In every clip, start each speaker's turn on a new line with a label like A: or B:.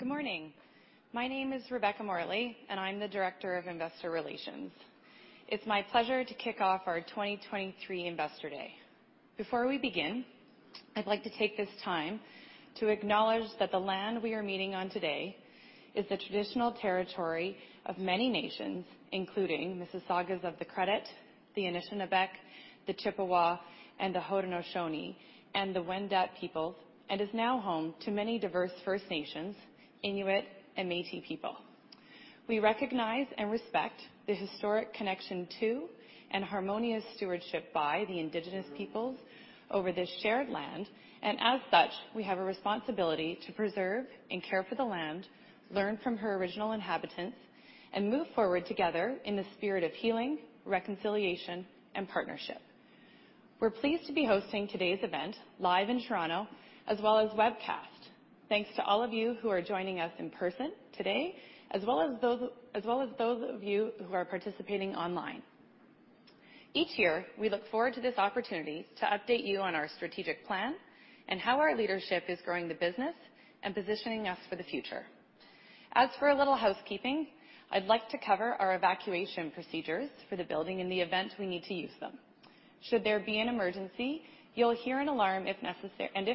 A: Good morning. My name is Rebecca Morley, and I'm the Director of Investor Relations. It's my pleasure to kick off our 2023 Investor Day. Before we begin, I'd like to take this time to acknowledge that the land we are meeting on today is the traditional territory of many nations, including Mississaugas of the Credit, the Anishinabek, the Chippewa, and the Haudenosaunee, and the Wendat peoples, and is now home to many diverse First Nations, Inuit and Métis people. We recognize and respect the historic connection to and harmonious stewardship by the Indigenous peoples over this shared land, and as such, we have a responsibility to preserve and care for the land, learn from her original inhabitants, and move forward together in the spirit of healing, reconciliation, and partnership. We're pleased to be hosting today's event live in Toronto as well as webcast. Thanks to all of you who are joining us in person today, as well as those of you who are participating online. Each year, we look forward to this opportunity to update you on our strategic plan and how our leadership is growing the business and positioning us for the future. As for a little housekeeping, I'd like to cover our evacuation procedures for the building in the event we need to use them. Should there be an emergency, you'll hear an alarm if necessary, and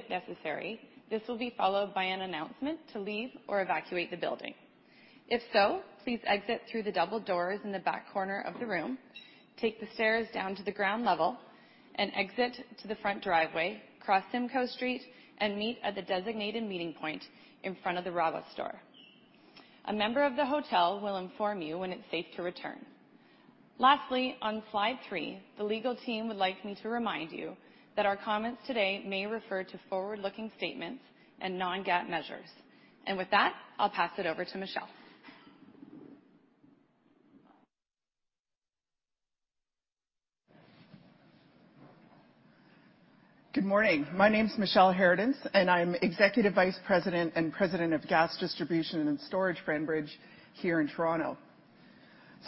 A: this will be followed by an announcement to leave or evacuate the building. If so, please exit through the double doors in the back corner of the room, take the stairs down to the ground level and exit to the front driveway, cross Simcoe Street and meet at the designated meeting point in front of the Rabba Store. A member of the hotel will inform you when it's safe to return. Lastly, on slide 3, the legal team would like me to remind you that our comments today may refer to forward-looking statements and non-GAAP measures. With that, I'll pass it over to Michelle.
B: Good morning. My name's Michele Harradence, I'm Executive Vice President and President of Gas Distribution and Storage for Enbridge here in Toronto.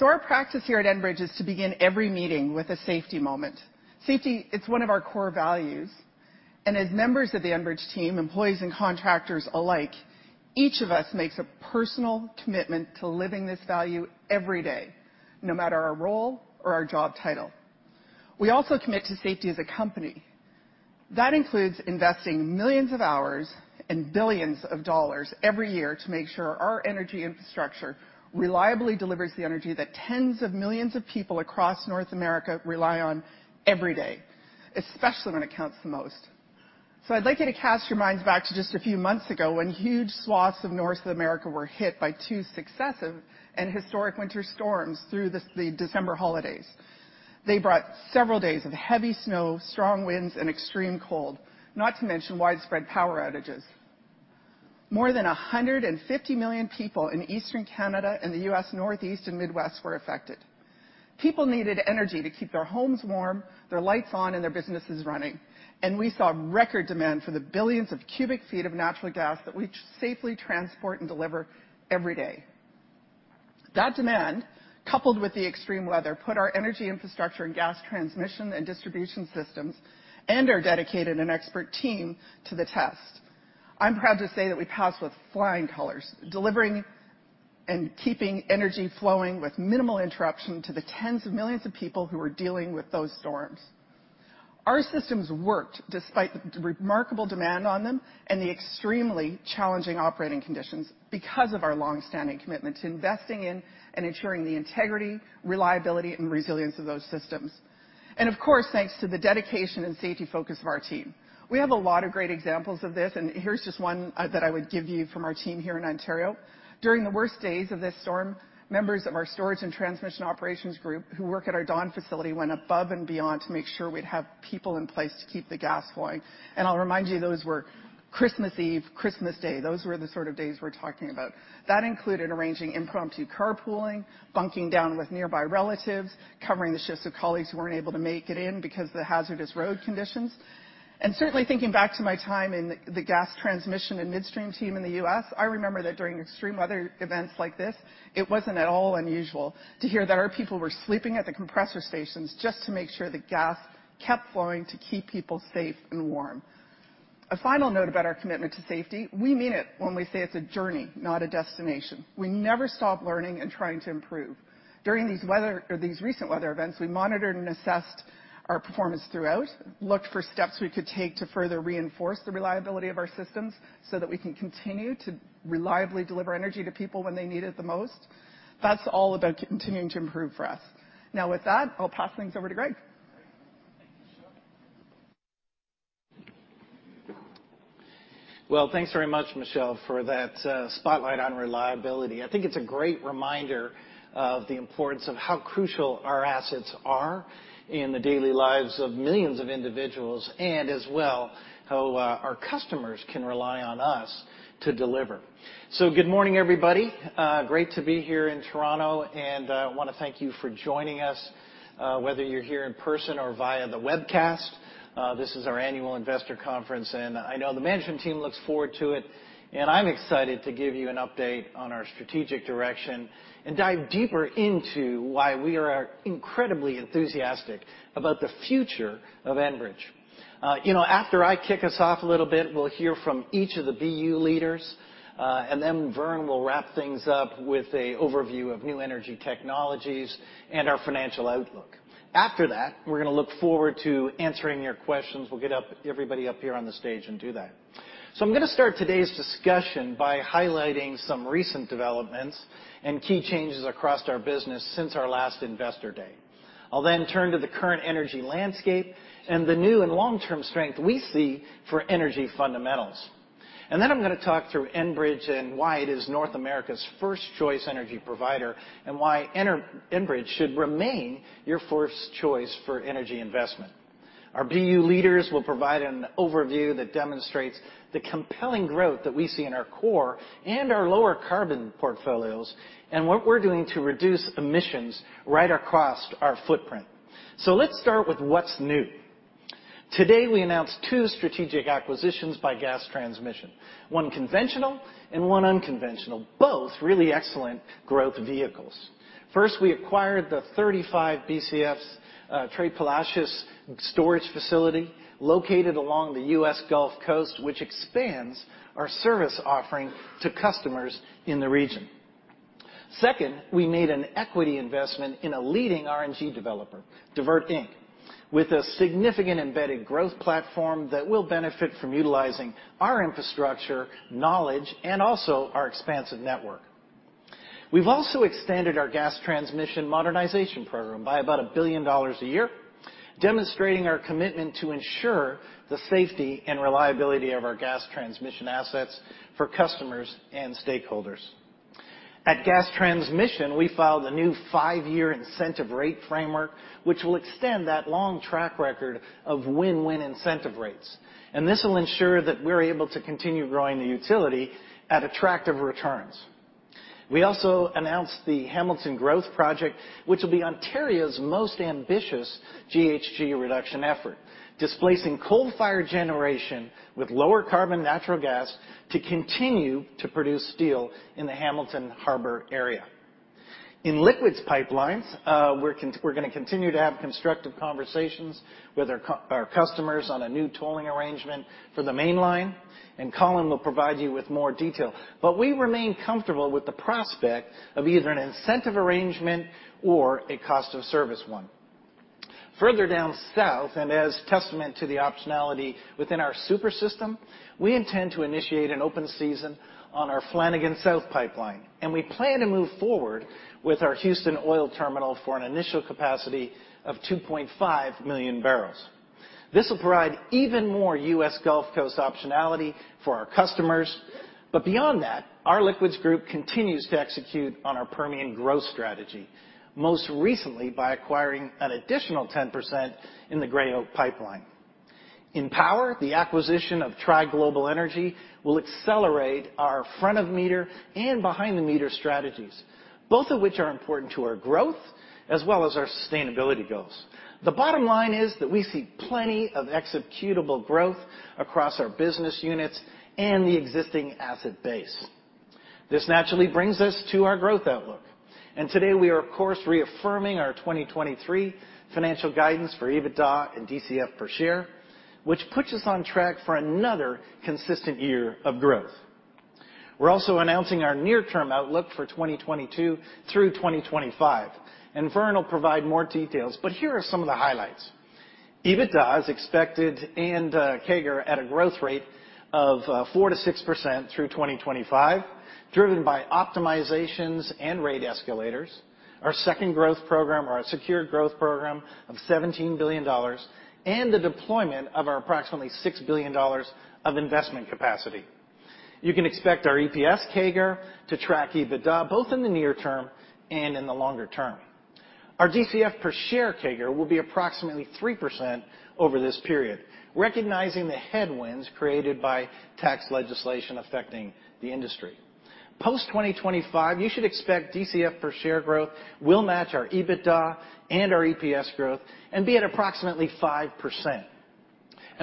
B: Our practice here at Enbridge is to begin every meeting with a safety moment. Safety, it's one of our core values. As members of the Enbridge team, employees and contractors alike, each of us makes a personal commitment to living this value every day, no matter our role or our job title. We also commit to safety as a company. That includes investing millions of hours and $ billions every year to make sure our energy infrastructure reliably delivers the energy that tens of millions of people across North America rely on every day, especially when it counts the most. I'd like you to cast your minds back to just a few months ago when huge swaths of North America were hit by two successive and historic winter storms through the December holidays. They brought several days of heavy snow, strong winds, and extreme cold, not to mention widespread power outages. More than 150 million people in Eastern Canada and the U.S. Northeast and Midwest were affected. People needed energy to keep their homes warm, their lights on, and their businesses running, and we saw record demand for the billions of cubic feet of natural gas that we safely transport and deliver every day. That demand, coupled with the extreme weather, put our energy infrastructure and gas transmission and distribution systems and our dedicated and expert team to the test. I'm proud to say that we passed with flying colors, delivering and keeping energy flowing with minimal interruption to the tens of millions of people who were dealing with those storms. Our systems worked despite the remarkable demand on them and the extremely challenging operating conditions because of our long-standing commitment to investing in and ensuring the integrity, reliability, and resilience of those systems. Of course, thanks to the dedication and safety focus of our team. We have a lot of great examples of this, and here's just one that I would give you from our team here in Ontario. During the worst days of this storm, members of our storage and transmission operations group who work at our Dawn facility went above and beyond to make sure we'd have people in place to keep the gas flowing. I'll remind you, those were Christmas Eve, Christmas Day. Those were the sort of days we're talking about. That included arranging impromptu carpooling, bunking down with nearby relatives, covering the shifts of colleagues who weren't able to make it in because the hazardous road conditions. Certainly, thinking back to my time in the gas transmission and midstream team in the U.S., I remember that during extreme weather events like this, it wasn't at all unusual to hear that our people were sleeping at the compressor stations just to make sure that gas kept flowing to keep people safe and warm. A final note about our commitment to safety, we mean it when we say it's a journey, not a destination. We never stop learning and trying to improve. During these recent weather events, we monitored and assessed our performance throughout, looked for steps we could take to further reinforce the reliability of our systems so that we can continue to reliably deliver energy to people when they need it the most. That's all about continuing to improve for us. With that, I'll pass things over to Greg.
A: Well, thanks very much, Michelle, for that spotlight on reliability. I think it's a great reminder of the importance of how crucial our assets are in the daily lives of millions of individuals and as well how our customers can rely on us to deliver. Good morning, everybody. Great to be here in Toronto, and wanna thank you for joining us, whether you're here in person or via the webcast. This is our annual investor conference, and I know the management team looks forward to it. I'm excited to give you an update on our strategic direction and dive deeper into why we are incredibly enthusiastic about the future of Enbridge.
C: You know, after I kick us off a little bit, we'll hear from each of the BU leaders. Vern will wrap things up with a overview of new energy technologies and our financial outlook. After that, we're gonna look forward to answering your questions. We'll get everybody up here on the stage and do that. I'm gonna start today's discussion by highlighting some recent developments and key changes across our business since our last Investor Day. I'll then turn to the current energy landscape and the new and long-term strength we see for energy fundamentals. I'm gonna talk through Enbridge and why it is North America's first choice energy provider, and why Enbridge should remain your first choice for energy investment. Our BU leaders will provide an overview that demonstrates the compelling growth that we see in our core and our lower carbon portfolios, and what we're doing to reduce emissions right across our footprint. Let's start with what's new. Today, we announced two strategic acquisitions by gas transmission, one conventional and one unconventional, both really excellent growth vehicles. First, we acquired the 35 BCFs, Tres Palacios storage facility located along the U.S. Gulf Coast, which expands our service offering to customers in the region. Second, we made an equity investment in a leading RNG developer, Divert Inc, with a significant embedded growth platform that will benefit from utilizing our infrastructure, knowledge, and also our expansive network. We've also extended our gas transmission modernization program by about 1 billion dollars a year, demonstrating our commitment to ensure the safety and reliability of our gas transmission assets for customers and stakeholders. At gas transmission, we filed a new five-year incentive rate framework, which will extend that long track record of win-win incentive rates. This will ensure that we're able to continue growing the utility at attractive returns. We also announced the Hamilton Growth Project, which will be Ontario's most ambitious GHG reduction effort, displacing coal-fired generation with lower carbon natural gas to continue to produce steel in the Hamilton Harbor area. In liquids pipelines, we're gonna continue to have constructive conversations with our customers on a new tolling arrangement for the Mainline. Colin will provide you with more detail. We remain comfortable with the prospect of either an incentive arrangement or a cost of service one. Further down south, and as testament to the optionality within our super system, we intend to initiate an open season on our Flanagan South pipeline, and we plan to move forward with our Houston Oil Terminal for an initial capacity of 2.5 million bbl. This will provide even more U.S. Gulf Coast optionality for our customers. Beyond that, our liquids group continues to execute on our Permian growth strategy, most recently by acquiring an additional 10% in the Gray Oak pipeline. In power, the acquisition of Tri Global Energy will accelerate our front-of-meter and behind-the-meter strategies, both of which are important to our growth as well as our sustainability goals. The bottom line is that we see plenty of executable growth across our business units and the existing asset base. This naturally brings us to our growth outlook. Today we are of course reaffirming our 2023 financial guidance for EBITDA and DCF per share, which puts us on track for another consistent year of growth. We're also announcing our near-term outlook for 2022 through 2025. Vern will provide more details, but here are some of the highlights. EBITDA is expected and CAGR at a growth rate of 4%-6% through 2025, driven by optimizations and rate escalators. Our second growth program or our secured growth program of 17 billion dollars and the deployment of our approximately 6 billion dollars of investment capacity. You can expect our EPS CAGR to track EBITDA both in the near term and in the longer term. Our DCF per share CAGR will be approximately 3% over this period, recognizing the headwinds created by tax legislation affecting the industry. Post-2025, you should expect DCF per share growth will match our EBITDA and our EPS growth and be at approximately 5%.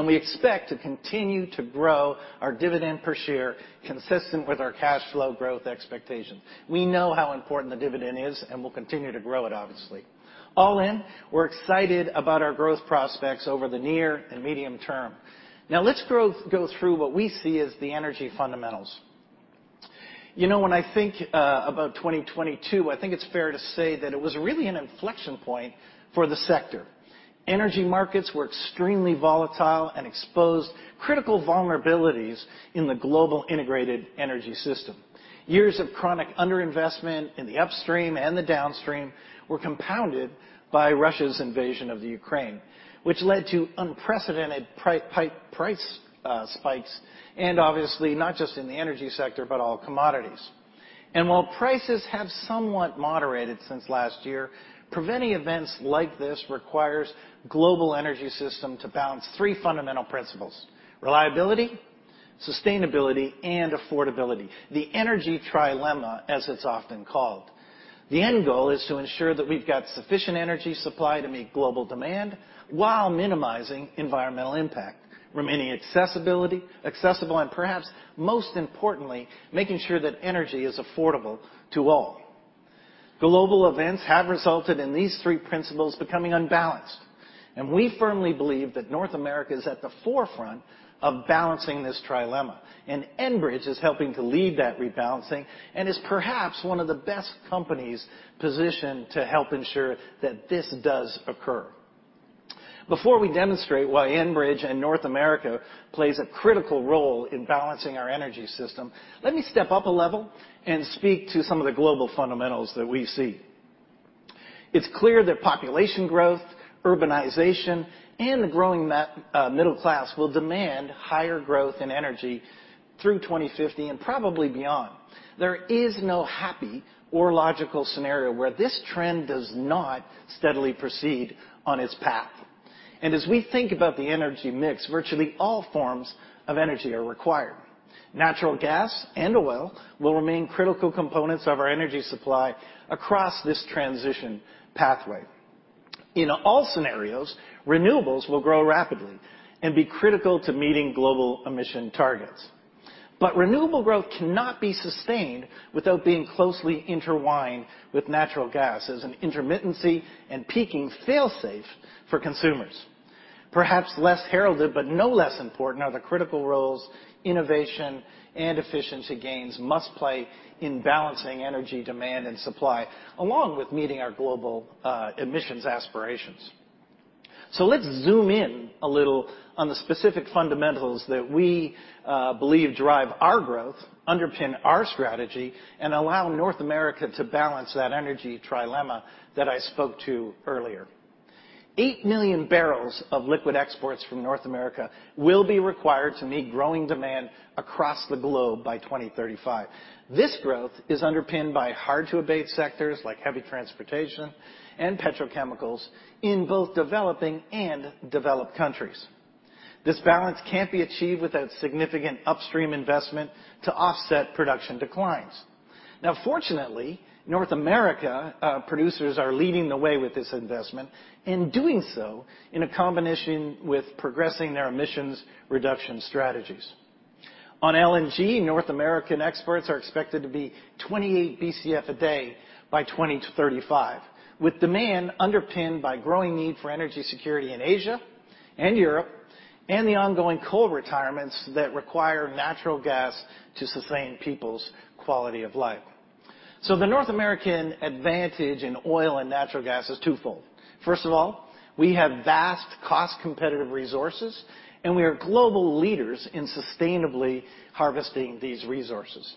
C: We expect to continue to grow our dividend per share consistent with our cash flow growth expectation. We know how important the dividend is, and we'll continue to grow it, obviously. All in, we're excited about our growth prospects over the near and medium term. Now, let's go through what we see as the energy fundamentals. You know, when I think about 2022, I think it's fair to say that it was really an inflection point for the sector. Energy markets were extremely volatile and exposed critical vulnerabilities in the global integrated energy system. Years of chronic under-investment in the upstream and the downstream were compounded by Russia's invasion of the Ukraine, which led to unprecedented price spikes. Obviously not just in the energy sector, but all commodities. While prices have somewhat moderated since last year, preventing events like this requires global energy system to balance three fundamental principles, reliability, sustainability, and affordability, the energy trilemma, as it's often called. The end goal is to ensure that we've got sufficient energy supply to meet global demand while minimizing environmental impact, remaining accessible, and perhaps most importantly, making sure that energy is affordable to all. Global events have resulted in these three principles becoming unbalanced. We firmly believe that North America is at the forefront of balancing this trilemma. Enbridge is helping to lead that rebalancing and is perhaps one of the best companies positioned to help ensure that this does occur. Before we demonstrate why Enbridge and North America plays a critical role in balancing our energy system, let me step up a level and speak to some of the global fundamentals that we see. It's clear that population growth, urbanization, and the growing middle class will demand higher growth in energy through 2050 and probably beyond. There is no happy or logical scenario where this trend does not steadily proceed on its path. As we think about the energy mix, virtually all forms of energy are required. Natural gas and oil will remain critical components of our energy supply across this transition pathway. In all scenarios, renewables will grow rapidly and be critical to meeting global emission targets. Renewable growth cannot be sustained without being closely intertwined with natural gas as an intermittency and peaking fail-safe for consumers. Perhaps less heralded but no less important are the critical roles innovation and efficiency gains must play in balancing energy demand and supply, along with meeting our global emissions aspirations. Let's zoom in a little on the specific fundamentals that we believe drive our growth, underpin our strategy, and allow North America to balance that energy trilemma that I spoke to earlier. 8 million bbl of liquid exports from North America will be required to meet growing demand across the globe by 2035. This growth is underpinned by hard-to-abate sectors like heavy transportation and petrochemicals in both developing and developed countries. This balance can't be achieved without significant upstream investment to offset production declines. Fortunately, North America producers are leading the way with this investment, and doing so in a combination with progressing their emissions reduction strategies. On LNG, North American exports are expected to be 28 BCF a day by 2035, with demand underpinned by growing need for energy security in Asia and Europe, and the ongoing coal retirements that require natural gas to sustain people's quality of life. The North American advantage in oil and natural gas is twofold. First of all, we have vast cost-competitive resources, and we are global leaders in sustainably harvesting these resources.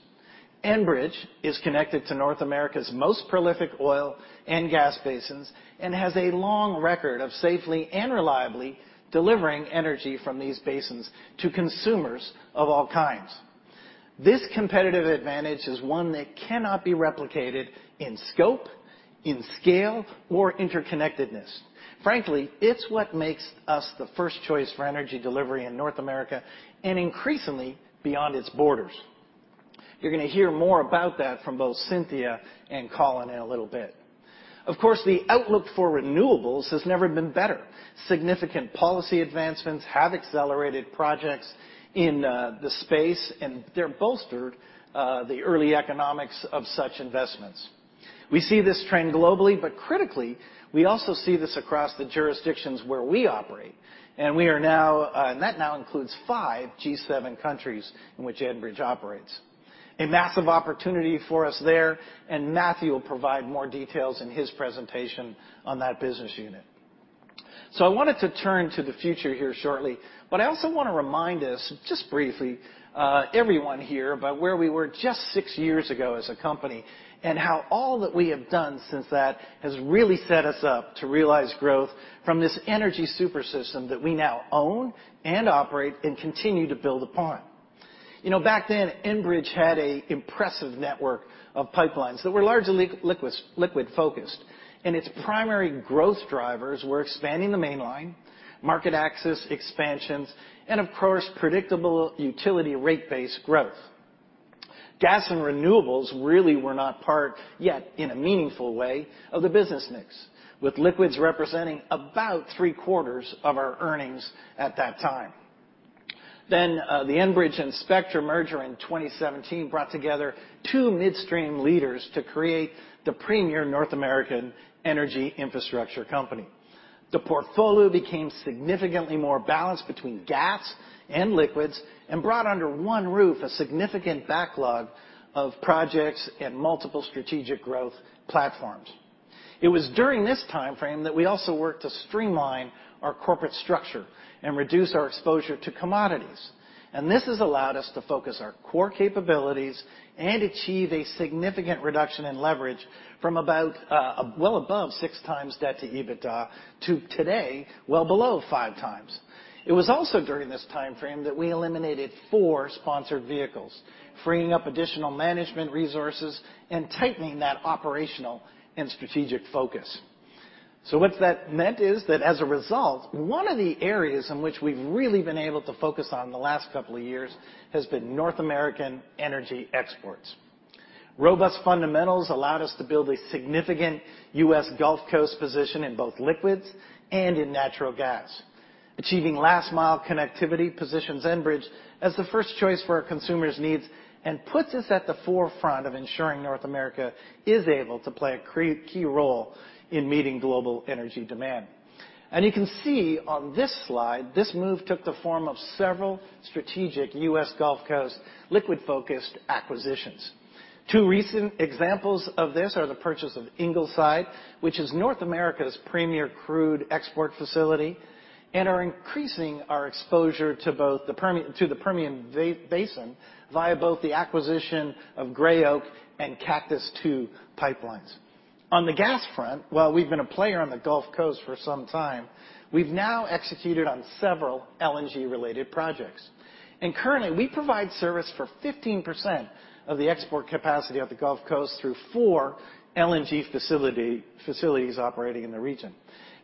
C: Enbridge is connected to North America's most prolific oil and gas basins and has a long record of safely and reliably delivering energy from these basins to consumers of all kinds. This competitive advantage is one that cannot be replicated in scope, in scale, or interconnectedness. Frankly, it's what makes us the first choice for energy delivery in North America and increasingly beyond its borders. You're gonna hear more about that from both Cynthia and Colin in a little bit. Of course, the outlook for renewables has never been better. Significant policy advancements have accelerated projects in the space, and they've bolstered the early economics of such investments. We see this trend globally, but critically, we also see this across the jurisdictions where we operate, and that now includes five G7 countries in which Enbridge operates. A massive opportunity for us there. Matthew will provide more details in his presentation on that business unit. I wanted to turn to the future here shortly, but I also wanna remind us, just briefly, everyone here about where we were just six years ago as a company and how all that we have done since that has really set us up to realize growth from this energy super system that we now own and operate and continue to build upon. You know back then, Enbridge had a impressive network of pipelines that were largely liquid-focused, and its primary growth drivers were expanding the Mainline, market access expansions, and of course, predictable utility rate-based growth. Gas and renewables really were not part yet in a meaningful way of the business mix, with liquids representing about three-quarters of our earnings at that time. The Enbridge and Spectra merger in 2017 brought together two midstream leaders to create the premier North American energy infrastructure company. The portfolio became significantly more balanced between gas and liquids and brought under one roof a significant backlog of projects and multiple strategic growth platforms. It was during this timeframe that we also worked to streamline our corporate structure and reduce our exposure to commodities. This has allowed us to focus our core capabilities and achieve a significant reduction in leverage from about well above 6x debt-to-EBITDA to today, well below 5x. It was also during this timeframe that we eliminated four sponsored vehicles, freeing up additional management resources and tightening that operational and strategic focus. What's that meant is that as a result, one of the areas in which we've really been able to focus on the last couple of years has been North American energy exports. Robust fundamentals allowed us to build a significant U.S. Gulf Coast position in both liquids and in natural gas. Achieving last mile connectivity positions Enbridge as the first choice for our consumers' needs and puts us at the forefront of ensuring North America is able to play a key role in meeting global energy demand. You can see on this slide, this move took the form of several strategic U.S. Gulf Coast liquid-focused acquisitions. Two recent examples of this are the purchase of Ingleside, which is North America's premier crude export facility, and are increasing our exposure to both the Permian basin via both the acquisition of Gray Oak and Cactus II pipelines. On the gas front, while we've been a player on the Gulf Coast for some time, we've now executed on several LNG-related projects. Currently, we provide service for 15% of the export capacity of the Gulf Coast through 4 LNG facilities operating in the region.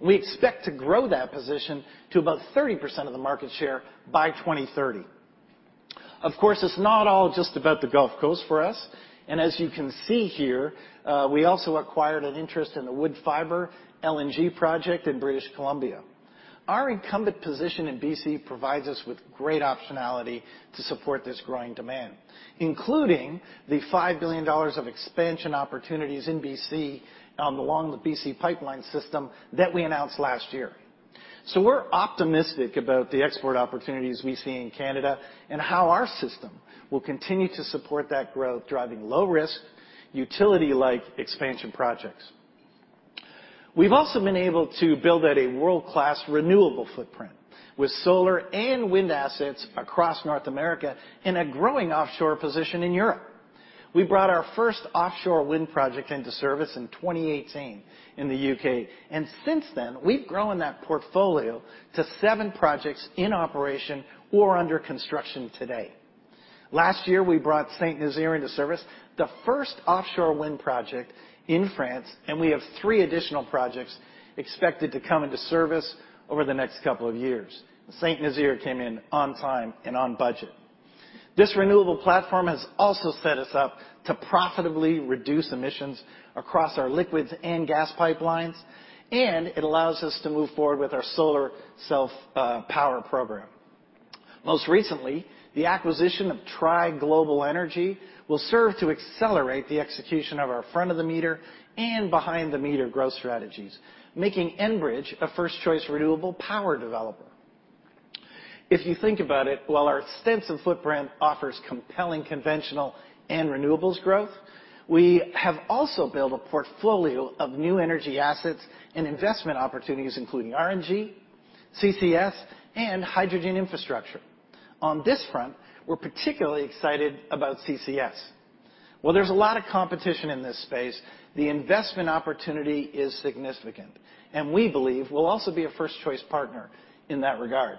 C: We expect to grow that position to about 30% of the market share by 2030. Of course, it's not all just about the Gulf Coast for us, as you can see here, we also acquired an interest in the Woodfibre LNG project in British Columbia. Our incumbent position in BC provides us with great optionality to support this growing demand, including the $5 billion of expansion opportunities in BC, along the BC Pipeline system that we announced last year. We're optimistic about the export opportunities we see in Canada and how our system will continue to support that growth, driving low risk, utility-like expansion projects. We've also been able to build out a world-class renewable footprint with solar and wind assets across North America and a growing offshore position in Europe. We brought our first offshore wind project into service in 2018 in the U.K. Since then, we've grown that portfolio to seven projects in operation or under construction today. Last year, we brought Saint-Nazaire into service, the first offshore wind project in France. We have 3 additional projects expected to come into service over the next couple of years. Saint-Nazaire came in on time and on budget. This renewable platform has also set us up to profitably reduce emissions across our liquids and gas pipelines. It allows us to move forward with our solar self-power program. Most recently, the acquisition of Tri Global Energy will serve to accelerate the execution of our front-of-the-meter and behind-the-meter growth strategies, making Enbridge a first-choice renewable power developer. If you think about it, while our extensive footprint offers compelling conventional and renewables growth, we have also built a portfolio of new energy assets and investment opportunities, including RNG, CCS, and hydrogen infrastructure. On this front, we're particularly excited about CCS. While there's a lot of competition in this space, the investment opportunity is significant. We believe we'll also be a first-choice partner in that regard.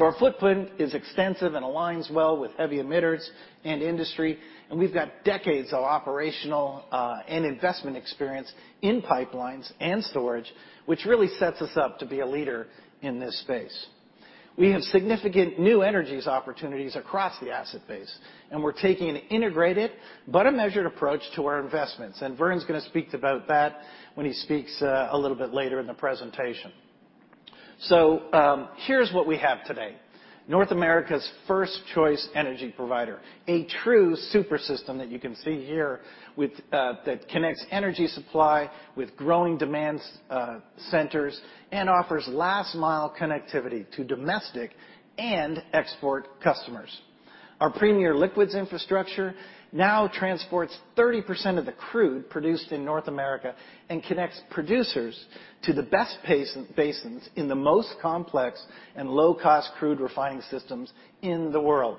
C: Our footprint is extensive and aligns well with heavy emitters and industry, and we've got decades of operational and investment experience in pipelines and storage, which really sets us up to be a leader in this space. We have significant new energies opportunities across the asset base, and we're taking an integrated but a measured approach to our investments, and Vern's gonna speak about that when he speaks a little bit later in the presentation. Here's what we have today. North America's first-choice energy provider, a true super system that you can see here with that connects energy supply with growing demands centers and offers last-mile connectivity to domestic and export customers. Our premier liquids infrastructure now transports 30% of the crude produced in North America and connects producers to the best basins in the most complex and low-cost crude refining systems in the world.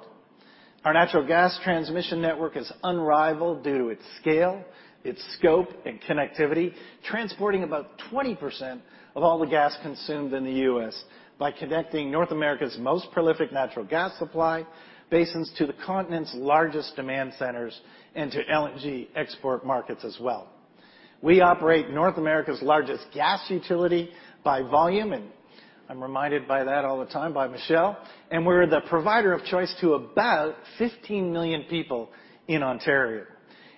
C: Our natural gas transmission network is unrivaled due to its scale, its scope, and connectivity, transporting about 20% of all the gas consumed in the U.S. by connecting North America's most prolific natural gas supply basins to the continent's largest demand centers and to LNG export markets as well. We operate North America's largest gas utility by volume, and I'm reminded by that all the time by Michele, and we're the provider of choice to about 15 million people in Ontario.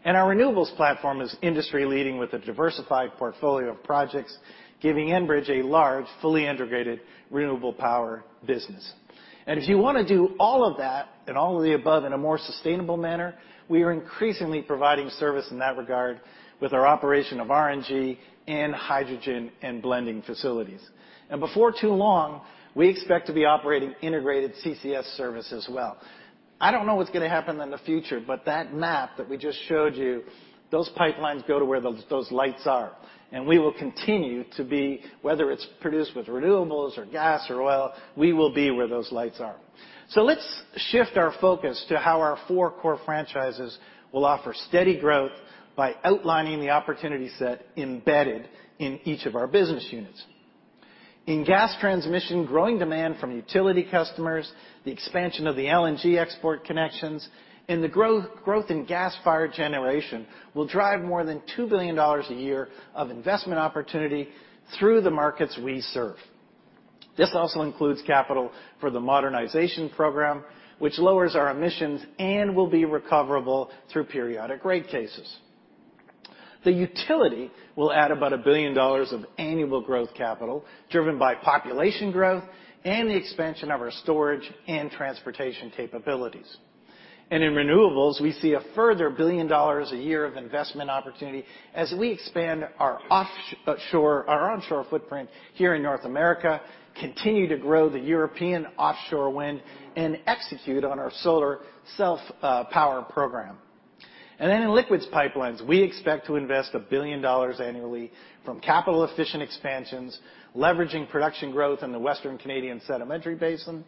C: Our renewables platform is industry-leading with a diversified portfolio of projects, giving Enbridge a large, fully integrated renewable power business. If you wanna do all of that and all of the above in a more sustainable manner, we are increasingly providing service in that regard with our operation of RNG and hydrogen and blending facilities. Before too long, we expect to be operating integrated CCS service as well. I don't know what's gonna happen in the future, but that map that we just showed you, those pipelines go to where those lights are, and we will continue to be, whether it's produced with renewables or gas or oil, we will be where those lights are. Let's shift our focus to how our four core franchises will offer steady growth by outlining the opportunity set embedded in each of our business units. In gas transmission, growing demand from utility customers, the expansion of the LNG export connections, and the growth in gas-fired generation will drive more than $2 billion a year of investment opportunity through the markets we serve. This also includes capital for the modernization program, which lowers our emissions and will be recoverable through periodic rate cases. The utility will add about $1 billion of annual growth capital driven by population growth and the expansion of our storage and transportation capabilities. In renewables, we see a further $1 billion a year of investment opportunity as we expand our onshore footprint here in North America, continue to grow the European offshore wind, and execute on our solar self power program. In liquids pipelines, we expect to invest $1 billion annually from capital-efficient expansions, leveraging production growth in the Western Canadian Sedimentary Basin,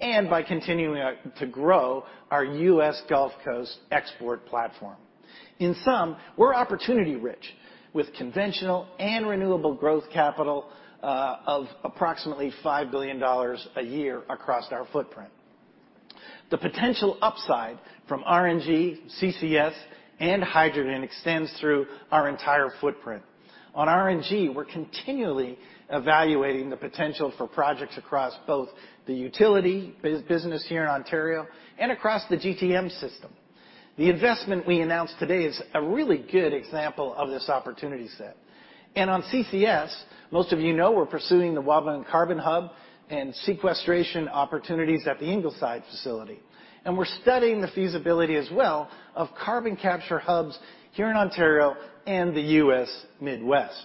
C: and by continuing to grow our U.S. Gulf Coast export platform. In sum, we're opportunity rich with conventional and renewable growth capital of approximately $5 billion a year across our footprint. The potential upside from RNG, CCS, and hydrogen extends through our entire footprint. On RNG, we're continually evaluating the potential for projects across both the utility business here in Ontario and across the GTM system. The investment we announced today is a really good example of this opportunity set. On CCS, most of you know we're pursuing the Wabamun Carbon Hub and sequestration opportunities at the Ingleside facility, and we're studying the feasibility as well of carbon capture hubs here in Ontario and the U.S. Midwest.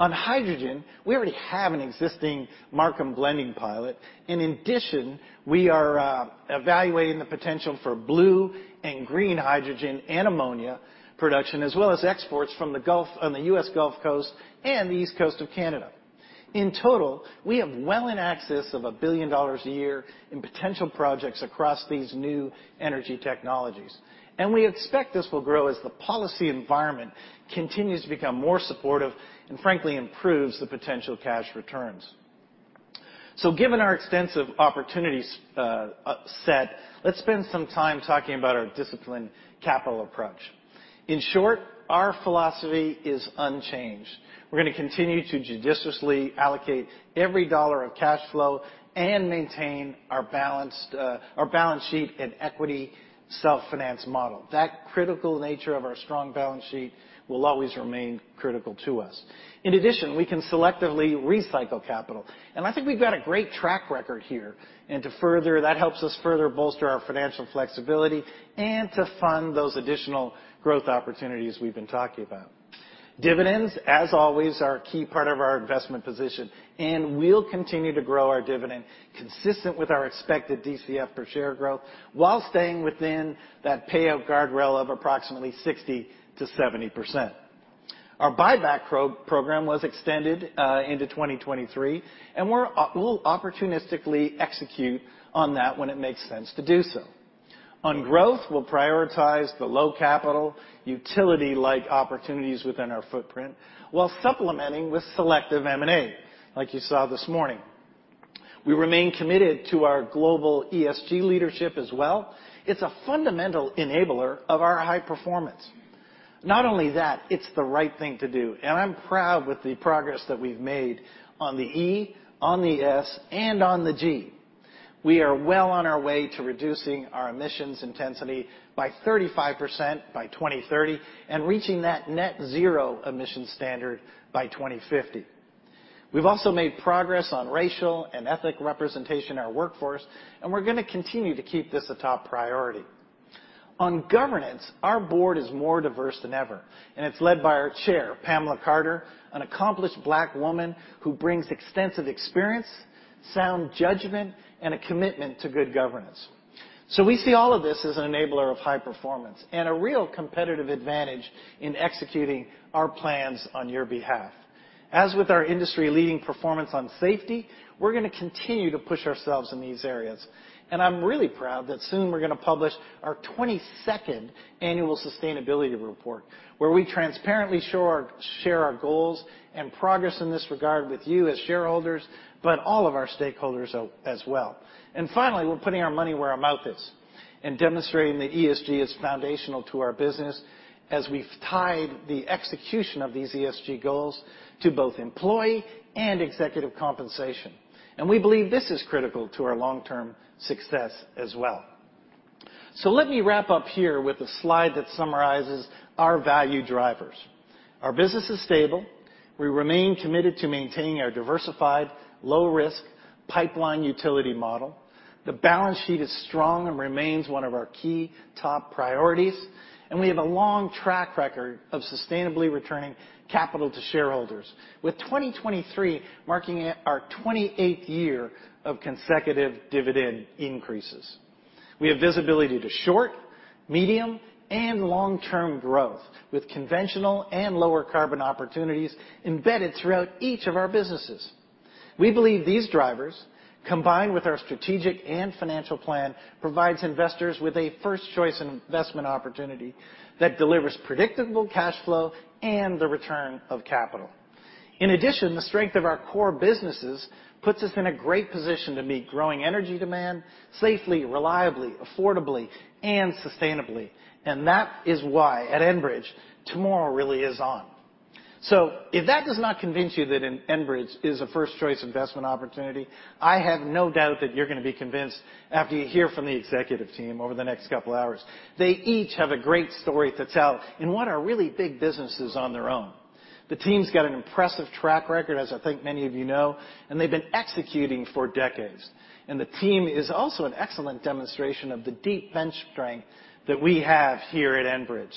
C: On hydrogen, we already have an existing Markham blending pilot, and in addition, we are evaluating the potential for blue and green hydrogen and ammonia production, as well as exports from the U.S. Gulf Coast and the East Coast of Canada. In total, we have well in excess of $1 billion a year in potential projects across these new energy technologies. We expect this will grow as the policy environment continues to become more supportive and frankly improves the potential cash returns. Given our extensive opportunities set, let's spend some time talking about our disciplined capital approach. In short, our philosophy is unchanged. We're gonna continue to judiciously allocate every dollar of cash flow and maintain our balanced balance sheet and equity self-finance model. That critical nature of our strong balance sheet will always remain critical to us. In addition, we can selectively recycle capital, and I think we've got a great track record here. That helps us further bolster our financial flexibility and to fund those additional growth opportunities we've been talking about. Dividends, as always, are a key part of our investment position, and we'll continue to grow our dividend consistent with our expected DCF per share growth while staying within that payout guardrail of approximately 60%-70%. Our buyback program was extended into 2023, we'll opportunistically execute on that when it makes sense to do so. On growth, we'll prioritize the low capital utility-like opportunities within our footprint while supplementing with selective M&A, like you saw this morning. We remain committed to our global ESG leadership as well. It's a fundamental enabler of our high performance. Not only that, it's the right thing to do, and I'm proud with the progress that we've made on the E, on the S, and on the G. We are well on our way to reducing our emissions intensity by 35% by 2030 and reaching that net zero emission standard by 2050. We've also made progress on racial and ethnic representation in our workforce, and we're going to continue to keep this a top priority. On governance, our board is more diverse than ever, and it's led by our Chair, Pamela Carter, an accomplished Black woman who brings extensive experience, sound judgment, and a commitment to good governance. We see all of this as an enabler of high performance and a real competitive advantage in executing our plans on your behalf. As with our industry-leading performance on safety, we're gonna continue to push ourselves in these areas. I'm really proud that soon we're gonna publish our 22nd annual sustainability report, where we transparently share our goals and progress in this regard with you as shareholders, but all of our stakeholders as well. Finally, we're putting our money where our mouth is and demonstrating that ESG is foundational to our business as we've tied the execution of these ESG goals to both employee and executive compensation. We believe this is critical to our long-term success as well. Let me wrap up here with a slide that summarizes our value drivers. Our business is stable. We remain committed to maintaining our diversified, low-risk pipeline utility model. The balance sheet is strong and remains one of our key top priorities. We have a long track record of sustainably returning capital to shareholders, with 2023 marking our 28th year of consecutive dividend increases. We have visibility to short, medium, and long-term growth with conventional and lower carbon opportunities embedded throughout each of our businesses. We believe these drivers, combined with our strategic and financial plan, provides investors with a first-choice investment opportunity that delivers predictable cash flow and the return of capital. In addition, the strength of our core businesses puts us in a great position to meet growing energy demand safely, reliably, affordably, and sustainably. That is why, at Enbridge, Tomorrow is on. If that does not convince you that Enbridge is a first-choice investment opportunity, I have no doubt that you're gonna be convinced after you hear from the executive team over the next couple hours. They each have a great story to tell in what are really big businesses on their own. The team's got an impressive track record, as I think many of you know, and they've been executing for decades. The team is also an excellent demonstration of the deep bench strength that we have here at Enbridge.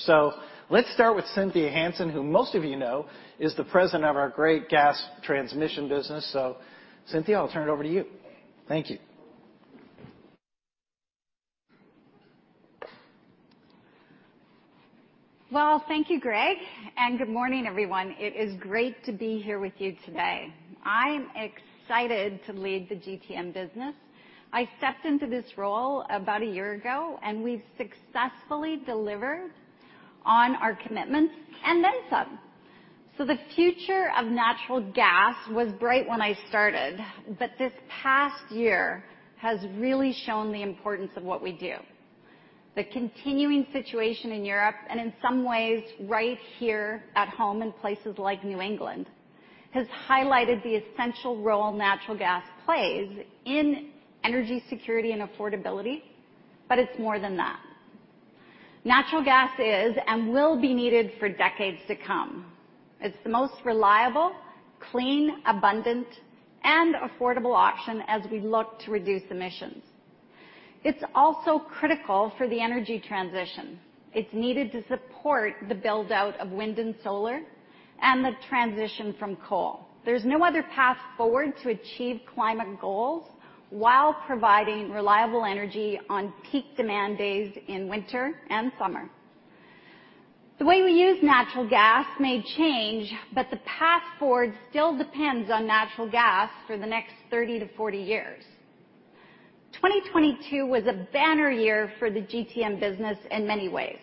C: Let's start with Cynthia Hansen, who most of you know is the President of our great gas transmission business. Cynthia, I'll turn it over to you. Thank you.
D: Thank you, Greg, and good morning, everyone. It is great to be here with you today. I'm excited to lead the GTM business. I stepped into this role about a year ago, and we've successfully delivered on our commitments and then some. The future of natural gas was bright when I started, but this past year has really shown the importance of what we do. The continuing situation in Europe, and in some ways right here at home in places like New England, has highlighted the essential role natural gas plays in energy security and affordability, it's more than that. Natural gas is and will be needed for decades to come. It's the most reliable, clean, abundant, and affordable option as we look to reduce emissions. It's also critical for the energy transition. It's needed to support the build-out of wind and solar and the transition from coal. There's no other path forward to achieve climate goals while providing reliable energy on peak demand days in winter and summer. The way we use natural gas may change, the path forward still depends on natural gas for the next 30 to 40 years. 2022 was a banner year for the GTM business in many ways.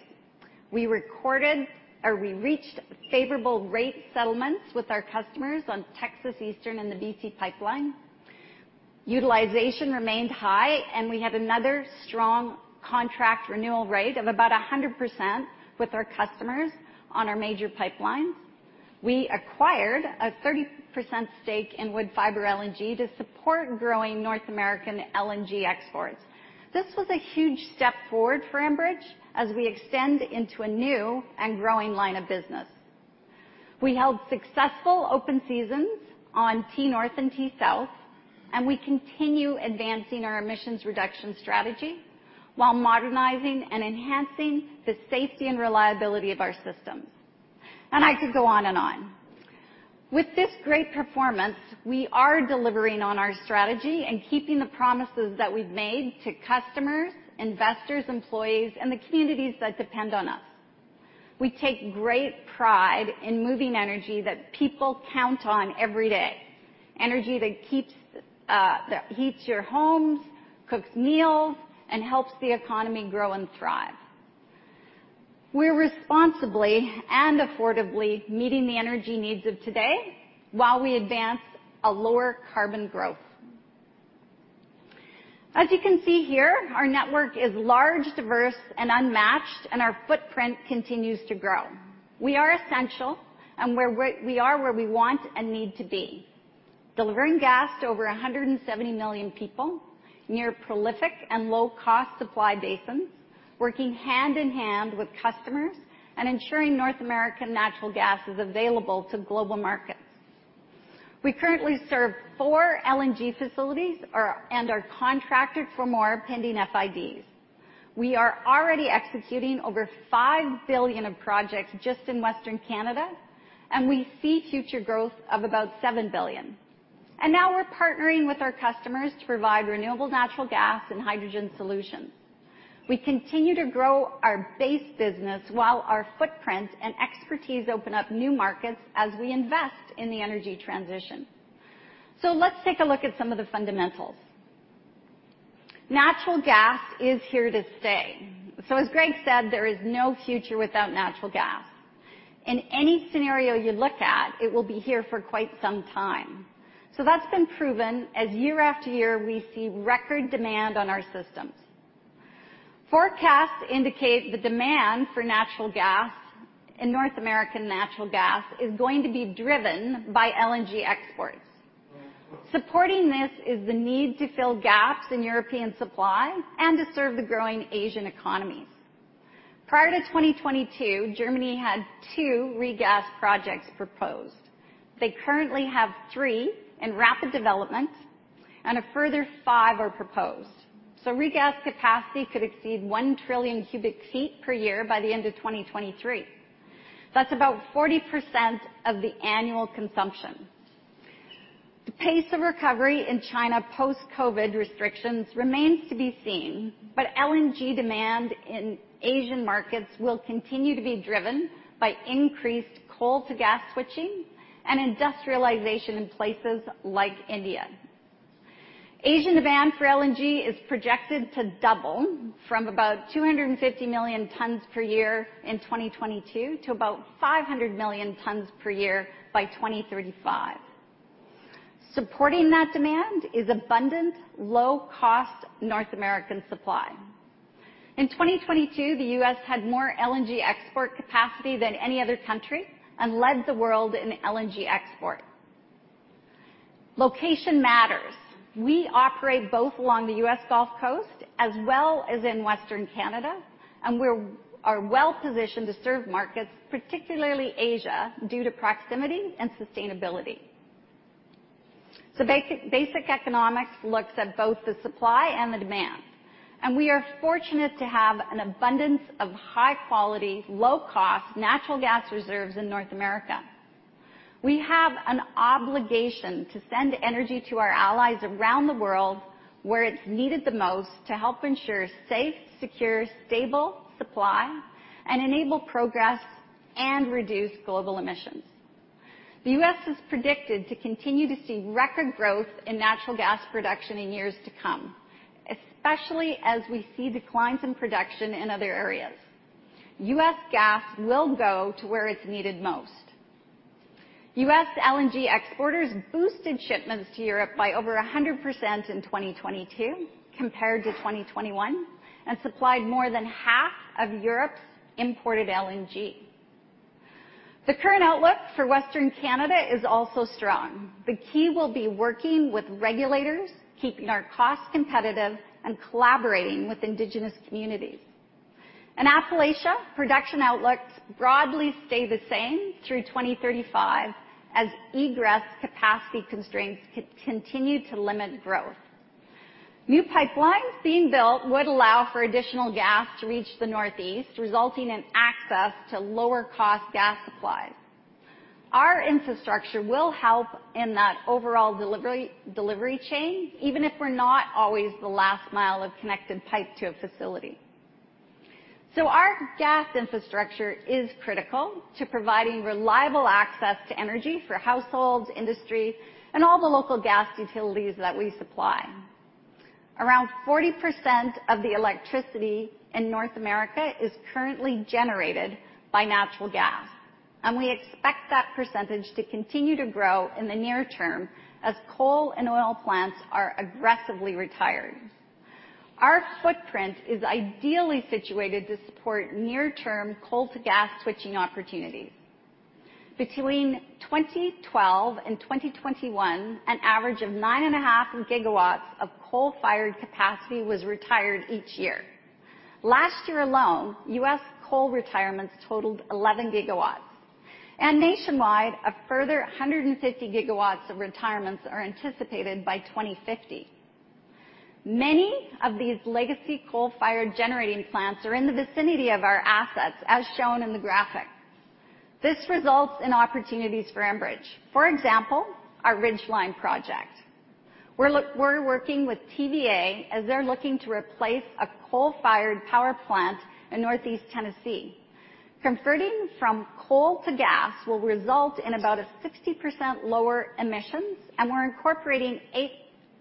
D: We reached favorable rate settlements with our customers on Texas Eastern and the BC Pipeline. Utilization remained high, we had another strong contract renewal rate of about 100% with our customers on our major pipelines. We acquired a 30% stake in Woodfibre LNG to support growing North American LNG exports. This was a huge step forward for Enbridge as we extend into a new and growing line of business. We held successful open seasons on T North and T South. We continue advancing our emissions reduction strategy while modernizing and enhancing the safety and reliability of our systems. I could go on and on. With this great performance, we are delivering on our strategy and keeping the promises that we've made to customers, investors, employees, and the communities that depend on us. We take great pride in moving energy that people count on every day, energy that keeps that heats your homes, cooks meals, and helps the economy grow and thrive. We're responsibly and affordably meeting the energy needs of today while we advance a lower carbon growth. As you can see here, our network is large, diverse, and unmatched, and our footprint continues to grow. We are essential, and we are where we want and need to be. Delivering gas to over 170 million people, near prolific and low-cost supply basins, working hand-in-hand with customers, and ensuring North American natural gas is available to global markets. We currently serve four LNG facilities and are contracted for more pending FIDs. We are already executing over $5 billion of projects just in Western Canada, and we see future growth of about $7 billion. Now we're partnering with our customers to provide renewable natural gas and hydrogen solutions. We continue to grow our base business while our footprint and expertise open up new markets as we invest in the energy transition. Let's take a look at some of the fundamentals. Natural gas is here to stay, so as Greg said, there is no future without natural gas. In any scenario you look at, it will be here for quite some time. That's been proven as year-after-year, we see record demand on our systems. Forecasts indicate the demand for natural gas and North American natural gas is going to be driven by LNG exports. Supporting this is the need to fill gaps in European supply and to serve the growing Asian economies. Prior to 2022, Germany had 2 regas projects proposed. They currently have 3 in rapid development, and a further 5 are proposed. Regas capacity could exceed 1 trillion cu ft per year by the end of 2023. That's about 40% of the annual consumption. The pace of recovery in China post-COVID restrictions remains to be seen, but LNG demand in Asian markets will continue to be driven by increased coal to gas switching and industrialization in places like India. Asian demand for LNG is projected to double from about 250 million tons per year in 2022 to about 500 million tons per year by 2035. Supporting that demand is abundant, low-cost North American supply. In 2022, the U.S. had more LNG export capacity than any other country and led the world in LNG export. Location matters. We operate both along the U.S. Gulf Coast as well as in Western Canada, we are well-positioned to serve markets, particularly Asia, due to proximity and sustainability. Basic, basic economics looks at both the supply and the demand, we are fortunate to have an abundance of high-quality, low-cost natural gas reserves in North America. We have an obligation to send energy to our allies around the world where it's needed the most to help ensure safe, secure, stable supply and enable progress and reduce global emissions. The U.S. is predicted to continue to see record growth in natural gas production in years to come, especially as we see declines in production in other areas. U.S. gas will go to where it's needed most. U.S. LNG exporters boosted shipments to Europe by over 100% in 2022 compared to 2021 and supplied more than half of Europe's imported LNG. The current outlook for Western Canada is also strong. The key will be working with regulators, keeping our costs competitive, and collaborating with Indigenous communities. In Appalachia, production outlooks broadly stay the same through 2035 as egress capacity constraints continue to limit growth. New pipelines being built would allow for additional gas to reach the Northeast, resulting in access to lower-cost gas supplies. Our infrastructure will help in that overall delivery chain, even if we're not always the last mile of connected pipe to a facility. Our gas infrastructure is critical to providing reliable access to energy for households, industry, and all the local gas utilities that we supply. Around 40% of the electricity in North America is currently generated by natural gas, and we expect that percentage to continue to grow in the near term as coal and oil plants are aggressively retired. Our footprint is ideally situated to support near-term coal-to-gas switching opportunities. Between 2012 and 2021, an average of 9.5 GWs of coal-fired capacity was retired each year. Last year alone, U.S. coal retirements totaled 11 GWs, and nationwide, a further 150 GW of retirements are anticipated by 2050. Many of these legacy coal-fired generating plants are in the vicinity of our assets, as shown in the graphic. This results in opportunities for Enbridge. For example, our Ridgeline project. We're working with TVA as they're looking to replace a coal-fired power plant in Northeast Tennessee. Converting from coal to gas will result in about a 60% lower emissions, and we're incorporating 8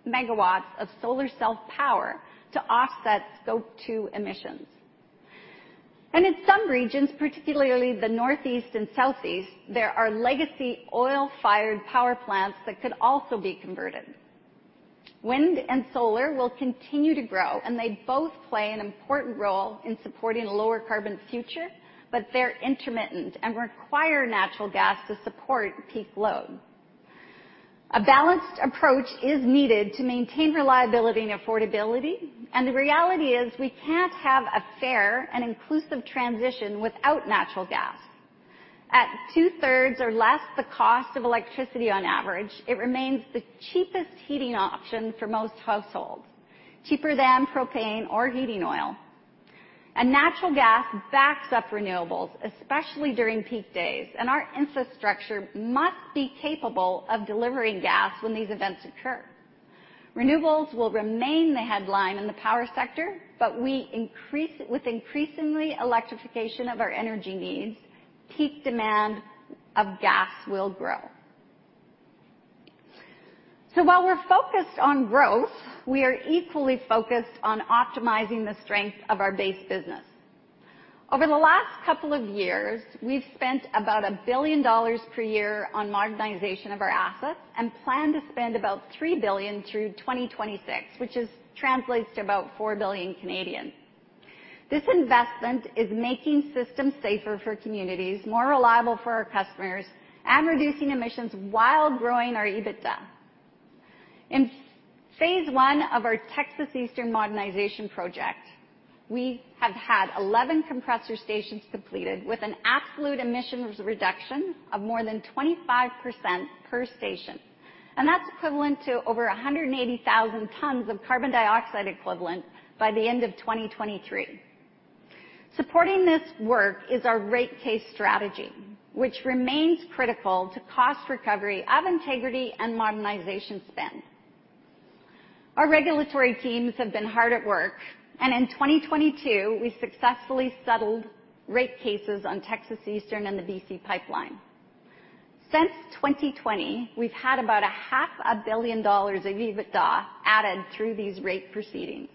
D: MW of solar cell power to offset Scope 2 emissions. In some regions, particularly the Northeast and Southeast, there are legacy oil-fired power plants that could also be converted. Wind and solar will continue to grow, and they both play an important role in supporting a lower carbon future, but they're intermittent and require natural gas to support peak load. A balanced approach is needed to maintain reliability and affordability, and the reality is we can't have a fair and inclusive transition without natural gas. At two-thirds or less the cost of electricity on average, it remains the cheapest heating option for most households, cheaper than propane or heating oil. Natural gas backs up renewables, especially during peak days, and our infrastructure must be capable of delivering gas when these events occur. Renewables will remain the headline in the power sector, but with increasingly electrification of our energy needs, peak demand of gas will grow. While we're focused on growth, we are equally focused on optimizing the strength of our base business. Over the last couple of years, we've spent about $1 billion per year on modernization of our assets and plan to spend about $3 billion through 2026, which translates to about 4 billion. This investment is making systems safer for communities, more reliable for our customers, and reducing emissions while growing our EBITDA. In Phase 1 of our Texas Eastern Modernization Project, we have had 11 compressor stations completed with an absolute emissions reduction of more than 25% per station, and that's equivalent to over 180,000 tons of carbon dioxide equivalent by the end of 2023. Supporting this work is our rate case strategy, which remains critical to cost recovery of integrity and modernization spend. Our regulatory teams have been hard at work, and in 2022, we successfully settled rate cases on Texas Eastern and the BC Pipeline. Since 2020, we've had about a half a billion dollars of EBITDA added through these rate proceedings.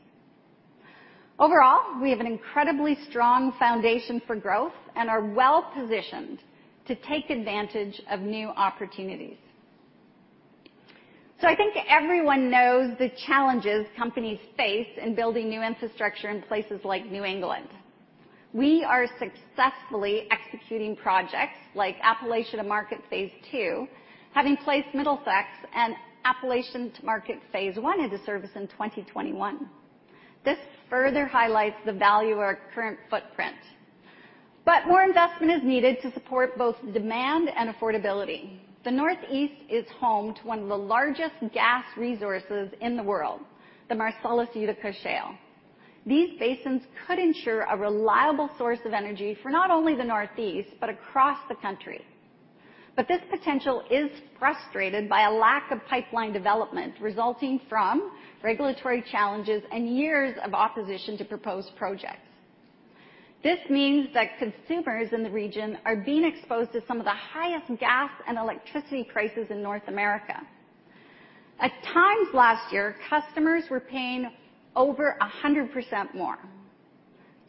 D: Overall, we have an incredibly strong foundation for growth and are well-positioned to take advantage of new opportunities. I think everyone knows the challenges companies face in building new infrastructure in places like New England. We are successfully executing projects like Appalachia to Market Phase Two, having placed Middlesex and Appalachia to Market Phase One into service in 2021. This further highlights the value of our current footprint. More investment is needed to support both demand and affordability. The Northeast is home to one of the largest gas resources in the world, the Marcellus Utica Shale. These basins could ensure a reliable source of energy for not only the Northeast but across the country. This potential is frustrated by a lack of pipeline development resulting from regulatory challenges and years of opposition to proposed projects. This means that consumers in the region are being exposed to some of the highest gas and electricity prices in North America. At times last year, customers were paying over 100% more.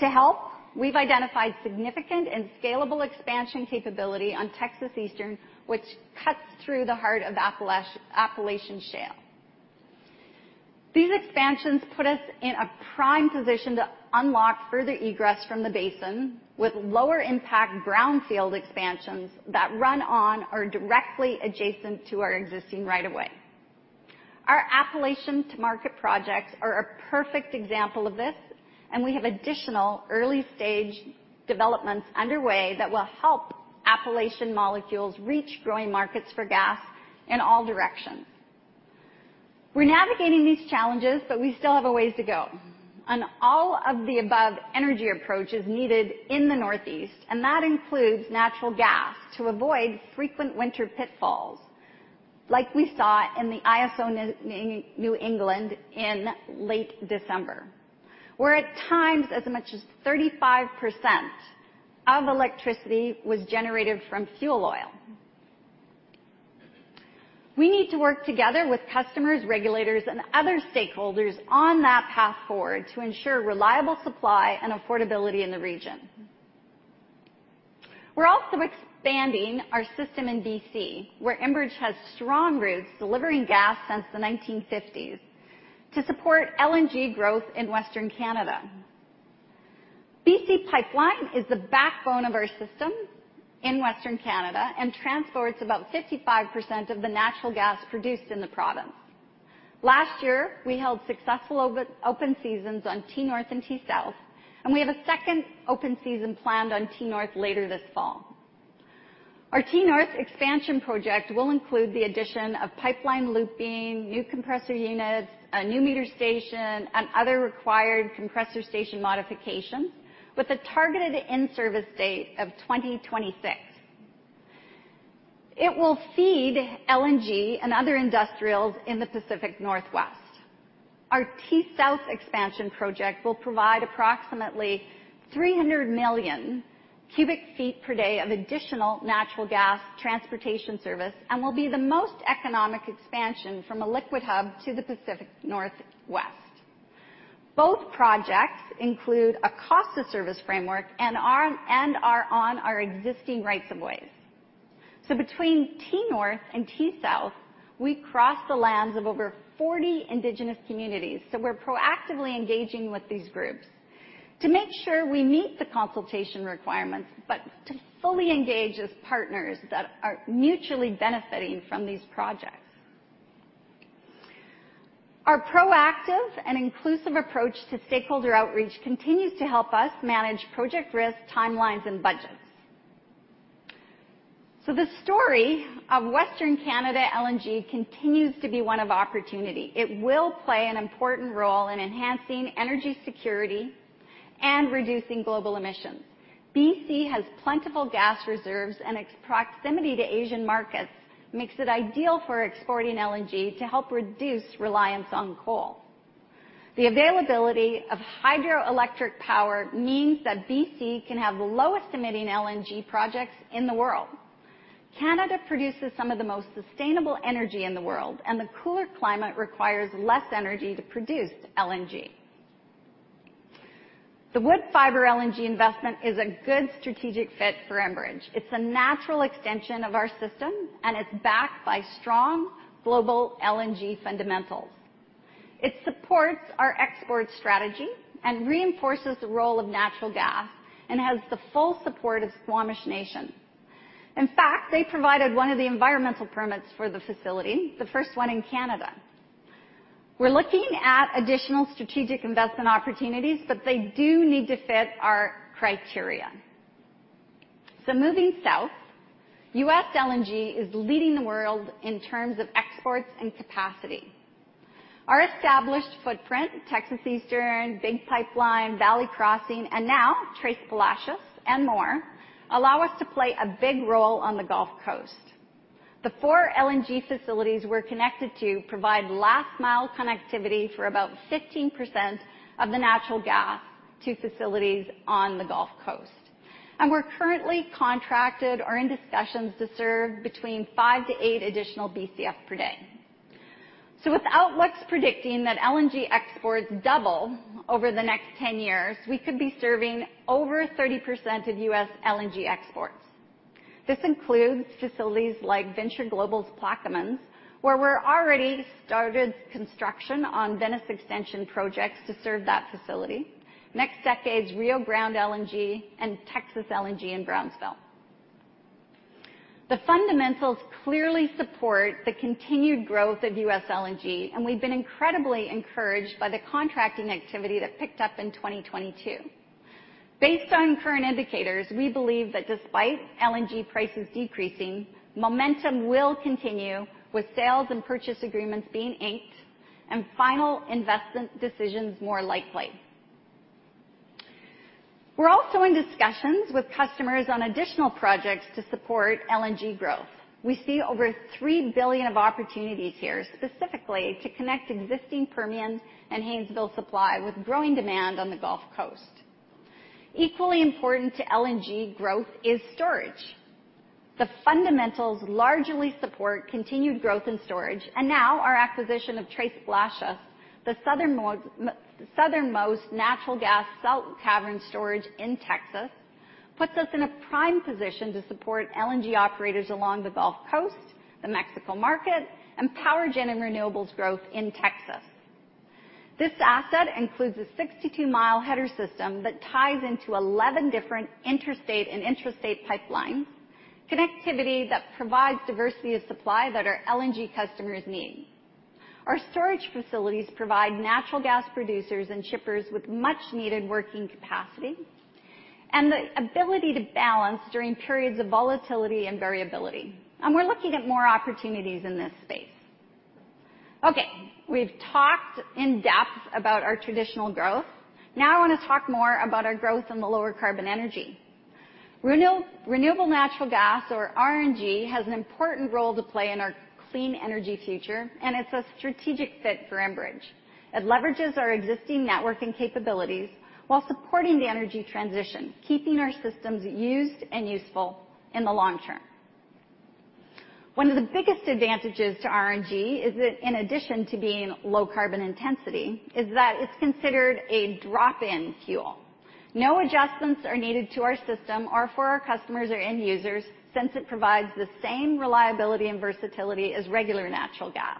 D: To help, we've identified significant and scalable expansion capability on Texas Eastern, which cuts through the heart of Appalachian Shale. These expansions put us in a prime position to unlock further egress from the basin with lower impact brownfield expansions that run on are directly adjacent to our existing right of way. Our Appalachians to market projects are a perfect example of this. We have additional early-stage developments underway that will help Appalachian molecules reach growing markets for gas in all directions. We're navigating these challenges, but we still have a ways to go. On all of the above energy approach is needed in the Northeast, and that includes natural gas to avoid frequent winter pitfalls like we saw in the ISO New England in late December, where at times as much as 35% of electricity was generated from fuel oil. We need to work together with customers, regulators, and other stakeholders on that path forward to ensure reliable supply and affordability in the region. We're also expanding our system in BC, where Enbridge has strong roots delivering gas since the 1950s to support LNG growth in Western Canada. BC Pipeline is the backbone of our system in Western Canada and transports about 55% of the natural gas produced in the province. Last year, we held successful open seasons on T-North and T-South. We have a second open season planned on T-North later this fall. Our T-North expansion project will include the addition of pipeline looping, new compressor units, a new meter station, and other required compressor station modifications with a targeted in-service date of 2026. It will feed LNG and other industrials in the Pacific Northwest. Our T-South expansion project will provide approximately 300 million cu ft per day of additional natural gas transportation service and will be the most economic expansion from a liquid hub to the Pacific Northwest. Both projects include a cost of service framework and are on our existing rights of way. Between T-North and T-South, we cross the lands of over 40 Indigenous communities. We're proactively engaging with these groups to make sure we meet the consultation requirements, but to fully engage as partners that are mutually benefiting from these projects. Our proactive and inclusive approach to stakeholder outreach continues to help us manage project risks, timelines, and budgets. The story of Western Canada LNG continues to be one of opportunity. It will play an important role in enhancing energy security and reducing global emissions. BC has plentiful gas reserves, and its proximity to Asian markets makes it ideal for exporting LNG to help reduce reliance on coal. The availability of hydroelectric power means that BC can have the lowest emitting LNG projects in the world. Canada produces some of the most sustainable energy in the world. The cooler climate requires less energy to produce LNG. The Woodfibre LNG investment is a good strategic fit for Enbridge. It's a natural extension of our system. It's backed by strong global LNG fundamentals. It supports our export strategy and reinforces the role of natural gas and has the full support of Squamish Nation. In fact, they provided one of the environmental permits for the facility, the first one in Canada. We're looking at additional strategic investment opportunities. They do need to fit our criteria. Moving south, U.S. LNG is leading the world in terms of exports and capacity. Our established footprint, Texas Eastern, Big Pipeline, Valley Crossing, and now Tres Palacios and more, allow us to play a big role on the Gulf Coast. The four LNG facilities we're connected to provide last-mile connectivity for about 15% of the natural gas to facilities on the Gulf Coast. We're currently contracted or in discussions to serve between five to eight additional BCF per day. Without what's predicting that LNG exports double over the next 10 years, we could be serving over 30% of U.S. LNG exports. This includes facilities like Venture Global's Plaquemines, where we're already started construction on Venice Extension projects to serve that facility. NextDecade's Rio Grande LNG and Texas LNG in Brownsville. The fundamentals clearly support the continued growth of U.S. LNG. We've been incredibly encouraged by the contracting activity that picked up in 2022. Based on current indicators, we believe that despite LNG prices decreasing, momentum will continue with sales and purchase agreements being inked and final investment decisions more likely. We're also in discussions with customers on additional projects to support LNG growth. We see over $3 billion of opportunities here, specifically to connect existing Permian and Haynesville supply with growing demand on the Gulf Coast. Equally important to LNG growth is storage. Now our acquisition of Tres Palacios, the southernmost natural gas salt cavern storage in Texas, puts us in a prime position to support LNG operators along the Gulf Coast, the Mexico market, and power gen and renewables growth in Texas. This asset includes a 62-mile header system that ties into 11 different interstate and intrastate pipelines, connectivity that provides diversity of supply that our LNG customers need. Our storage facilities provide natural gas producers and shippers with much-needed working capacity and the ability to balance during periods of volatility and variability. We're looking at more opportunities in this space. Okay, we've talked in depth about our traditional growth. Now I wanna talk more about our growth in the lower carbon energy. Renewable natural gas or RNG has an important role to play in our clean energy future. It's a strategic fit for Enbridge. It leverages our existing networking capabilities while supporting the energy transition, keeping our systems used and useful in the long term. One of the biggest advantages to RNG is it, in addition to being low carbon intensity, is that it's considered a drop-in fuel. No adjustments are needed to our system or for our customers or end users since it provides the same reliability and versatility as regular natural gas.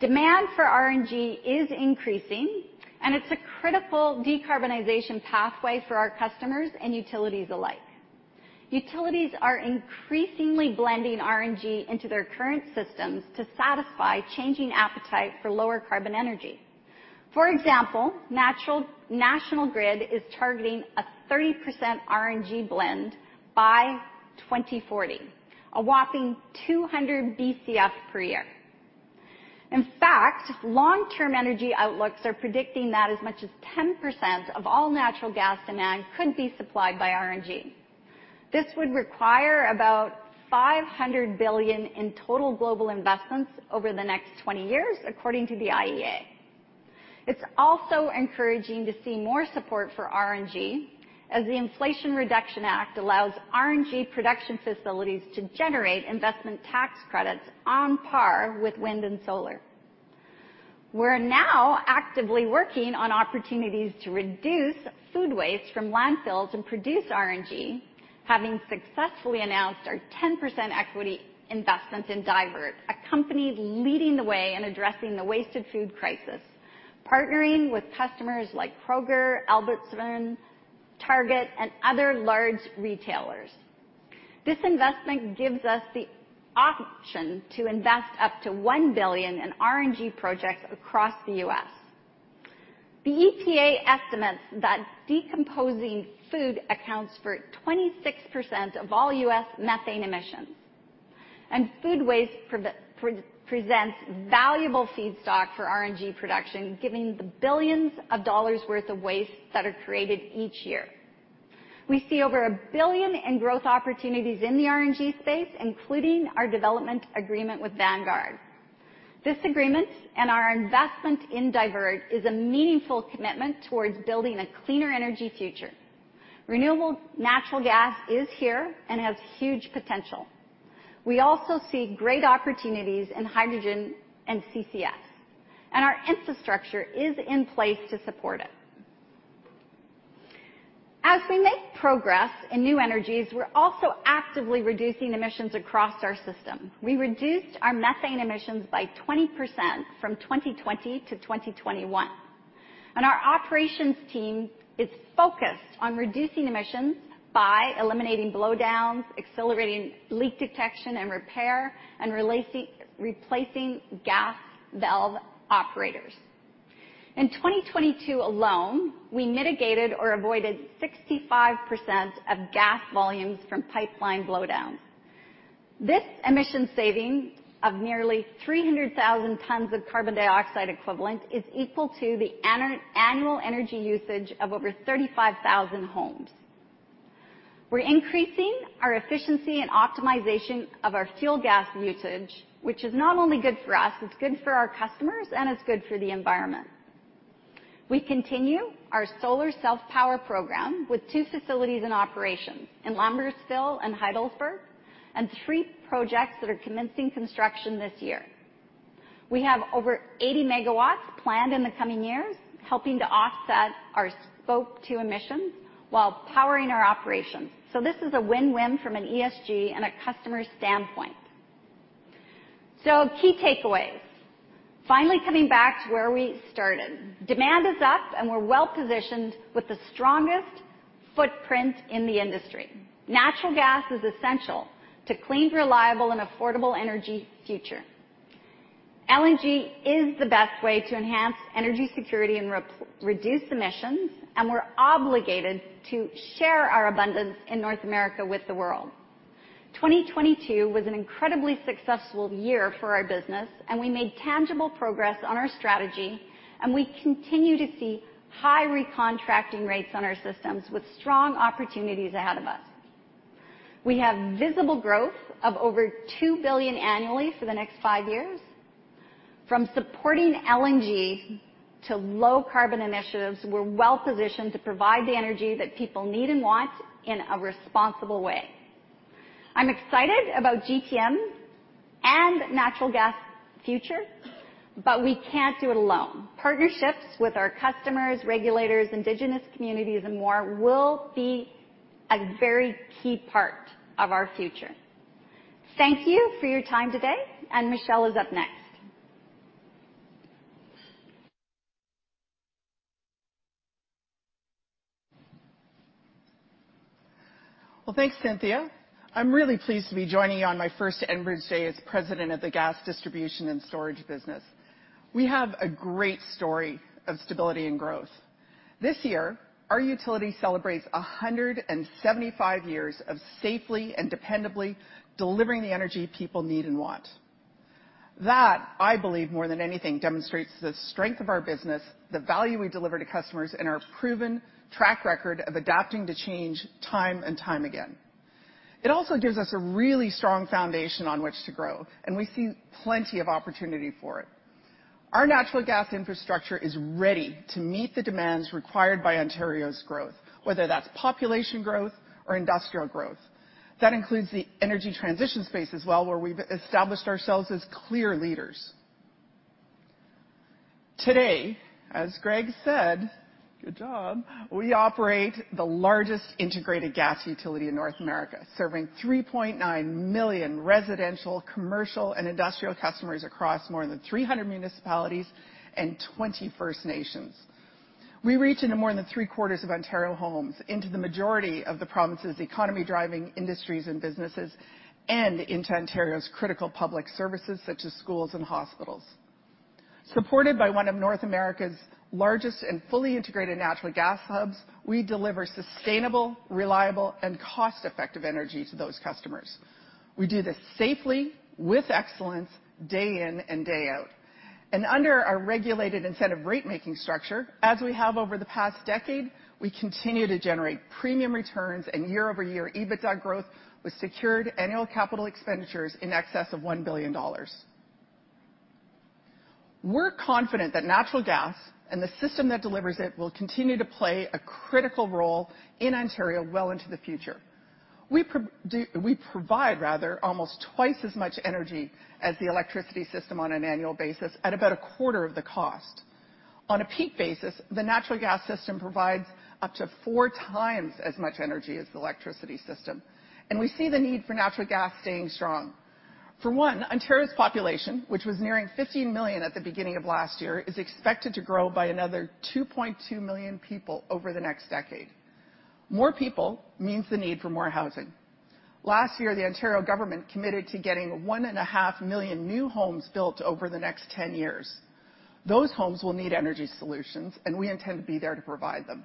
D: Demand for RNG is increasing, and it's a critical decarbonization pathway for our customers and utilities alike. Utilities are increasingly blending RNG into their current systems to satisfy changing appetite for lower carbon energy. For example, National Grid is targeting a 30% RNG blend by 2040, a whopping 200 BCF per year. In fact, long-term energy outlooks are predicting that as much as 10% of all natural gas demand could be supplied by RNG. This would require about $500 billion in total global investments over the next 20 years, according to the IEA. It's also encouraging to see more support for RNG as the Inflation Reduction Act allows RNG production facilities to generate investment tax credits on par with wind and solar. We're now actively working on opportunities to reduce food waste from landfills and produce RNG, having successfully announced our 10% equity investment in Divert, a company leading the way in addressing the wasted food crisis, partnering with customers like Kroger, Albertsons, Target, and other large retailers. This investment gives us the option to invest up to $1 billion in RNG projects across the U.S. The EPA estimates that decomposing food accounts for 26% of all U.S. methane emissions, and food waste presents valuable feedstock for RNG production, giving the billions of dollars' worth of waste that are created each year. We see over $1 billion in growth opportunities in the RNG space, including our development agreement with Vanguard. This agreement and our investment in Divert is a meaningful commitment towards building a cleaner energy future. Renewable natural gas is here and has huge potential. We also see great opportunities in hydrogen and CCS, and our infrastructure is in place to support it. As we make progress in new energies, we're also actively reducing emissions across our system. We reduced our methane emissions by 20% from 2020 to 2021, and our operations team is focused on reducing emissions by eliminating blowdowns, accelerating leak detection and repair, and replacing gas valve operators. In 2022 alone, we mitigated or avoided 65% of gas volumes from pipeline blowdown. This emission saving of nearly 300,000 tons of carbon dioxide equivalent is equal to the annual energy usage of over 35,000 homes. We're increasing our efficiency and optimization of our fuel gas usage, which is not only good for us, it's good for our customers, and it's good for the environment. We continue our solar self-power program with two facilities in operations in Lambtonville and Heidelberg and three projects that are commencing construction this year. We have over 80 MW planned in the coming years, helping to offset our Scope 2 emissions while powering our operations. This is a win-win from an ESG and a customer standpoint. Key takeaways. Finally coming back to where we started. Demand is up, and we're well-positioned with the strongest footprint in the industry. Natural gas is essential to clean, reliable and affordable energy future. LNG is the best way to enhance energy security and reduce emissions, and we're obligated to share our abundance in North America with the world. 2022 was an incredibly successful year for our business. We made tangible progress on our strategy. We continue to see high recontracting rates on our systems with strong opportunities ahead of us. We have visible growth of over $2 billion annually for the next five years. From supporting LNG to low carbon initiatives, we're well-positioned to provide the energy that people need and want in a responsible way. I'm excited about GTM and natural gas future. We can't do it alone. Partnerships with our customers, regulators, Indigenous communities and more will be a very key part of our future. Thank you for your time today. Michelle is up next.
B: Well, thanks, Cynthia. I'm really pleased to be joining you on my first Enbridge day as President of the gas distribution and storage business. We have a great story of stability and growth. This year, our utility celebrates 175 years of safely and dependably delivering the energy people need and want. That, I believe, more than anything, demonstrates the strength of our business, the value we deliver to customers, and our proven track record of adapting to change time and time again. It also gives us a really strong foundation on which to grow. We see plenty of opportunity for it. Our natural gas infrastructure is ready to meet the demands required by Ontario's growth, whether that's population growth or industrial growth. That includes the energy transition space as well, where we've established ourselves as clear leaders. Today, as Greg said, good job, we operate the largest integrated gas utility in North America, serving 3.9 million residential, commercial, and industrial customers across more than 300 municipalities and 20 First Nations. We reach into more than 3/4 of Ontario homes into the majority of the province's economy-driving industries and businesses and into Ontario's critical public services such as schools and hospitals. Supported by one of North America's largest and fully integrated natural gas hubs, we deliver sustainable, reliable, and cost-effective energy to those customers. We do this safely with excellence day in and day out. Under our regulated incentive rate making structure, as we have over the past decade, we continue to generate premium returns and year-over-year EBITDA growth with secured annual capital expenditures in excess of $1 billion. We're confident that natural gas and the system that delivers it will continue to play a critical role in Ontario well into the future. We provide rather almost twice as much energy as the electricity system on an annual basis at about a quarter of the cost. On a peak basis, the natural gas system provides up to 4x as much energy as the electricity system, and we see the need for natural gas staying strong. For one, Ontario's population, which was nearing 15 million at the beginning of last year, is expected to grow by another 2.2 million people over the next decade. More people means the need for more housing. Last year, the Ontario government committed to getting one and a half million new homes built over the next 10 years. Those homes will need energy solutions, we intend to be there to provide them.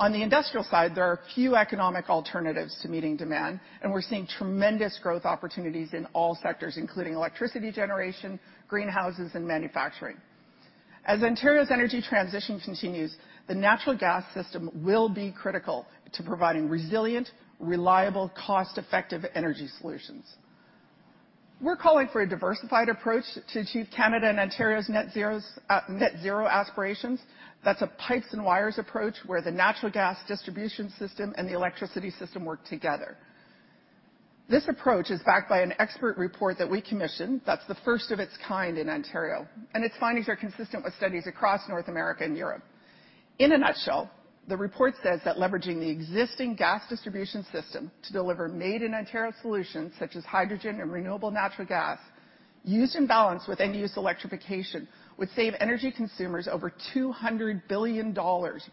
B: On the industrial side, there are few economic alternatives to meeting demand, we're seeing tremendous growth opportunities in all sectors, including electricity generation, greenhouses, and manufacturing. As Ontario's energy transition continues, the natural gas system will be critical to providing resilient, reliable, cost-effective energy solutions. We're calling for a diversified approach to achieve Canada and Ontario's net zero aspirations. That's a pipes and wires approach where the natural gas distribution system and the electricity system work together. This approach is backed by an expert report that we commissioned that's the first of its kind in Ontario, its findings are consistent with studies across North America and Europe. In a nutshell, the report says that leveraging the existing gas distribution system to deliver made in Ontario solutions such as hydrogen and renewable natural gas used in balance with end use electrification would save energy consumers over $200 billion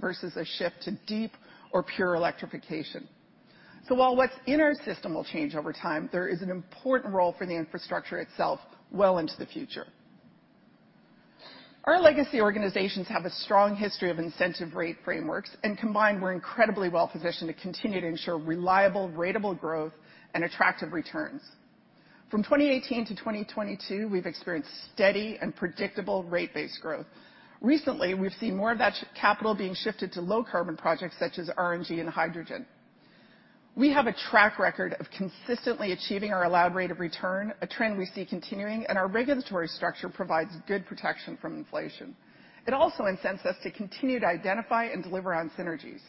B: versus a shift to deep or pure electrification. While what's in our system will change over time, there is an important role for the infrastructure itself well into the future. Our legacy organizations have a strong history of incentive rate frameworks, and combined, we're incredibly well-positioned to continue to ensure reliable ratable growth and attractive returns. From 2018 to 2022, we've experienced steady and predictable rate-based growth. Recently, we've seen more of that capital being shifted to low carbon projects such as RNG and hydrogen. We have a track record of consistently achieving our allowed rate of return, a trend we see continuing, and our regulatory structure provides good protection from inflation. It also incents us to continue to identify and deliver on synergies.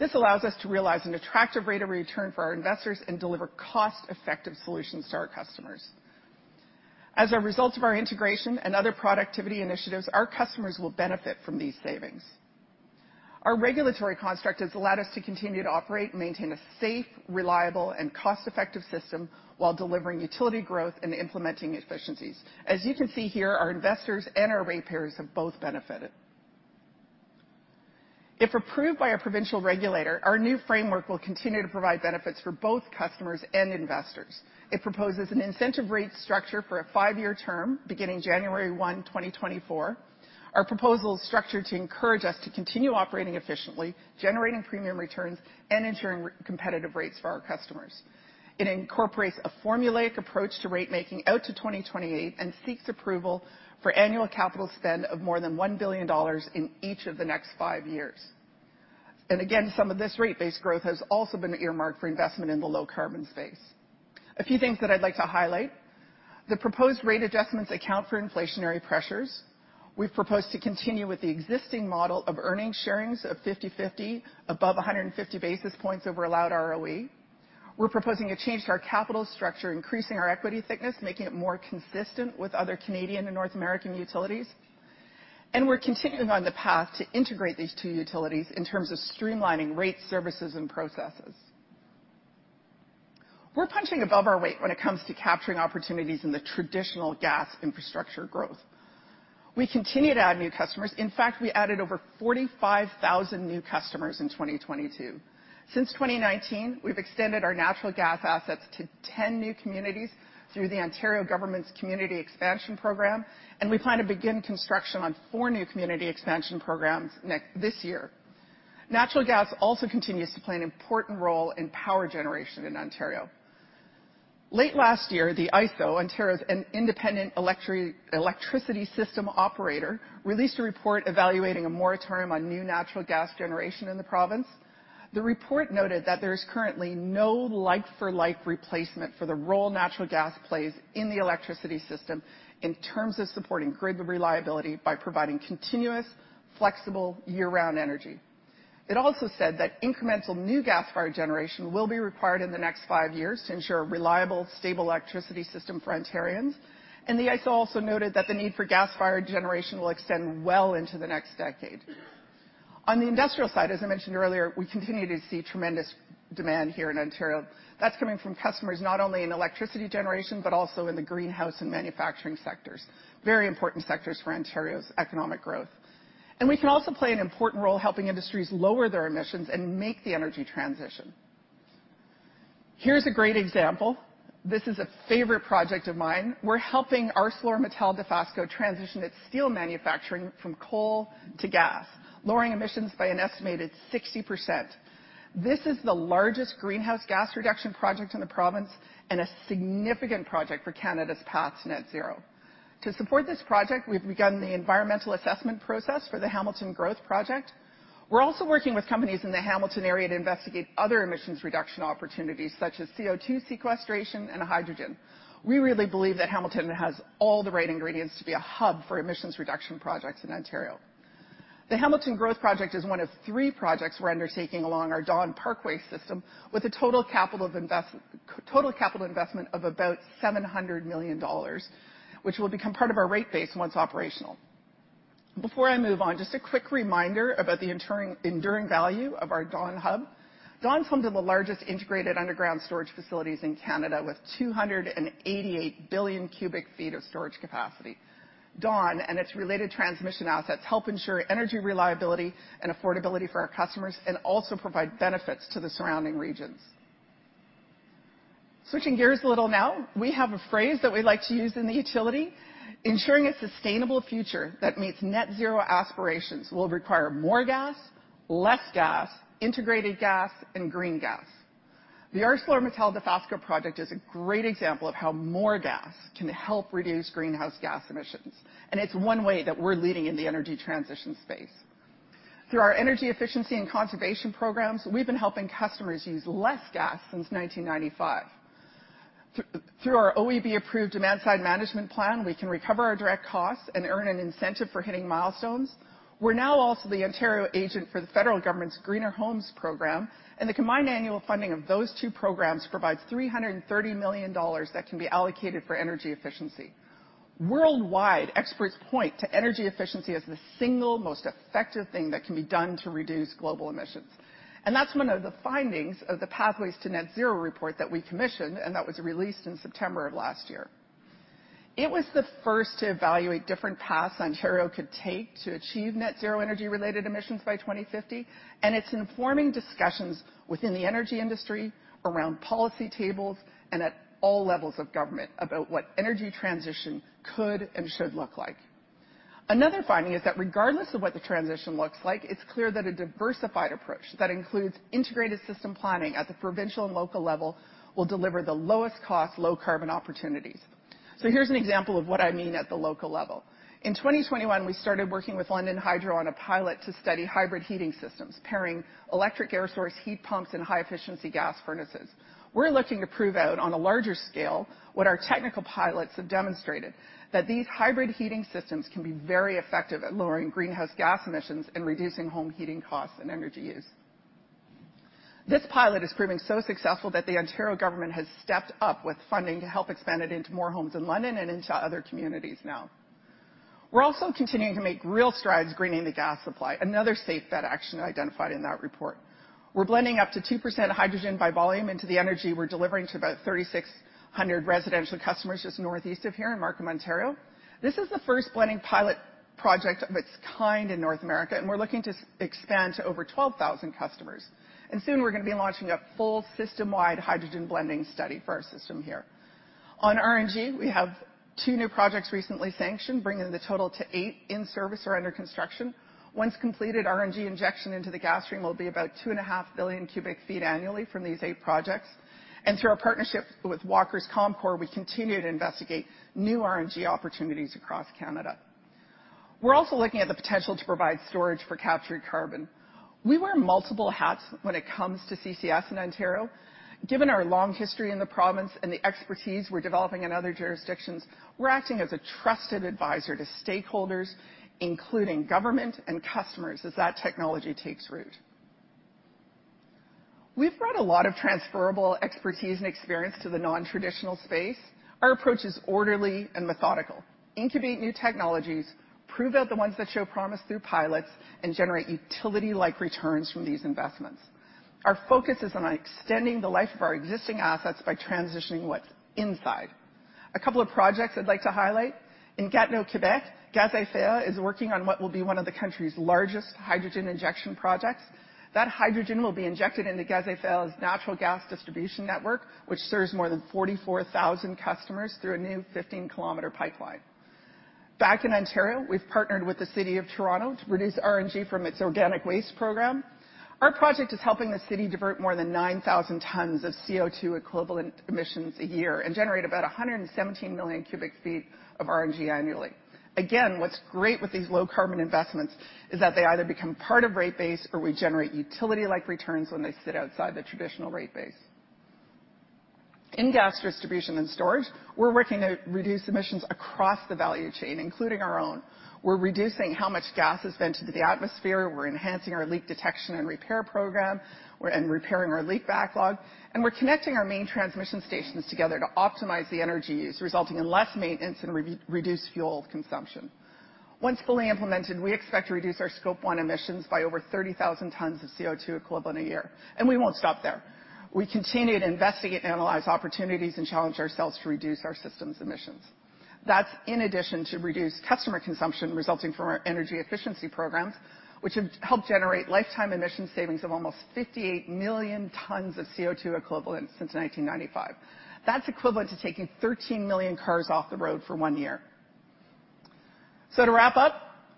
B: This allows us to realize an attractive rate of return for our investors and deliver cost-effective solutions to our customers. As a result of our integration and other productivity initiatives, our customers will benefit from these savings. Our regulatory construct has allowed us to continue to operate and maintain a safe, reliable, and cost-effective system while delivering utility growth and implementing efficiencies. As you can see here, our investors and our ratepayers have both benefited. If approved by a provincial regulator, our new framework will continue to provide benefits for both customers and investors. It proposes an incentive rate structure for a five year term beginning January 1, 2024. Our proposal is structured to encourage us to continue operating efficiently, generating premium returns, and ensuring competitive rates for our customers. It incorporates a formulaic approach to rate making out to 2028 and seeks approval for annual capital spend of more than $1 billion in each of the next five years. Some of this rate-based growth has also been earmarked for investment in the low carbon space. A few things that I'd like to highlight. The proposed rate adjustments account for inflationary pressures. We've proposed to continue with the existing model of earning sharings of 50/50 above 150 basis points over allowed ROE. We're proposing a change to our capital structure, increasing our equity thickness, making it more consistent with other Canadian and North American utilities, and we're continuing on the path to integrate these two utilities in terms of streamlining rates, services, and processes. We're punching above our weight when it comes to capturing opportunities in the traditional gas infrastructure growth. We continue to add new customers. In fact, we added over 45,000 new customers in 2022. Since 2019, we've extended our natural gas assets to 10 new communities through the Ontario Government's Natural Gas Expansion Program, and we plan to begin construction on four new community expansion programs this year. Natural gas also continues to play an important role in power generation in Ontario. Late last year, the ISO, Ontario's Independent Electricity System Operator, released a report evaluating a moratorium on new natural gas generation in the province. The report noted that there is currently no like-for-like replacement for the role natural gas plays in the electricity system in terms of supporting grid reliability by providing continuous, flexible, year-round energy. It also said that incremental new gas-fired generation will be required in the next five years to ensure reliable, stable electricity system for Ontarians. The ISO also noted that the need for gas-fired generation will extend well into the next decade. On the industrial side, as I mentioned earlier, we continue to see tremendous demand here in Ontario. That's coming from customers not only in electricity generation, but also in the greenhouse and manufacturing sectors. Very important sectors for Ontario's economic growth. We can also play an important role helping industries lower their emissions and make the energy transition. Here's a great example. This is a favorite project of mine. We're helping ArcelorMittal Dofasco transition its steel manufacturing from coal to gas, lowering emissions by an estimated 60%. This is the largest greenhouse gas reduction project in the province and a significant project for Canada's path to net zero. To support this project, we've begun the environmental assessment process for the Hamilton Growth Project. We're also working with companies in the Hamilton area to investigate other emissions reduction opportunities such as CO2 sequestration and hydrogen. We really believe that Hamilton has all the right ingredients to be a hub for emissions reduction projects in Ontario. The Hamilton Growth Project is one of three projects we're undertaking along our Dawn Parkway system with a total capital investment of about $700 million, which will become part of our rate base once operational. Before I move on, just a quick reminder about the enduring value of our Dawn Hub. Dawn is home to the largest integrated underground storage facilities in Canada with 288 billion cu ft of storage capacity. Dawn and its related transmission assets help ensure energy reliability and affordability for our customers and also provide benefits to the surrounding regions. Switching gears a little now, we have a phrase that we like to use in the utility, ensuring a sustainable future that meets net zero aspirations will require more gas, less gas, integrated gas, and green gas. The ArcelorMittal Dofasco project is a great example of how more gas can help reduce greenhouse gas emissions, and it's one way that we're leading in the energy transition space. Through our energy efficiency and conservation programs, we've been helping customers use less gas since 1995. Through our OEB-approved demand-side management plan, we can recover our direct costs and earn an incentive for hitting milestones. We're now also the Ontario agent for the federal government's Canada Greener Homes program, the combined annual funding of those two programs provides 330 million dollars that can be allocated for energy efficiency. Worldwide, experts point to energy efficiency as the single most effective thing that can be done to reduce global emissions, that's one of the findings of the Pathways to Net Zero report that we commissioned, and that was released in September of last year. It was the first to evaluate different paths Ontario could take to achieve net zero energy-related emissions by 2050, it's informing discussions within the energy industry, around policy tables, and at all levels of government about what energy transition could and should look like. Another finding is that regardless of what the transition looks like, it's clear that a diversified approach that includes integrated system planning at the provincial and local level will deliver the lowest cost, low carbon opportunities. Here's an example of what I mean at the local level. In 2021, we started working with London Hydro on a pilot to study hybrid heating systems, pairing electric air source heat pumps and high-efficiency gas furnaces. We're looking to prove out on a larger scale what our technical pilots have demonstrated, that these hybrid heating systems can be very effective at lowering greenhouse gas emissions and reducing home heating costs and energy use. This pilot is proving so successful that the Ontario government has stepped up with funding to help expand it into more homes in London and into other communities now. We're also continuing to make real strides greening the gas supply, another safe bet action identified in that report. We're blending up to 2% hydrogen by volume into the energy we're delivering to about 3,600 residential customers just northeast of here in Markham, Ontario. This is the first blending pilot project of its kind in North America. We're looking to expand to over 12,000 customers. Soon we're gonna be launching a full system-wide hydrogen blending study for our system here. On RNG, we have two new projects recently sanctioned, bringing the total to eight in service or under construction. Once completed, RNG injection into the gas stream will be about 2.5 billion cu ft annually from these eight projects. Through our partnership with Walker Comcor, we continue to investigate new RNG opportunities across Canada. We're also looking at the potential to provide storage for captured carbon. We wear multiple hats when it comes to CCS in Ontario. Given our long history in the province and the expertise we're developing in other jurisdictions, we're acting as a trusted advisor to stakeholders, including government and customers, as that technology takes root. We've brought a lot of transferable expertise and experience to the non-traditional space. Our approach is orderly and methodical. Incubate new technologies, prove out the ones that show promise through pilots, and generate utility-like returns from these investments. Our focus is on extending the life of our existing assets by transitioning what's inside. A couple of projects I'd like to highlight. In Gatineau, Quebec, Gazifère is working on what will be one of the country's largest hydrogen injection projects. That hydrogen will be injected into Gaz Metropole's natural gas distribution network, which serves more than 44,000 customers through a new 15-kilometer pipeline. Back in Ontario, we've partnered with the city of Toronto to produce RNG from its organic waste program. Our project is helping the city divert more than 9,000 tons of CO2 equivalent emissions a year and generate about 117 million cu ft of RNG annually. Again, what's great with these low-carbon investments is that they either become part of rate base or we generate utility-like returns when they sit outside the traditional rate base. In gas distribution and storage, we're working to reduce emissions across the value chain, including our own. We're reducing how much gas is vented to the atmosphere, we're enhancing our leak detection and repair program, repairing our leak backlog, connecting our main transmission stations together to optimize the energy use, resulting in less maintenance and reduced fuel consumption. Once fully implemented, we expect to reduce our Scope 1 emissions by over 30,000 tons of CO2 equivalent a year. We won't stop there. We continue to investigate and analyze opportunities and challenge ourselves to reduce our systems emissions. That's in addition to reduced customer consumption resulting from our energy efficiency programs, which have helped generate lifetime emission savings of almost 58 million tons of CO2 equivalent since 1995. That's equivalent to taking 13 million cars off the road for one year. To wrap up,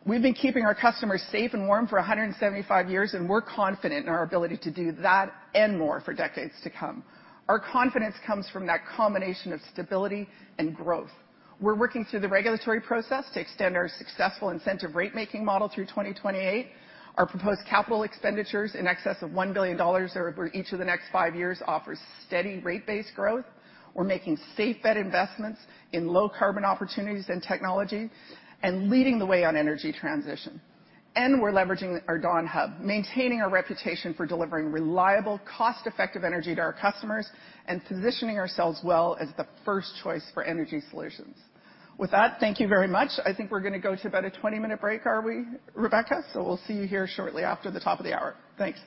B: we've been keeping our customers safe and warm for 175 years, and we're confident in our ability to do that and more for decades to come. Our confidence comes from that combination of stability and growth. We're working through the regulatory process to extend our successful incentive rate-making model through 2028. Our proposed capital expenditures in excess of $1 billion over each of the next five years offers steady rate-based growth. We're making safe bet investments in low-carbon opportunities and technology and leading the way on energy transition. We're leveraging our Dawn Hub, maintaining our reputation for delivering reliable, cost-effective energy to our customers and positioning ourselves well as the first choice for energy solutions. With that, thank you very much. I think we're gonna go to about a 20-minute break. Are we, Rebecca? We'll see you here shortly after the top of the hour. Thanks.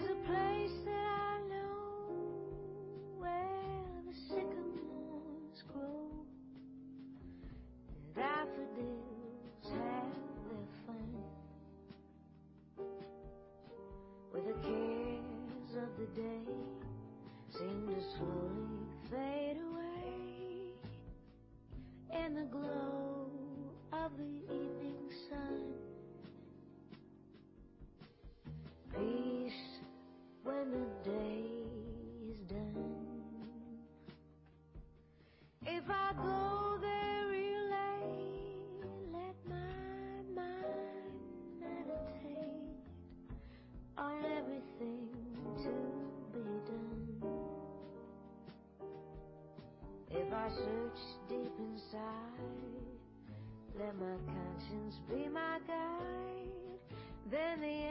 E: There's a place that I know where the sycamores grow, and daffodils have their fun. Where the cares of the day seem to slowly fade away, in the glow of the evening sun. Peace when the day is done. If I go there real late, let my mind meditate on everything to be done. If I search deep inside, let my conscience be my guide, then the answers are sure to come. Don't have to worry none. When you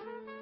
E: and the freedom you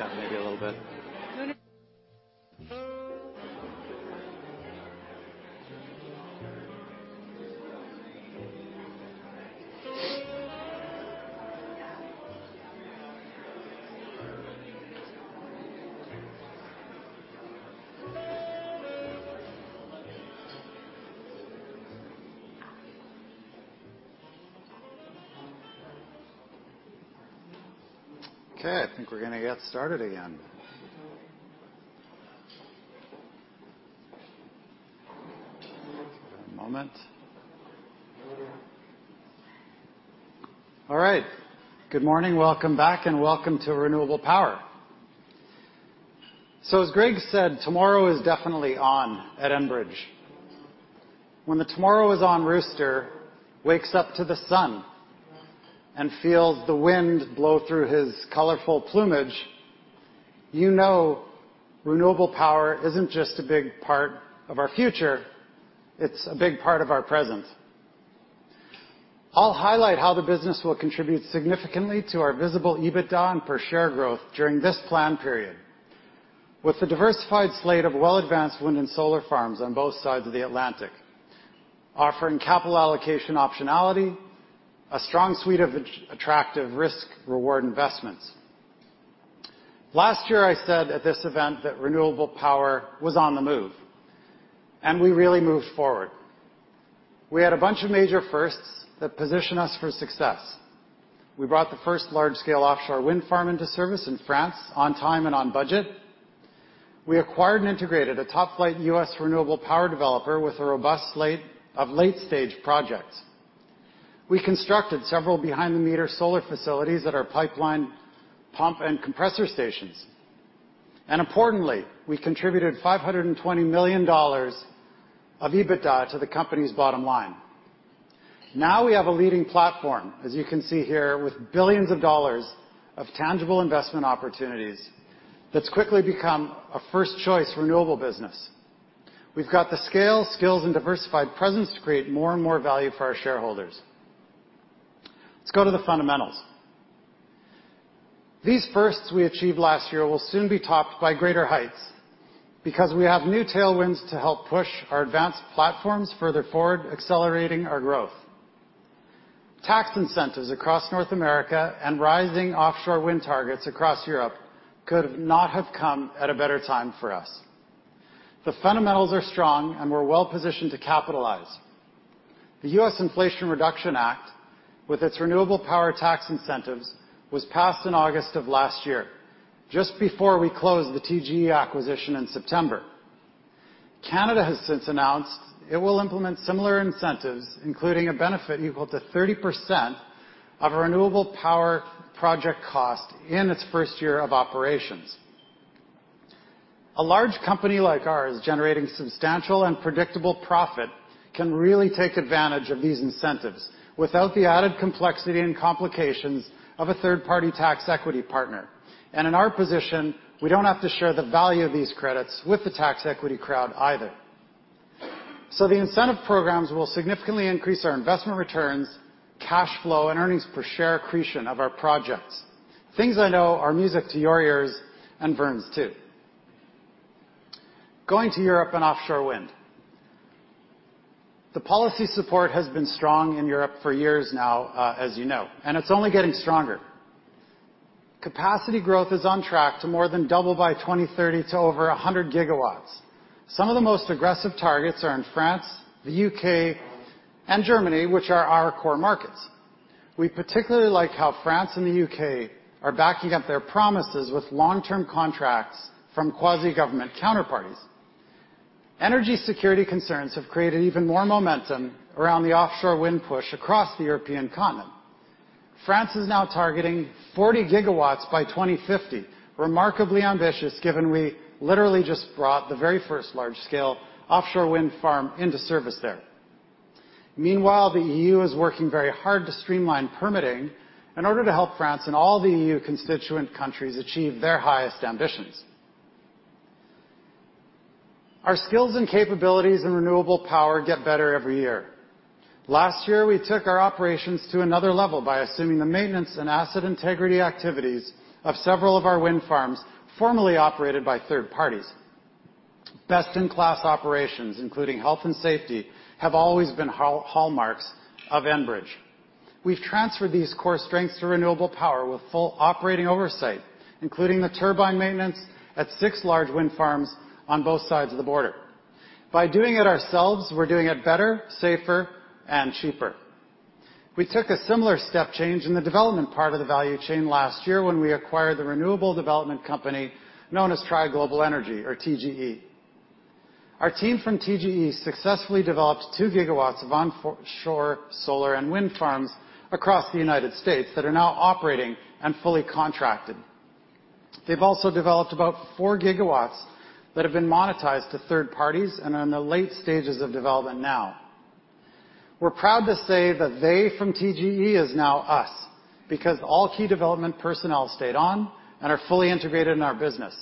E: seek is won. Peace is for everyone. Peace is for everyone. Peace is for everyone.
F: Yeah, maybe a little bit. Okay, I think we're gonna get started again. Just a moment. All right. Good morning. Welcome back. Welcome to Renewable Power. As Greg said, Tomorrow is on at Enbridge. When the Tomorrow is on rooster wakes up to the sun and feels the wind blow through his colorful plumage, you know renewable power isn't just a big part of our future, it's a big part of our present. I'll highlight how the business will contribute significantly to our visible EBITDA and per share growth during this plan period. With the diversified slate of well-advanced wind and solar farms on both sides of the Atlantic, offering capital allocation optionality, a strong suite of attractive risk reward investments. Last year, I said at this event that renewable power was on the move. We really moved forward. We had a bunch of major firsts that position us for success. We brought the first large scale offshore wind farm into service in France on time and on budget. We acquired and integrated a top-flight U.S. renewable power developer with a robust slate of late-stage projects. We constructed several behind-the-meter solar facilities at our pipeline pump and compressor stations. Importantly, we contributed $520 million of EBITDA to the company's bottom line. We have a leading platform, as you can see here, with billions of dollars of tangible investment opportunities that's quickly become a first choice renewable business. We've got the scale, skills, and diversified presence to create more and more value for our shareholders. Let's go to the fundamentals. These firsts we achieved last year will soon be topped by greater heights because we have new tailwinds to help push our advanced platforms further forward, accelerating our growth. Tax incentives across North America and rising offshore wind targets across Europe could not have come at a better time for us. The fundamentals are strong, and we're well-positioned to capitalize. The U.S. Inflation Reduction Act, with its renewable power tax incentives, was passed in August of last year, just before we closed the TGE acquisition in September. Canada has since announced it will implement similar incentives, including a benefit equal to 30% of a renewable power project cost in its first year of operations. A large company like ours, generating substantial and predictable profit, can really take advantage of these incentives without the added complexity and complications of a third-party tax equity partner. In our position, we don't have to share the value of these credits with the tax equity crowd either. The incentive programs will significantly increase our investment returns, cash flow, and earnings per share accretion of our projects. Things I know are music to your ears and Vern's too. Going to Europe and offshore wind. The policy support has been strong in Europe for years now, as you know, and it's only getting stronger. Capacity growth is on track to more than double by 2030 to over 100 GW. Some of the most aggressive targets are in France, the U.K., and Germany, which are our core markets. We particularly like how France and the U.K. are backing up their promises with long-term contracts from quasi-government counterparties. Energy security concerns have created even more momentum around the offshore wind push across the European continent. France is now targeting 40 GW by 2050. Remarkably ambitious, given we literally just brought the very first large scale offshore wind farm into service there. Meanwhile, the E.U. is working very hard to streamline permitting in order to help France and all the E.U. constituent countries achieve their highest ambitions. Our skills and capabilities in renewable power get better every year. Last year, we took our operations to another level by assuming the maintenance and asset integrity activities of several of our wind farms formerly operated by third parties. Best-in-class operations, including health and safety, have always been hallmarks of Enbridge. We've transferred these core strengths to renewable power with full operating oversight, including the turbine maintenance at six large wind farms on both sides of the border. By doing it ourselves, we're doing it better, safer, and cheaper. We took a similar step change in the development part of the value chain last year when we acquired the renewable development company known as Tri Global Energy or TGE. Our team from TGE successfully developed 2 GW of onshore solar and wind farms across the U.S. that are now operating and fully contracted. They've also developed about 4 GW that have been monetized to third parties and are in the late stages of development now. We're proud to say that they from TGE is now us because all key development personnel stayed on and are fully integrated in our business.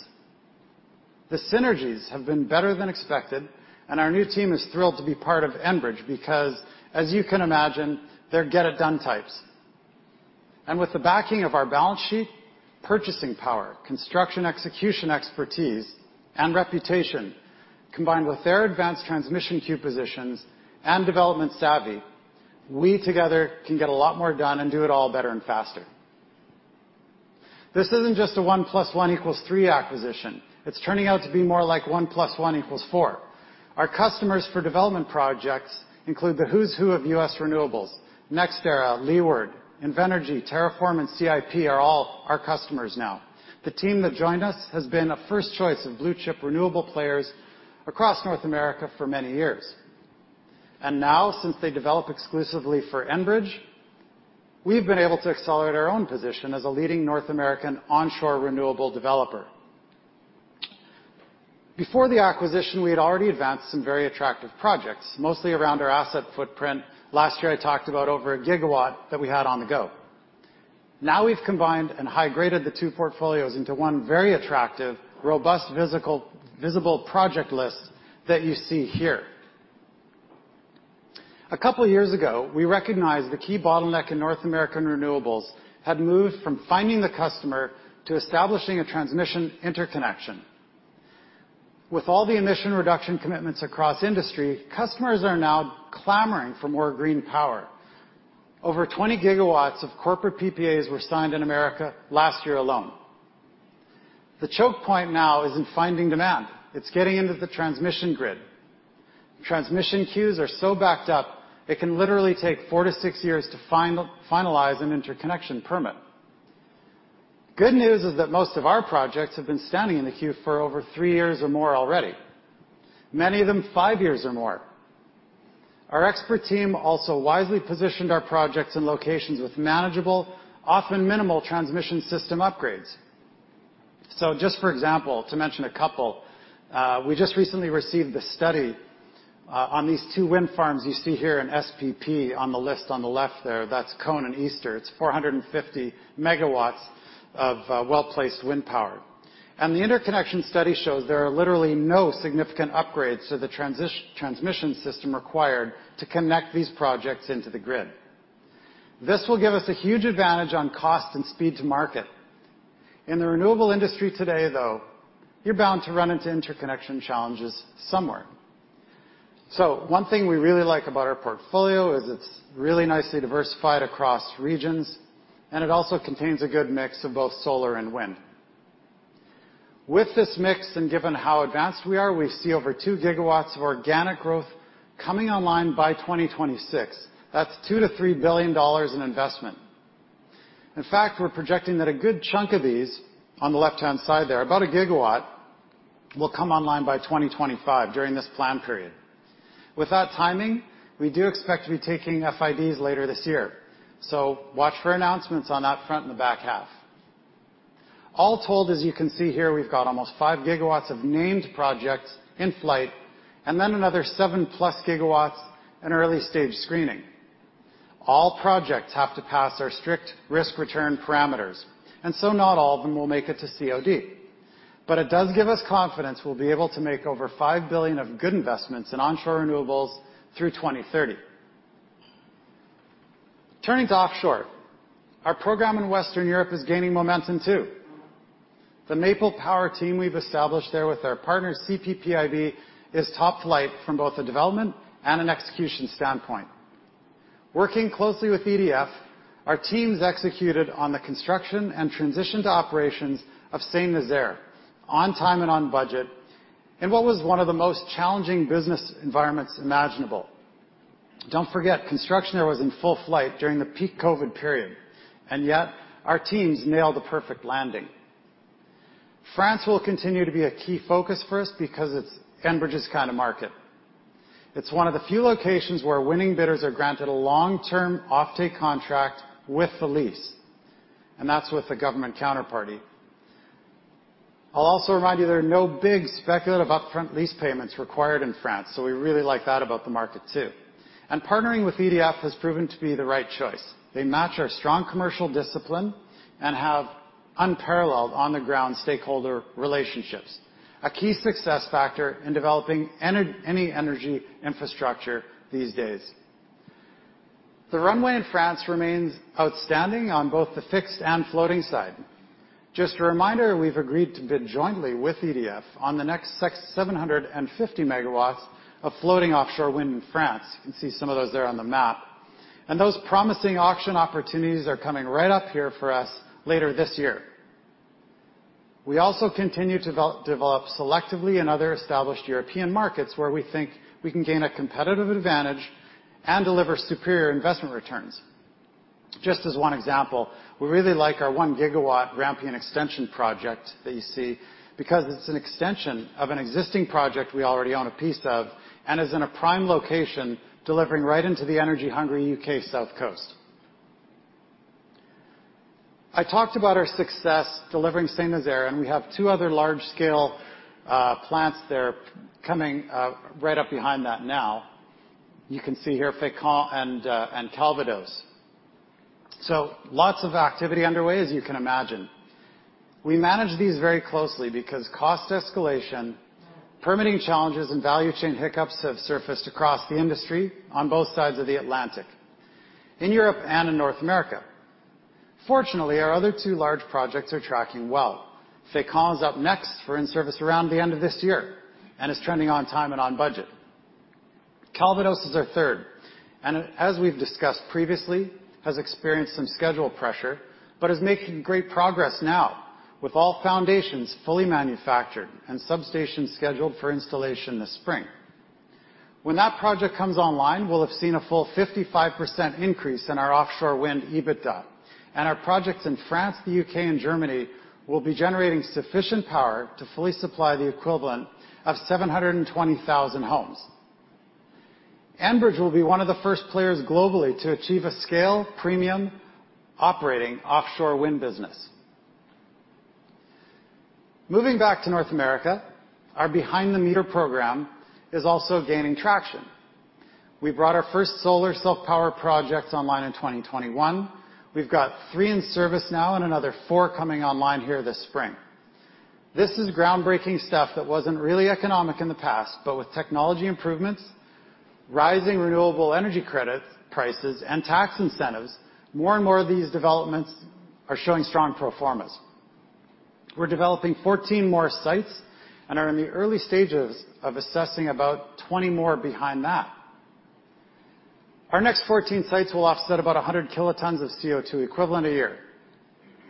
F: The synergies have been better than expected, and our new team is thrilled to be part of Enbridge because, as you can imagine, they're get it done types. With the backing of our balance sheet, purchasing power, construction execution expertise, and reputation, combined with their advanced transmission queue positions and development savvy, we together can get a lot more done and do it all better and faster. This isn't just a 1+1=3 acquisition. It's turning out to be more like 1+1=4. Our customers for development projects include the who's who of U.S. renewables. NextEra, Leeward, Invenergy, TerraForm, and CIP are all our customers now. The team that joined us has been a first choice of blue-chip renewable players across North America for many years. Now, since they develop exclusively for Enbridge, we've been able to accelerate our own position as a leading North American onshore renewable developer. Before the acquisition, we had already advanced some very attractive projects, mostly around our asset footprint. Last year, I talked about over a gigawatt that we had on the go. We've combined and high-graded the two portfolios into one very attractive, robust, visible project list that you see here. A couple of years ago, we recognized the key bottleneck in North American renewables had moved from finding the customer to establishing a transmission interconnection. With all the emission reduction commitments across industry, customers are now clamoring for more green power. Over 20 GW of corporate PPAs were signed in America last year alone. The choke point now isn't finding demand. It's getting into the transmission grid. Transmission queues are so backed up, it can literally take four to six years to finalize an interconnection permit. Good news is that most of our projects have been standing in the queue for over three years or more already. Many of them, five years or more. Our expert team also wisely positioned our projects in locations with manageable, often minimal transmission system upgrades. Just for example, to mention a couple, we just recently received a study on these two wind farms you see here in SPP on the list on the left there. That's Cone and Easter. It's 450 MW of well-placed wind power. The interconnection study shows there are literally no significant upgrades to the transmission system required to connect these projects into the grid. This will give us a huge advantage on cost and speed to market. In the renewable industry today, though, you're bound to run into interconnection challenges somewhere. One thing we really like about our portfolio is it's really nicely diversified across regions, and it also contains a good mix of both solar and wind. With this mix, and given how advanced we are, we see over 2 GW of organic growth coming online by 2026. That's $2 billion-$3 billion in investment. In fact, we're projecting that a good chunk of these on the left-hand side there, about 1 GW, will come online by 2025 during this plan period. With that timing, we do expect to be taking FIDs later this year, so watch for announcements on that front in the back half. All told, as you can see here, we've got almost 5 GW of named projects in flight and then another 7+ GW in early-stage screening. All projects have to pass our strict risk-return parameters, and so not all of them will make it to COD. It does give us confidence we'll be able to make over $5 billion of good investments in onshore renewables through 2030. Turning to offshore. Our program in Western Europe is gaining momentum too. The Maple Power team we've established there with our partners, CPPIB, is top flight from both a development and an execution standpoint. Working closely with EDF, our teams executed on the construction and transition to operations of Saint-Nazaire on time and on budget, in what was one of the most challenging business environments imaginable. Don't forget, construction there was in full flight during the peak COVID period, and yet our teams nailed the perfect landing. France will continue to be a key focus for us because it's Enbridge's kind of market. It's one of the few locations where winning bidders are granted a long-term offtake contract with the lease, and that's with the government counterparty. I'll also remind you there are no big speculative upfront lease payments required in France, so we really like that about the market too. Partnering with EDF has proven to be the right choice. They match our strong commercial discipline and have unparalleled on-the-ground stakeholder relationships, a key success factor in developing any energy infrastructure these days. The runway in France remains outstanding on both the fixed and floating side. Just a reminder, we've agreed to bid jointly with EDF on the next 750 MW of floating offshore wind in France. You can see some of those there on the map. Those promising auction opportunities are coming right up here for us later this year. We also continue to develop selectively in other established European markets where we think we can gain a competitive advantage and deliver superior investment returns. Just as 1 example, we really like our 1 GW Rampion extension project that you see because it's an extension of an existing project we already own a piece of and is in a prime location delivering right into the energy-hungry U.K. South Coast. I talked about our success delivering Saint-Nazaire, and we have two other large-scale plants there coming right up behind that now. You can see here Fécamp and Calvados. Lots of activity underway, as you can imagine. We manage these very closely because cost escalation, permitting challenges, and value chain hiccups have surfaced across the industry on both sides of the Atlantic, in Europe and in North America. Fortunately, our other two large projects are tracking well. Fécamp's up next for in-service around the end of this year, and is trending on time and on budget. Calvados is our third, as we've discussed previously, has experienced some schedule pressure, but is making great progress now with all foundations fully manufactured and substations scheduled for installation this spring. When that project comes online, we'll have seen a full 55% increase in our offshore wind EBITDA. Our projects in France, the U.K., and Germany will be generating sufficient power to fully supply the equivalent of 720,000 homes. Enbridge will be one of the first players globally to achieve a scale premium operating offshore wind business. Moving back to North America, our behind the meter program is also gaining traction. We brought our first solar self-power project online in 2021. We've got three in service now and another four coming online here this spring. This is groundbreaking stuff that wasn't really economic in the past, with technology improvements, rising renewable energy credit prices, and tax incentives, more and more of these developments are showing strong performance. We're developing 14 more sites and are in the early stages of assessing about 20 more behind that. Our next 14 sites will offset about 100 kilotons of CO2 equivalent a year.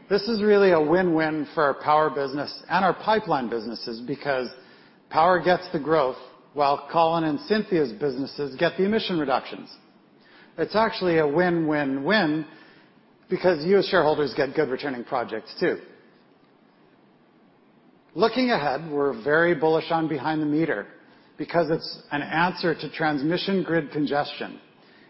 F: This is really a win-win for our power business and our pipeline businesses, power gets the growth while Colin and Cynthia's businesses get the emission reductions. It's actually a win-win-win, you as shareholders get good returning projects too. Looking ahead, we're very bullish on behind the meter, it's an answer to transmission grid congestion.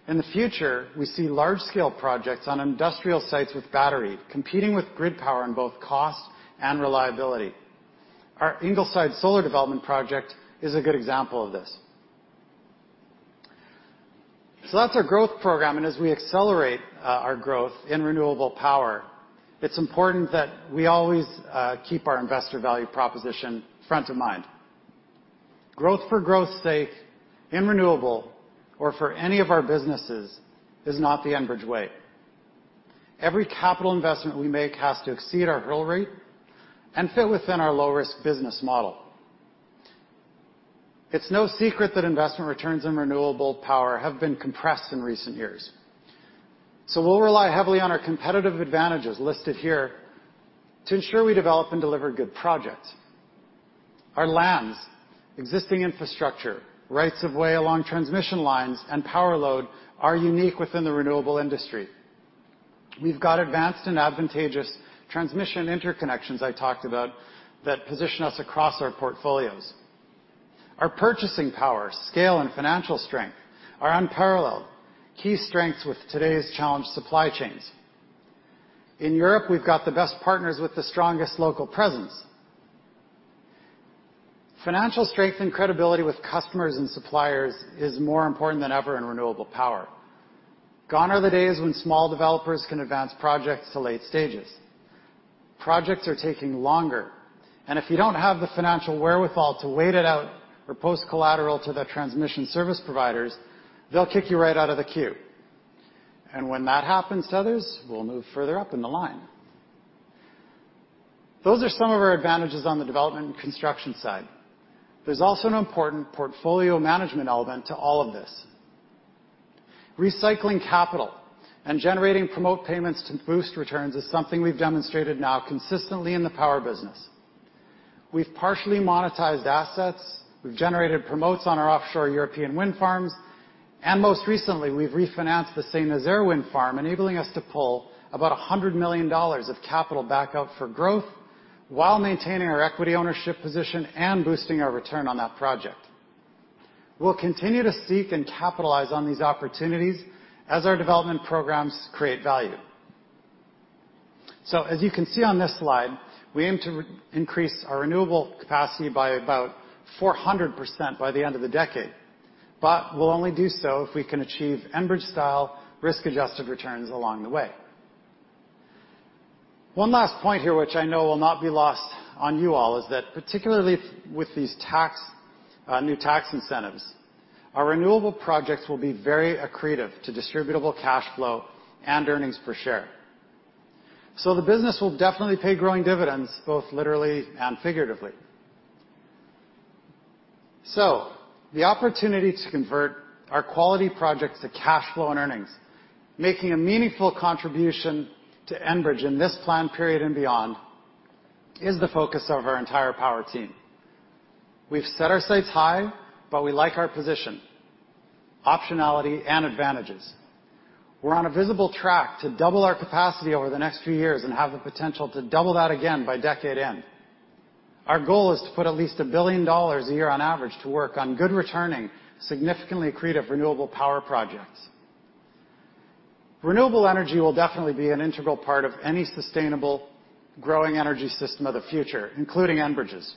F: In the future, we see large-scale projects on industrial sites with battery competing with grid power in both cost and reliability. Our Ingleside solar development project is a good example of this. That's our growth program, and as we accelerate, our growth in renewable power, it's important that we always keep our investor value proposition front of mind. Growth for growth's sake in renewable or for any of our businesses is not the Enbridge way. Every capital investment we make has to exceed our hurdle rate and fit within our low-risk business model. It's no secret that investment returns and renewable power have been compressed in recent years. We'll rely heavily on our competitive advantages listed here to ensure we develop and deliver good projects. Our lands, existing infrastructure, rights of way along transmission lines, and power load are unique within the renewable industry. We've got advanced and advantageous transmission interconnections I talked about that position us across our portfolios. Our purchasing power, scale, and financial strength are unparalleled key strengths with today's challenged supply chains. In Europe, we've got the best partners with the strongest local presence. Financial strength and credibility with customers and suppliers is more important than ever in renewable power. Gone are the days when small developers can advance projects to late stages. Projects are taking longer, and if you don't have the financial wherewithal to wait it out or post collateral to the transmission service providers, they'll kick you right out of the queue. When that happens to others, we'll move further up in the line. Those are some of our advantages on the development and construction side. There's also an important portfolio management element to all of this. Recycling capital and generating promote payments to boost returns is something we've demonstrated now consistently in the power business. We've partially monetized assets, we've generated promotes on our offshore European wind farms, and most recently, we've refinanced the Saint-Nazaire wind farm, enabling us to pull about $100 million of capital back up for growth while maintaining our equity ownership position and boosting our return on that project. We'll continue to seek and capitalize on these opportunities as our development programs create value. As you can see on this slide, we aim to increase our renewable capacity by about 400% by the end of the decade. We'll only do so if we can achieve Enbridge-style risk-adjusted returns along the way. One last point here, which I know will not be lost on you all, is that particularly with these new tax incentives, our renewable projects will be very accretive to Distributable Cash Flow and Earnings Per Share. The business will definitely pay growing dividends, both literally and figuratively. The opportunity to convert our quality projects to cash flow and earnings, making a meaningful contribution to Enbridge in this plan period and beyond, is the focus of our entire power team. We've set our sights high, but we like our position, optionality, and advantages. We're on a visible track to double our capacity over the next few years and have the potential to double that again by decade end. Our goal is to put at least $1 billion a year on average to work on good returning, significantly accretive renewable power projects. Renewable energy will definitely be an integral part of any sustainable growing energy system of the future, including Enbridge's.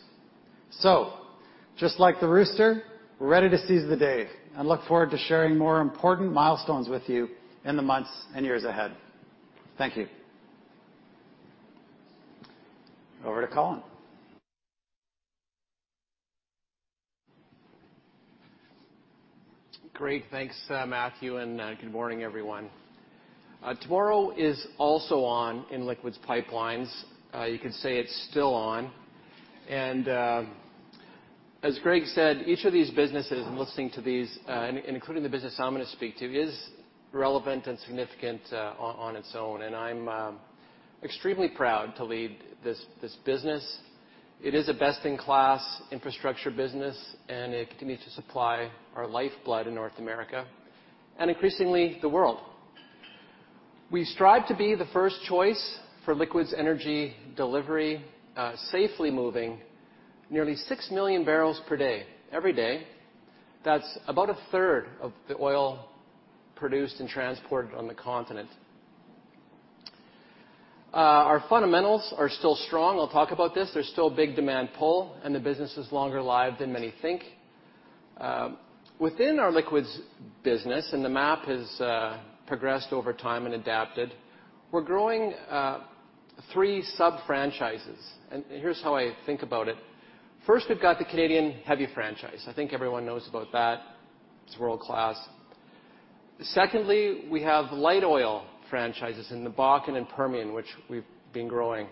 F: Just like the rooster, we're ready to seize the day and look forward to sharing more important milestones with you in the months and years ahead. Thank you. Over to Colin.
G: Great. Thanks, Matthew, good morning, everyone. Tomorrow is on in liquids pipelines. You could say it's still on. As Greg said, each of these businesses, in listening to these, including the business I'm gonna speak to, is relevant and significant on its own. I'm extremely proud to lead this business. It is a best-in-class infrastructure business, and it continues to supply our lifeblood in North America and increasingly the world. We strive to be the first choice for liquids energy delivery, safely moving nearly 6 MMbpd every day. That's about a third of the oil produced and transported on the continent. Our fundamentals are still strong. I'll talk about this. There's still a big demand pull, and the business is longer lived than many think. Within our liquids business, and the map has progressed over time and adapted, we're growing 3 sub-franchises, and here's how I think about it. First, we've got the Canadian heavy franchise. I think everyone knows about that. It's world-class. Secondly, we have light oil franchises in the Bakken and Permian, which we've been growing.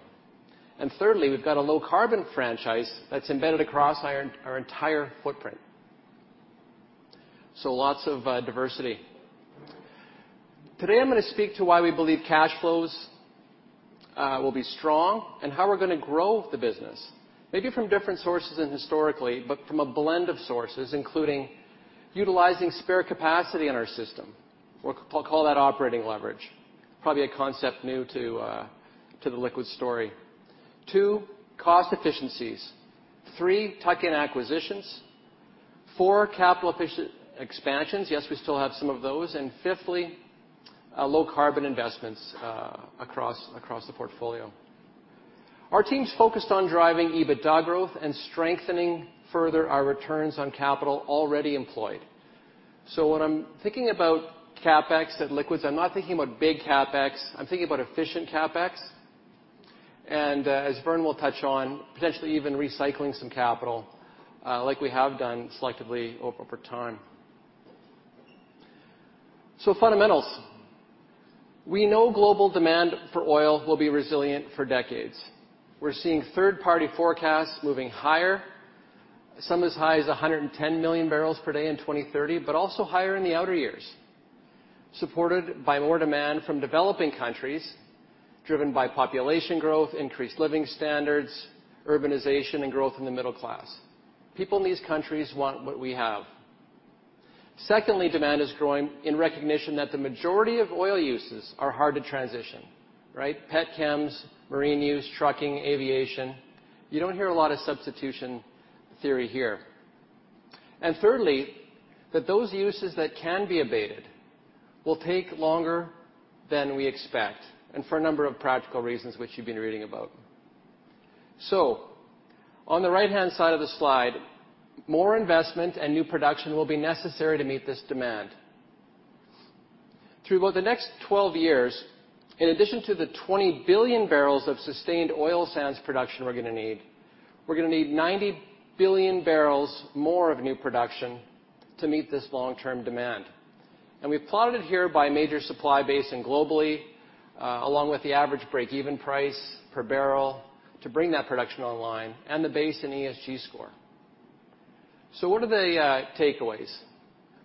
G: And thirdly, we've got a low carbon franchise that's embedded across our entire footprint. So lots of diversity. Today, I'm gonna speak to why we believe cash flows will be strong and how we're gonna grow the business, maybe from different sources than historically, but from a blend of sources, including utilizing spare capacity in our system, or call that operating leverage, probably a concept new to the liquid story. Two, cost efficiencies. Three, tuck-in acquisitions. Four, capital efficient expansions. Yes, we still have some of those. Fifthly, low carbon investments across the portfolio. Our team's focused on driving EBITDA growth and strengthening further our returns on capital already employed. When I'm thinking about CapEx at liquids, I'm not thinking about big CapEx. I'm thinking about efficient CapEx, and as Vern will touch on, potentially even recycling some capital, like we have done selectively over time. Fundamentals. We know global demand for oil will be resilient for decades. We're seeing third-party forecasts moving higher, some as high as 110 MMbpd in 2030, but also higher in the outer years, supported by more demand from developing countries, driven by population growth, increased living standards, urbanization, and growth in the middle class. People in these countries want what we have. Demand is growing in recognition that the majority of oil uses are hard to transition, right? pet chems, marine use, trucking, aviation. You don't hear a lot of substitution theory here. That those uses that can be abated will take longer than we expect, and for a number of practical reasons which you've been reading about. On the right-hand side of the slide, more investment and new production will be necessary to meet this demand. Through about the next 12 years, in addition to the 20 billion bbl of sustained oil sands production we're gonna need, we're gonna need 90 billion bbl more of new production to meet this long-term demand. We've plotted here by major supply basin globally, along with the average break-even price per barrel to bring that production online and the base and ESG score. What are the takeaways?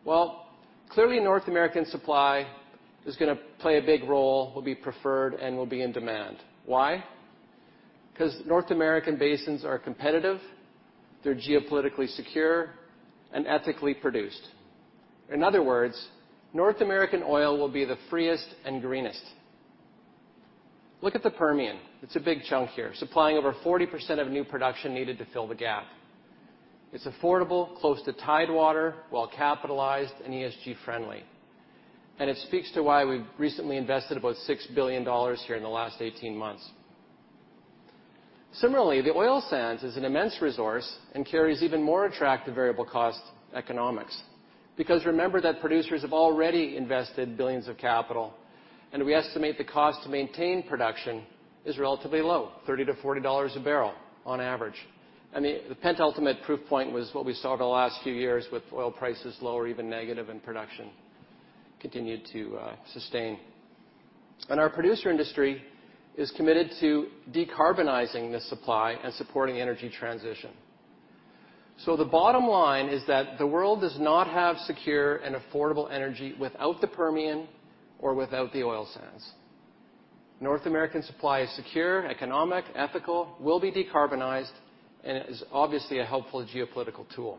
G: Well, clearly, North American supply is gonna play a big role, will be preferred, and will be in demand. Why? 'Cause North American basins are competitive, they're geopolitically secure, and ethically produced. In other words, North American oil will be the freest and greenest. Look at the Permian. It's a big chunk here, supplying over 40% of new production needed to fill the gap. It's affordable, close to Tidewater, well-capitalized, and ESG-friendly. It speaks to why we've recently invested about $6 billion here in the last 18 months. Similarly, the oil sands is an immense resource and carries even more attractive variable cost economics because remember that producers have already invested billions of capital, and we estimate the cost to maintain production is relatively low, $30-$40 a barrel on average. I mean, the penultimate proof point was what we saw over the last few years with oil prices lower, even negative, and production continued to sustain. Our producer industry is committed to decarbonizing the supply and supporting energy transition. The bottom line is that the world does not have secure and affordable energy without the Permian or without the oil sands. North American supply is secure, economic, ethical, will be decarbonized, and it is obviously a helpful geopolitical tool.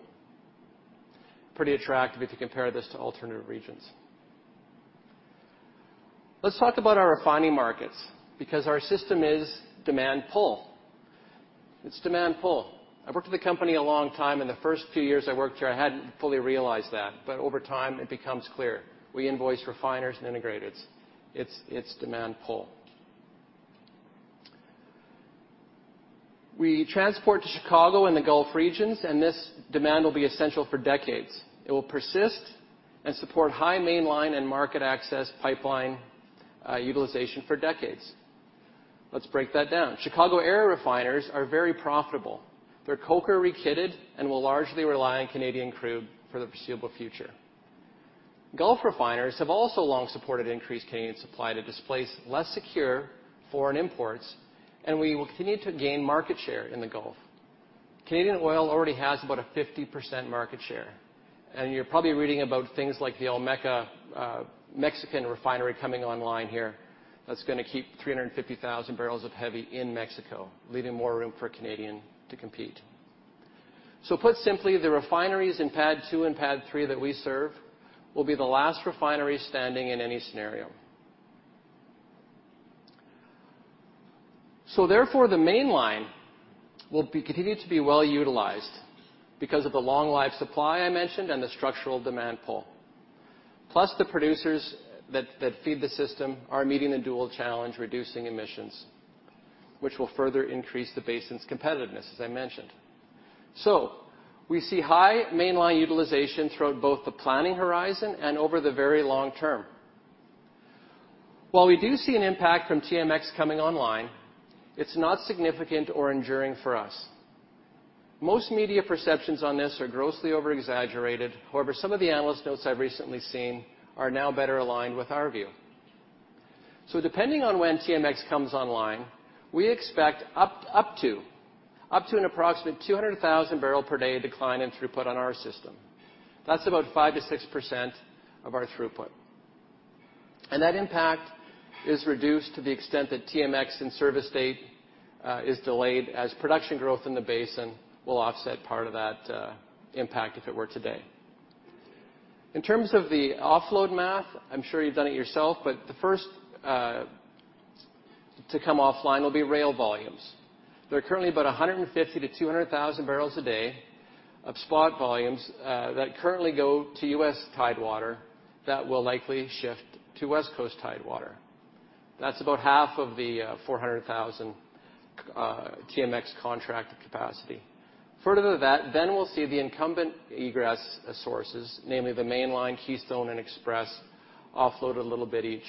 G: Pretty attractive if you compare this to alternative regions. Let's talk about our refining markets because our system is demand pull. It's demand pull. I've worked at the company a long time. In the first few years I worked here, I hadn't fully realized that, but over time, it becomes clear. We invoice refiners and integrators. It's demand pull. We transport to Chicago and the Gulf regions. This demand will be essential for decades. It will persist and support high mainline and market access pipeline utilization for decades. Let's break that down. Chicago area refiners are very profitable. Their coker-retrofitted and will largely rely on Canadian crude for the foreseeable future. Gulf refiners have also long supported increased Canadian supply to displace less secure foreign imports. We will continue to gain market share in the Gulf. Canadian oil already has about a 50% market share. You're probably reading about things like the Olmeca Mexican refinery coming online here that's gonna keep 350,000 bbl of heavy in Mexico, leaving more room for Canadian to compete. Put simply, the refineries in PADD 2 and PADD 3 that we serve will be the last refinery standing in any scenario. Therefore, the Mainline will be continued to be well-utilized because of the long-life supply I mentioned and the structural demand pull, plus the producers that feed the system are meeting the dual challenge, reducing emissions, which will further increase the basin's competitiveness, as I mentioned. We see high Mainline utilization throughout both the planning horizon and over the very long term. While we do see an impact from TMX coming online, it's not significant or enduring for us. Most media perceptions on this are grossly over-exaggerated. However, some of the analyst notes I've recently seen are now better aligned with our view. Depending on when TMX comes online, we expect up to an approximate 200,000 bbl per day decline in throughput on our system. That's about 5%-6% of our throughput. That impact is reduced to the extent that TMX and service date, is delayed as production growth in the basin will offset part of that, impact if it were today. In terms of the offload math, I'm sure you've done it yourself, but the first, to come offline will be rail volumes. There are currently about 150,000-200,000 bbl a day of spot volumes, that currently go to U.S. Tidewater that will likely shift to West Coast Tidewater. That's about half of the, 400,000, TMX contract capacity. Further to that, we'll see the incumbent egress sources, namely the Mainline, Keystone and Express, offload a little bit each.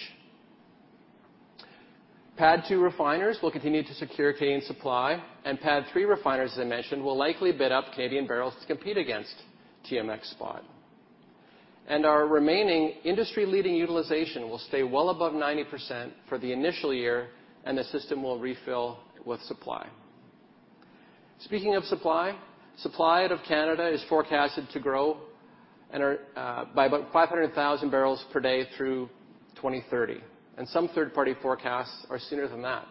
G: PADD two refiners will continue to secure Canadian supply, and PADD three refiners, as I mentioned, will likely bid up Canadian barrels to compete against TMX spot. Our remaining industry-leading utilization will stay well above 90% for the initial year, and the system will refill with supply. Speaking of supply out of Canada is forecasted to grow and are by about 500,000 bblper day through 2030, and some third-party forecasts are sooner than that.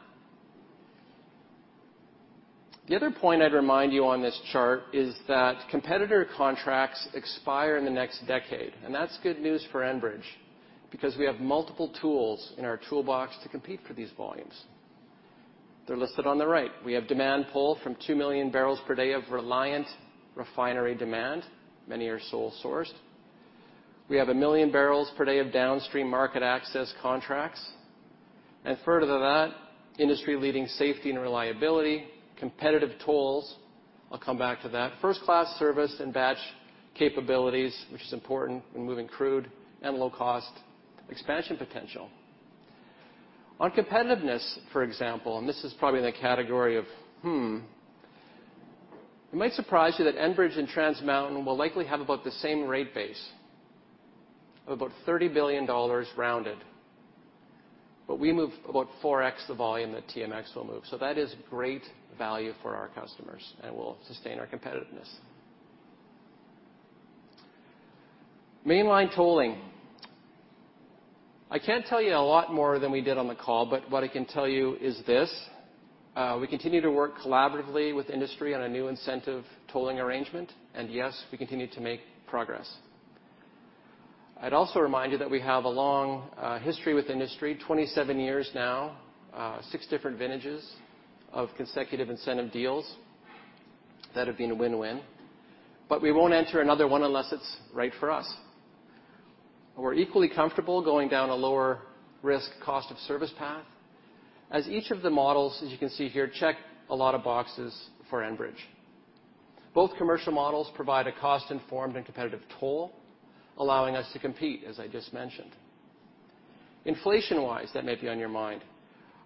G: The other point I'd remind you on this chart is that competitor contracts expire in the next decade, and that's good news for Enbridge because we have multiple tools in our toolbox to compete for these volumes. They're listed on the right. We have demand pull from 2 MMbpd of reliant refinery demand. Many are sole-sourced. We have 1 MMbpd of downstream market access contracts. Further to that, industry-leading safety and reliability, competitive tolls, I'll come back to that. First-class service and batch capabilities, which is important when moving crude and low cost, expansion potential. On competitiveness, for example, this is probably in the category of, hmm, it might surprise you that Enbridge and Trans Mountain will likely have about the same rate base of about $30 billion rounded. We move about 4x the volume that TMX will move. That is great value for our customers, we'll sustain our competitiveness. Mainline tolling. I can't tell you a lot more than we did on the call, what I can tell you is this, we continue to work collaboratively with industry on a new incentive tolling arrangement, yes, we continue to make progress. I'd also remind you that we have a long, history with industry, 27 years now, six different vintages of consecutive incentive deals that have been a win-win. We won't enter another one unless it's right for us. We're equally comfortable going down a lower risk cost of service path as each of the models, as you can see here, check a lot of boxes for Enbridge. Both commercial models provide a cost-informed and competitive toll, allowing us to compete, as I just mentioned. Inflation-wise, that may be on your mind,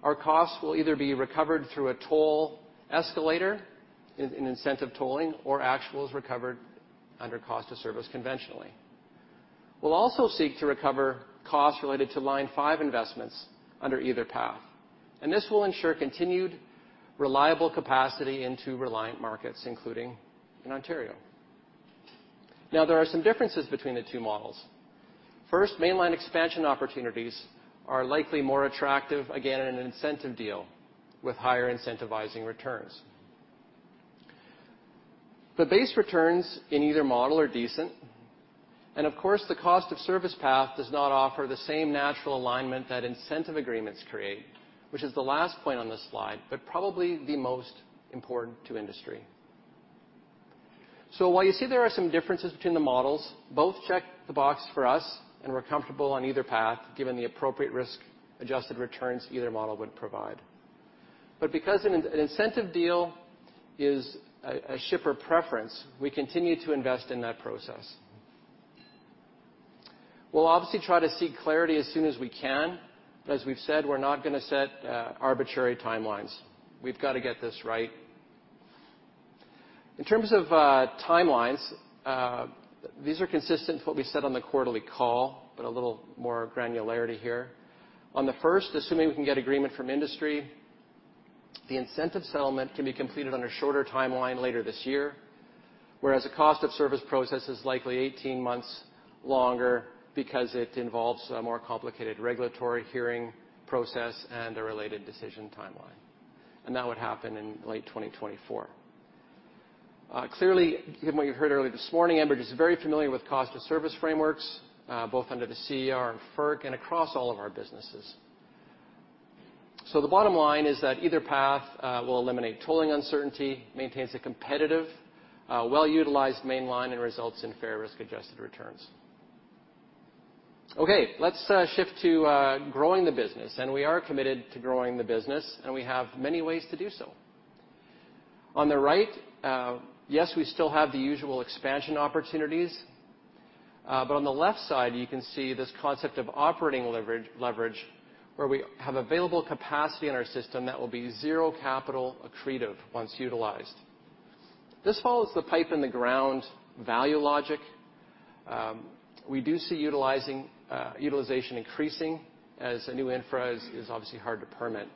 G: our costs will either be recovered through a toll escalator in incentive tolling or actuals recovered under cost of service conventionally. We'll also seek to recover costs related to Line 5 investments under either path. This will ensure continued reliable capacity into reliant markets, including in Ontario. Now, there are some differences between the two models. First, mainline expansion opportunities are likely more attractive, again, in an incentive deal with higher incentivizing returns. The base returns in either model are decent. Of course, the cost of service path does not offer the same natural alignment that incentive agreements create, which is the last point on this slide, but probably the most important to industry. While you see there are some differences between the models, both check the box for us, and we're comfortable on either path, given the appropriate risk-adjusted returns either model would provide. Because an incentive deal is a shipper preference, we continue to invest in that process. We'll obviously try to seek clarity as soon as we can, but as we've said, we're not gonna set arbitrary timelines. We've gotta get this right. In terms of timelines, these are consistent with what we said on the quarterly call, but a little more granularity here. On the first, assuming we can get agreement from industry, the incentive settlement can be completed on a shorter timeline later this year, whereas the cost of service process is likely 18 months longer because it involves a more complicated regulatory hearing process and a related decision timeline. That would happen in late 2024. Clearly, given what you heard earlier this morning, Enbridge is very familiar with cost of service frameworks, both under the CER and FERC and across all of our businesses. The bottom line is that either path will eliminate tolling uncertainty, maintains a competitive, well-utilized Mainline, and results in fair risk-adjusted returns. Okay. Let's shift to growing the business. We are committed to growing the business, and we have many ways to do so. On the right, yes, we still have the usual expansion opportunities. On the left side, you can see this concept of operating leverage where we have available capacity in our system that will be zero capital accretive once utilized. This follows the pipe in the ground value logic. We do see utilization increasing as a new infra is obviously hard to permit.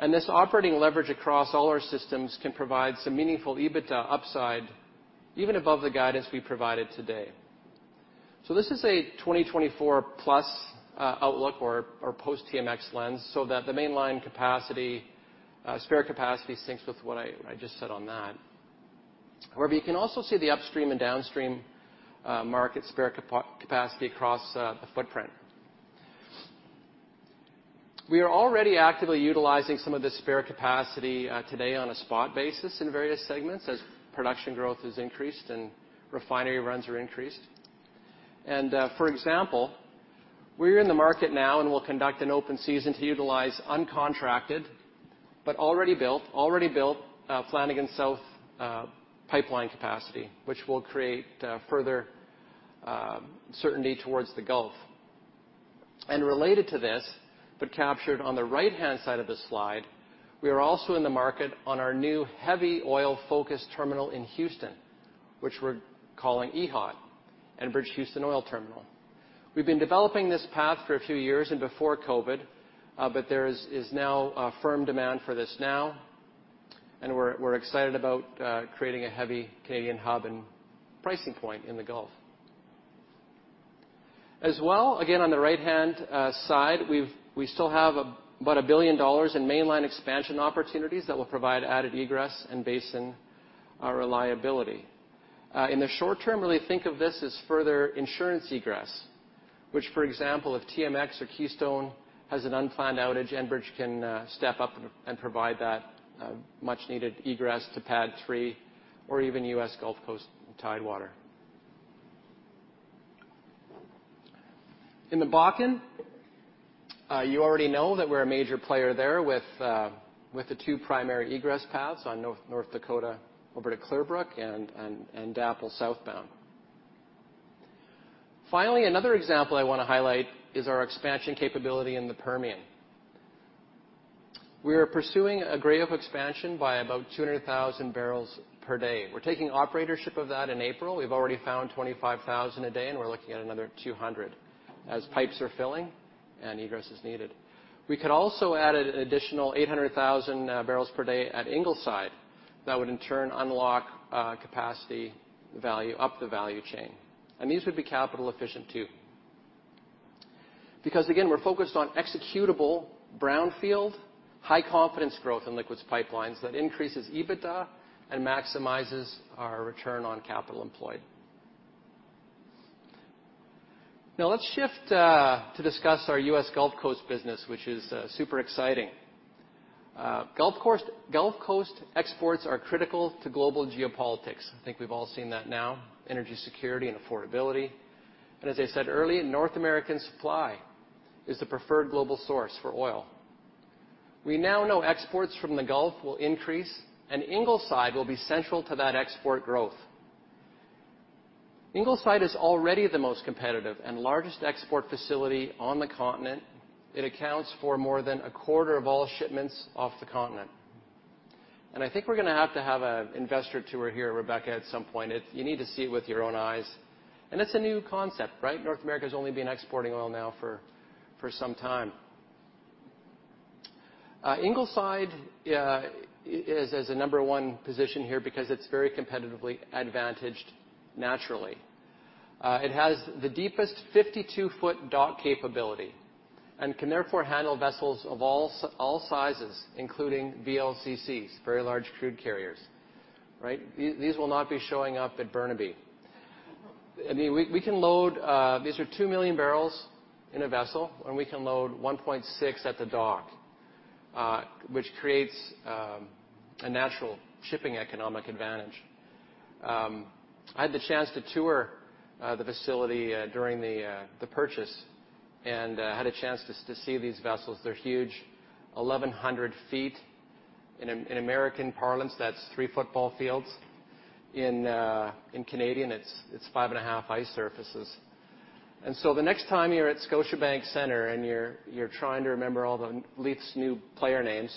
G: This operating leverage across all our systems can provide some meaningful EBITDA upside, even above the guidance we provided today. This is a 2024 plus outlook or post-TMX lens so that the Mainline capacity, spare capacity syncs with what I just said on that. You can also see the upstream and downstream market spare capacity across the footprint. We are already actively utilizing some of the spare capacity today on a spot basis in various segments as production growth has increased and refinery runs are increased. For example, we're in the market now and will conduct an open season to utilize uncontracted, but already built Flanagan South pipeline capacity, which will create further certainty towards the Gulf. Related to this, captured on the right-hand side of the slide, we are also in the market on our new heavy oil-focused terminal in Houston, which we're calling EHOT, Enbridge Houston Oil Terminal. We've been developing this path for a few years before COVID, there is now a firm demand for this now, and we're excited about creating a heavy Canadian hub and pricing point in the Gulf. As well, again, on the right-hand side, we still have about $1 billion in Mainline expansion opportunities that will provide added egress and basin reliability. In the short term, really think of this as further insurance egress, which, for example, if TMX or Keystone has an unplanned outage, Enbridge can step up and provide that much-needed egress to PADD 3 or even U.S. Gulf Coast in Tidewater. In the Bakken, you already know that we're a major player there with the two primary egress paths on North Dakota over to Clearbrook and DAPL southbound. Finally, another example I wanna highlight is our expansion capability in the Permian. We are pursuing a Gray Oak expansion by about 200,000 bbl per day. We're taking operatorship of that in April. We've already found 25,000 a day, and we're looking at another 200 as pipes are filling and egress is needed. We could also add an additional 800,000 bbl per day at Ingleside that would, in turn, unlock capacity value up the value chain, and these would be capital efficient too. Again, we're focused on executable brownfield, high-confidence growth in liquids pipelines that increases EBITDA and maximizes our return on capital employed. Now let's shift to discuss our U.S. Gulf Coast business, which is super exciting. Gulf Coast exports are critical to global geopolitics. I think we've all seen that now, energy security and affordability. As I said earlier, North American supply is the preferred global source for oil. We now know exports from the Gulf will increase, Ingleside will be central to that export growth. Ingleside is already the most competitive and largest export facility on the continent. It accounts for more than a quarter of all shipments off the continent. I think we're gonna have to have a investor tour here, Rebecca, at some point. You need to see it with your own eyes. It's a new concept, right? North America's only been exporting oil now for some time. Ingleside is as a number one position here because it's very competitively advantaged naturally. It has the deepest 52 ft dock capability and can therefore handle vessels of all sizes, including VLCCs, very large crude carriers, right? These will not be showing up at Burnaby. I mean, we can load. These are 2 million bbl in a vessel, and we can load 1.6 at the dock, which creates a natural shipping economic advantage. I had the chance to tour the facility during the purchase and had a chance to see these vessels. They're huge. 1,100 ft. In American parlance, that's three football fields. In Canadian, it's five and a half ice surfaces. The next time you're at Scotiabank Centre, and you're trying to remember all the Leafs' new player names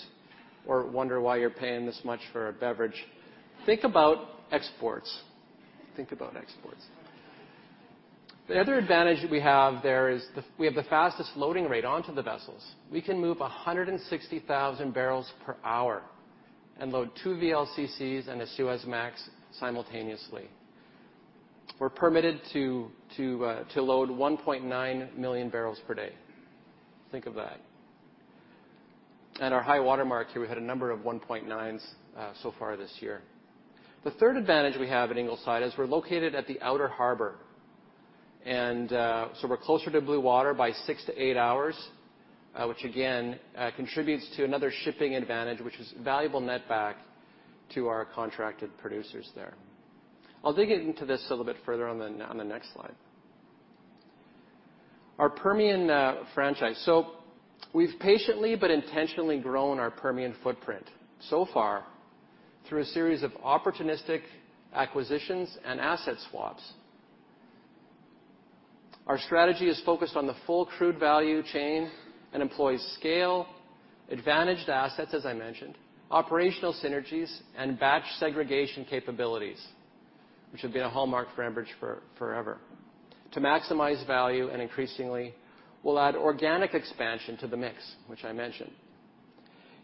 G: or wonder why you're paying this much for a beverage, think about exports. Think about exports. The other advantage that we have there is we have the fastest loading rate onto the vessels. We can move 160,000 bbl per hour and load 2 VLCCs and a Suezmax simultaneously. We're permitted to load 1.9 MMbpd. Think of that. Our high water mark here, we had a number of 1.9s so far this year. The third advantage we have at Ingleside is we're located at the outer harbor, and so we're closer to blue water by six to eight hours, which again, contributes to another shipping advantage, which is valuable netback to our contracted producers there. I'll dig into this a little bit further on the next slide. Our Permian franchise. We've patiently but intentionally grown our Permian footprint so far through a series of opportunistic acquisitions and asset swaps. Our strategy is focused on the full crude value chain and employs scale, advantaged assets, as I mentioned, operational synergies, and batch segregation capabilities, which have been a hallmark for Enbridge for forever, to maximize value. Increasingly, we'll add organic expansion to the mix, which I mentioned.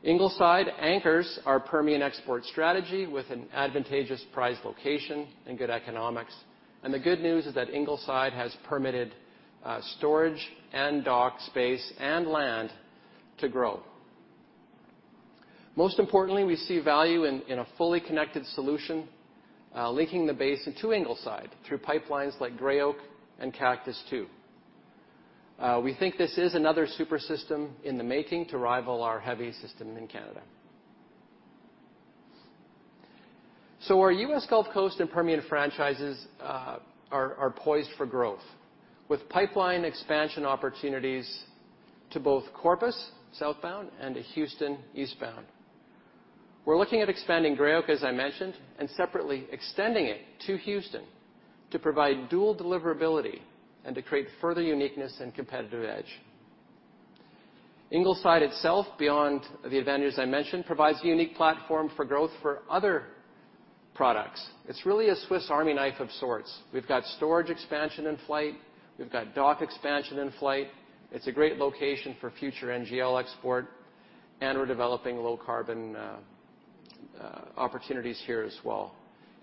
G: Ingleside anchors our Permian export strategy with an advantageous price, location, and good economics. The good news is that Ingleside has permitted storage and dock space and land to grow. Most importantly, we see value in a fully connected solution linking the basin to Ingleside through pipelines like Gray Oak and Cactus II. We think this is another super system in the making to rival our heavy system in Canada. Our U.S. Gulf Coast and Permian franchises are poised for growth, with pipeline expansion opportunities to both Corpus southbound and to Houston eastbound. We're looking at expanding Gray Oak, as I mentioned, and separately extending it to Houston to provide dual deliverability and to create further uniqueness and competitive edge. Ingleside itself, beyond the advantages I mentioned, provides a unique platform for growth for other products. It's really a Swiss army knife of sorts. We've got storage expansion in flight. We've got dock expansion in flight. It's a great location for future NGL export, we're developing low carbon opportunities here as well.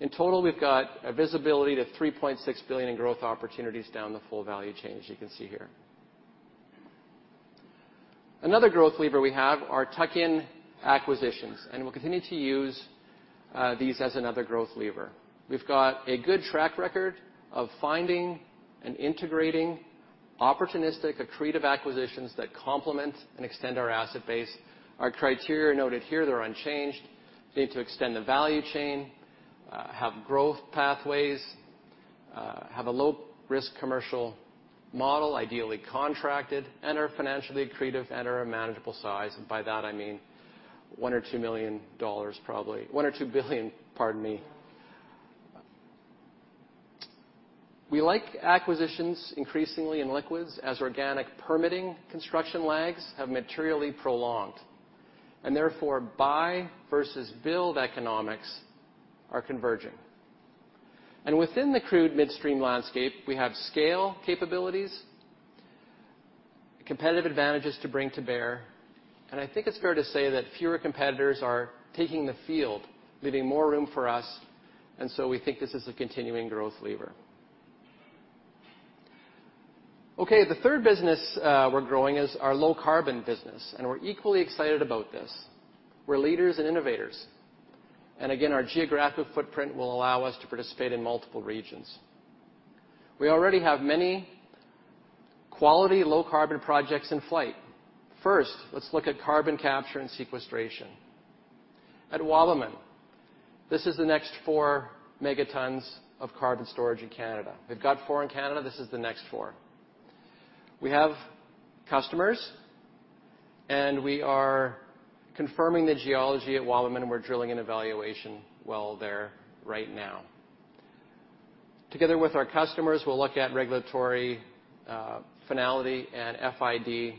G: In total, we've got a visibility to $3.6 billion in growth opportunities down the full value chain, as you can see here. Another growth lever we have are tuck-in acquisitions, we'll continue to use these as another growth lever. We've got a good track record of finding and integrating opportunistic, accretive acquisitions that complement and extend our asset base. Our criteria are noted here. They're unchanged. Need to extend the value chain, have growth pathways, have a low-risk commercial model, ideally contracted, are financially accretive and are a manageable size. By that, I mean $1 million or $2 million, probably. $1 billion or $2 billion, pardon me. We like acquisitions increasingly in liquids as organic permitting construction lags have materially prolonged. Therefore, buy versus build economics are converging. Within the crude midstream landscape, we have scale capabilities, competitive advantages to bring to bear, and I think it's fair to say that fewer competitors are taking the field, leaving more room for us. We think this is a continuing growth lever. Okay. The third business we're growing is our low carbon business. We're equally excited about this. We're leaders and innovators. Again, our geographic footprint will allow us to participate in multiple regions. We already have many quality low carbon projects in flight. First, let's look at carbon capture and sequestration. At Wabamun, this is the next 4 megatons of carbon storage in Canada. We've got 4 in Canada. This is the next 4. We have customers, we are confirming the geology at Wabamun, and we're drilling an evaluation well there right now. Together with our customers, we'll look at regulatory finality and FID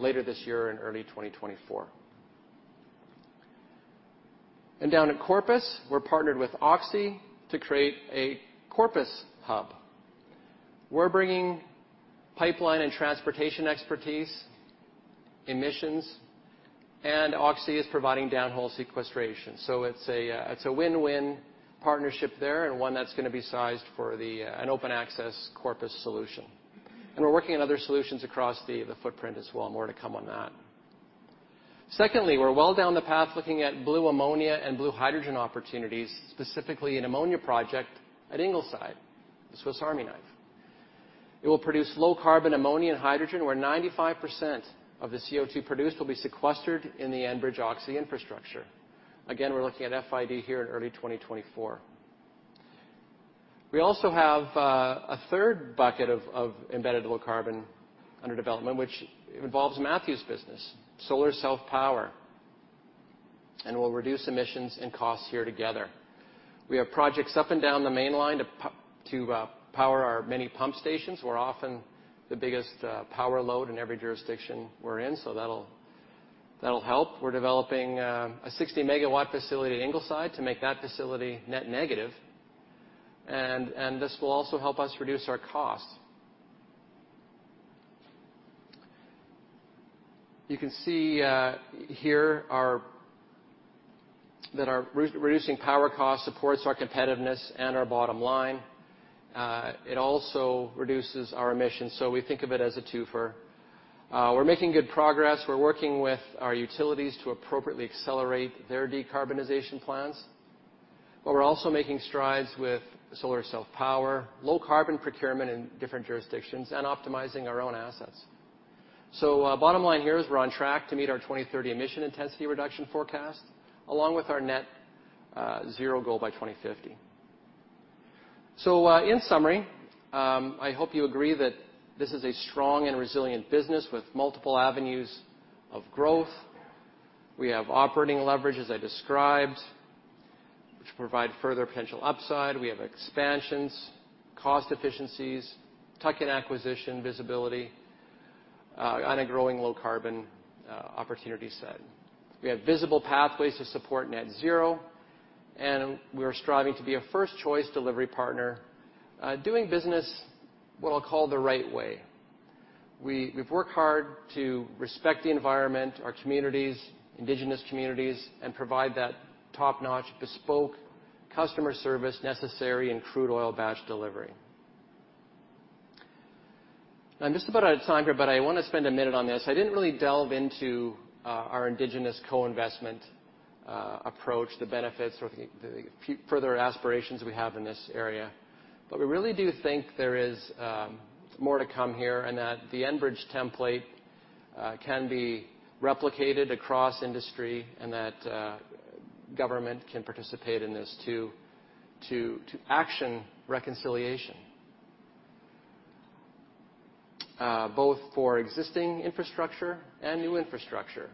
G: later this year in early 2024. Down at Corpus, we're partnered with Oxy to create a Corpus hub. We're bringing pipeline and transportation expertise. Emissions. Oxy is providing downhole sequestration. It's a win-win partnership there and one that's gonna be sized for an open access Corpus solution. We're working on other solutions across the footprint as well. More to come on that. Secondly, we're well down the path looking at blue ammonia and blue hydrogen opportunities, specifically an ammonia project at Ingleside, the Swiss Army knife. It will produce low carbon ammonia and hydrogen, where 95% of the CO2 produced will be sequestered in the Enbridge-Oxy infrastructure. We're looking at FID here in early 2024. We also have a third bucket of embedded low carbon under development, which involves Matthew's business, solar self-power, and will reduce emissions and costs here together. We have projects up and down the Mainline to power our many pump stations. We're often the biggest power load in every jurisdiction we're in. That'll help. We're developing a 60 MW facility at Ingleside to make that facility net negative. This will also help us reduce our costs. You can see here our re-reducing power costs supports our competitiveness and our bottom line. It also reduces our emissions. We think of it as a twofer. We're making good progress. We're working with our utilities to appropriately accelerate their decarbonization plans, but we're also making strides with solar self-power, low carbon procurement in different jurisdictions, and optimizing our own assets. Bottom line here is we're on track to meet our 2030 emission intensity reduction forecast, along with our net zero goal by 2050. In summary, I hope you agree that this is a strong and resilient business with multiple avenues of growth. We have operating leverage, as I described, which provide further potential upside. We have expansions, cost efficiencies, tuck-in acquisition visibility on a growing low carbon opportunity set. We have visible pathways to support net zero, and we are striving to be a first choice delivery partner, doing business, what I'll call the right way. We've worked hard to respect the environment, our communities, Indigenous communities, and provide that top-notch bespoke customer service necessary in crude oil batch delivery. I'm just about out of time here, but I wanna spend a minute on this. I didn't really delve into our Indigenous co-investment approach, the benefits or the further aspirations we have in this area, but we really do think there is more to come here, and that the Enbridge template can be replicated across industry, and that government can participate in this to action reconciliation. Both for existing infrastructure and new infrastructure,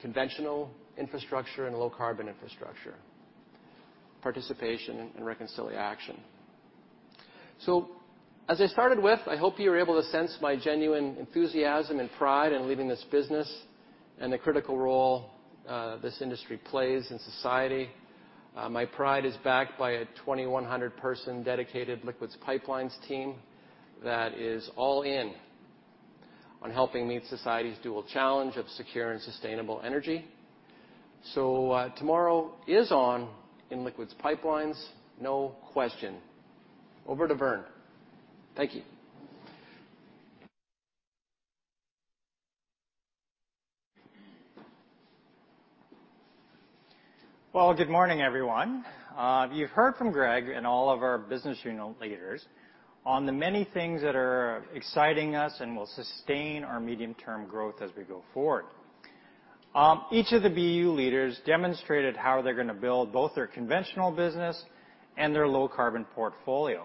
G: conventional infrastructure, and low carbon infrastructure, participation and reconciliation action. As I started with, I hope you were able to sense my genuine enthusiasm and pride in leading this business and the critical role this industry plays in society. My pride is backed by a 2,100 person dedicated liquids pipelines team that is all in on helping meet society's dual challenge of secure and sustainable energy. Tomorrow is on in liquids pipelines, no question. Over to Vern. Thank you.
H: Well, good morning, everyone. You've heard from Greg and all of our business unit leaders on the many things that are exciting us and will sustain our medium-term growth as we go forward. Each of the BU leaders demonstrated how they're gonna build both their conventional business and their low-carbon portfolio.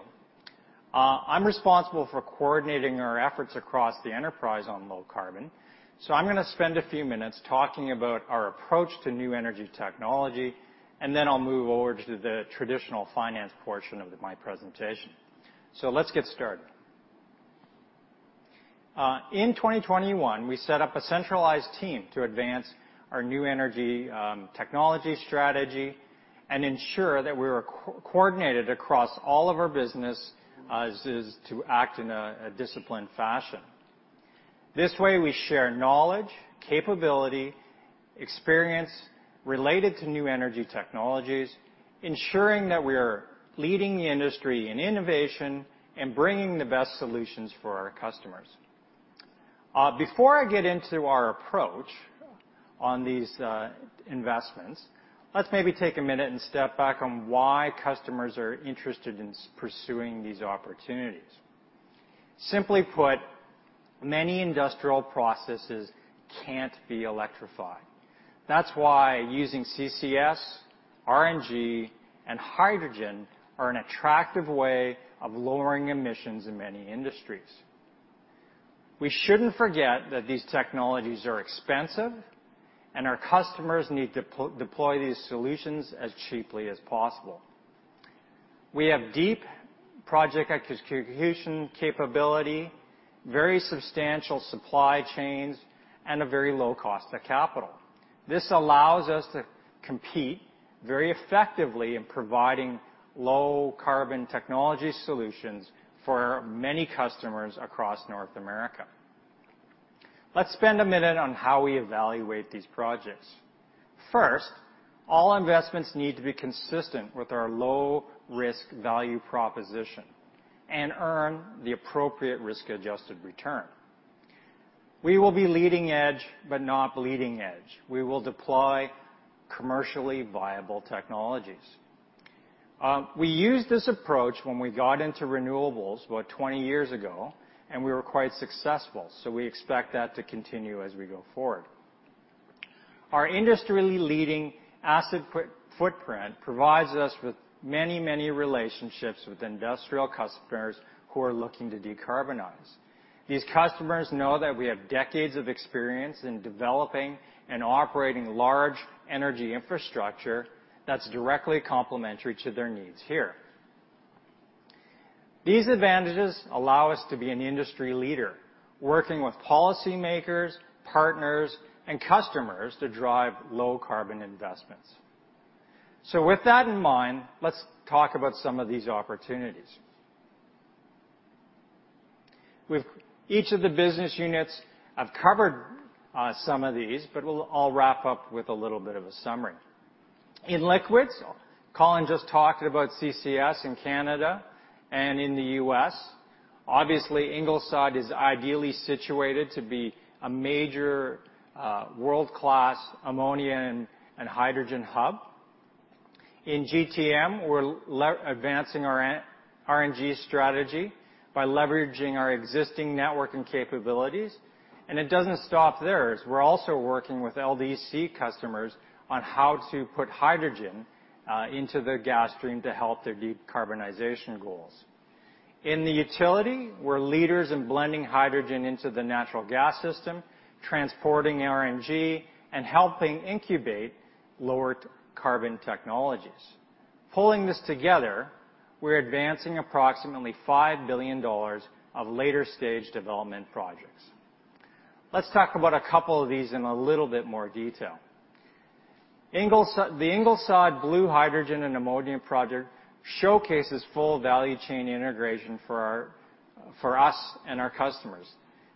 H: I'm responsible for coordinating our efforts across the enterprise on low carbon, so I'm gonna spend a few minutes talking about our approach to new energy technology, and then I'll move over to the traditional finance portion of my presentation. Let's get started. In 2021, we set up a centralized team to advance our new energy technology strategy and ensure that we were co-coordinated across all of our business to act in a disciplined fashion. This way, we share knowledge, capability, experience related to new energy technologies, ensuring that we are leading the industry in innovation and bringing the best solutions for our customers. Before I get into our approach on these investments, let's maybe take a minute and step back on why customers are interested in pursuing these opportunities. Simply put, many industrial processes can't be electrified. That's why using CCS, RNG, and hydrogen are an attractive way of lowering emissions in many industries. We shouldn't forget that these technologies are expensive, and our customers need to deploy these solutions as cheaply as possible. We have deep project execution capability, very substantial supply chains, and a very low cost of capital. This allows us to compete very effectively in providing low carbon technology solutions for many customers across North America. Let's spend a minute on how we evaluate these projects. All investments need to be consistent with our low-risk value proposition and earn the appropriate risk-adjusted return. We will be leading-edge, not bleeding-edge. We will deploy commercially viable technologies. We used this approach when we got into renewables about 20 years ago. We were quite successful. We expect that to continue as we go forward. Our industrially leading asset footprint provides us with many relationships with industrial customers who are looking to decarbonize. These customers know that we have decades of experience in developing and operating large energy infrastructure that's directly complementary to their needs here. These advantages allow us to be an industry leader, working with policymakers, partners, and customers to drive low-carbon investments. With that in mind, let's talk about some of these opportunities. With each of the business units, I've covered, some of these, but we'll all wrap up with a little bit of a summary. In liquids, Colin just talked about CCS in Canada and in the U.S.. Obviously, Ingleside is ideally situated to be a major, world-class ammonia and hydrogen hub. In GTM, we're advancing our RNG strategy by leveraging our existing networking capabilities, it doesn't stop there, as we're also working with LDC customers on how to put hydrogen into their gas stream to help their decarbonization goals. In the utility, we're leaders in blending hydrogen into the natural gas system, transporting RNG and helping incubate lower carbon technologies. Pulling this together, we're advancing approximately $5 billion of later stage development projects. Let's talk about a couple of these in a little bit more detail. The Ingleside Blue Hydrogen and Ammonia project showcases full value chain integration for us and our customers.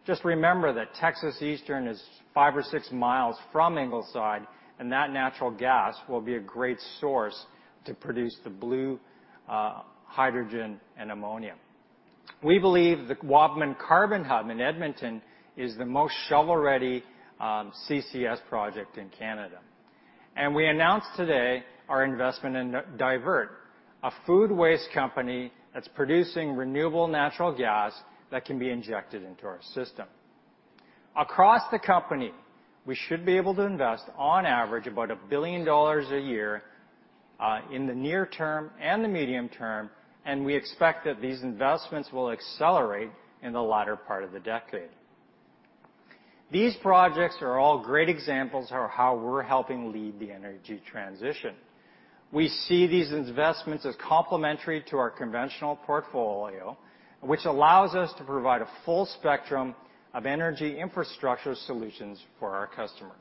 H: Just remember that Texas Eastern is five or six miles from Ingleside, and that natural gas will be a great source to produce the blue hydrogen and ammonia. We believe the Wabamun Carbon Hub in Edmonton is the most shovel-ready CCS project in Canada. We announced today our investment in Divert, a food waste company that's producing renewable natural gas that can be injected into our system. Across the company, we should be able to invest on average about $1 billion a year in the near term and the medium term, and we expect that these investments will accelerate in the latter part of the decade. These projects are all great examples of how we're helping lead the energy transition. We see these investments as complementary to our conventional portfolio, which allows us to provide a full spectrum of energy infrastructure solutions for our customers.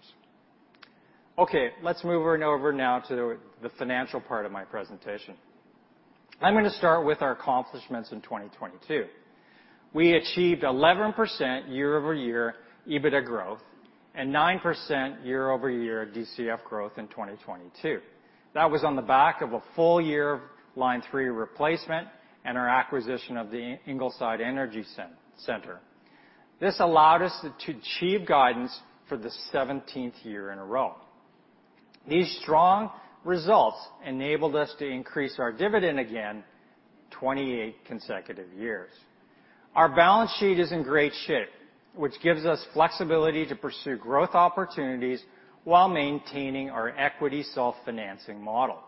H: Let's move on over now to the financial part of my presentation. I'm gonna start with our accomplishments in 2022. We achieved 11% year-over-year EBITDA growth and 9% year-over-year DCF growth in 2022. That was on the back of a full year Line 3 replacement and our acquisition of the Ingleside Energy Center. This allowed us to achieve guidance for the 17th year in a row. These strong results enabled us to increase our dividend again 28 consecutive years. Our balance sheet is in great shape, which gives us flexibility to pursue growth opportunities while maintaining our equity self-financing model.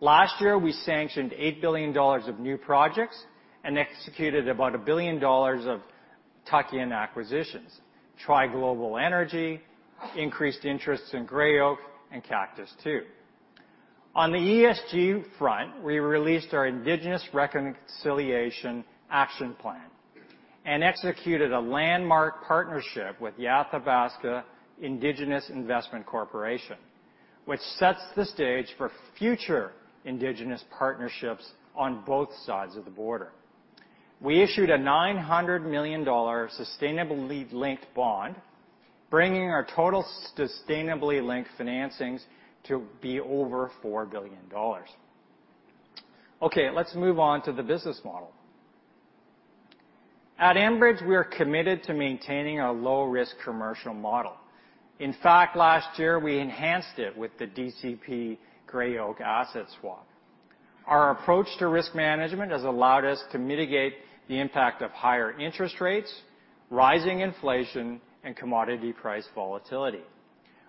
H: Last year, we sanctioned 8 billion dollars of new projects and executed about 1 billion dollars of tuck-in acquisitions. The ESG front, we released our Indigenous Reconciliation Action Plan and executed a landmark partnership with the Athabasca Indigenous Investments, which sets the stage for future Indigenous partnerships on both sides of the border. We issued a 900 million dollar sustainability-linked bond, bringing our total sustainability-linked financings to be over 4 billion dollars. Let's move on to the business model. At Enbridge, we are committed to maintaining a low-risk commercial model. In fact, last year, we enhanced it with the DCP Gray Oak asset swap. Our approach to risk management has allowed us to mitigate the impact of higher interest rates, rising inflation, and commodity price volatility.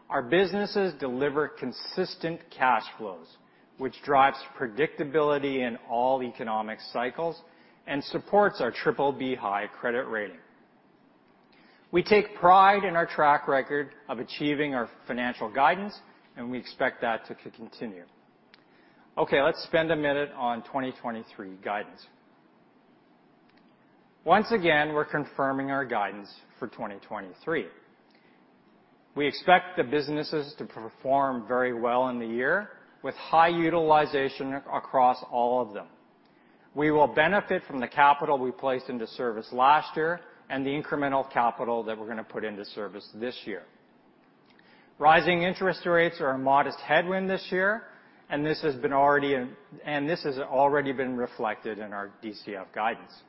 H: Our businesses deliver consistent cash flows, which drives predictability in all economic cycles and supports our BBB (high) credit rating. We take pride in our track record of achieving our financial guidance, and we expect that to continue. Let's spend a minute on 2023 guidance. Once again, we're confirming our guidance for 2023. We expect the businesses to perform very well in the year with high utilization across all of them. We will benefit from the capital we placed into service last year and the incremental capital that we're gonna put into service this year. Rising interest rates are a modest headwind this year, and this has already been reflected in our DCF guidance.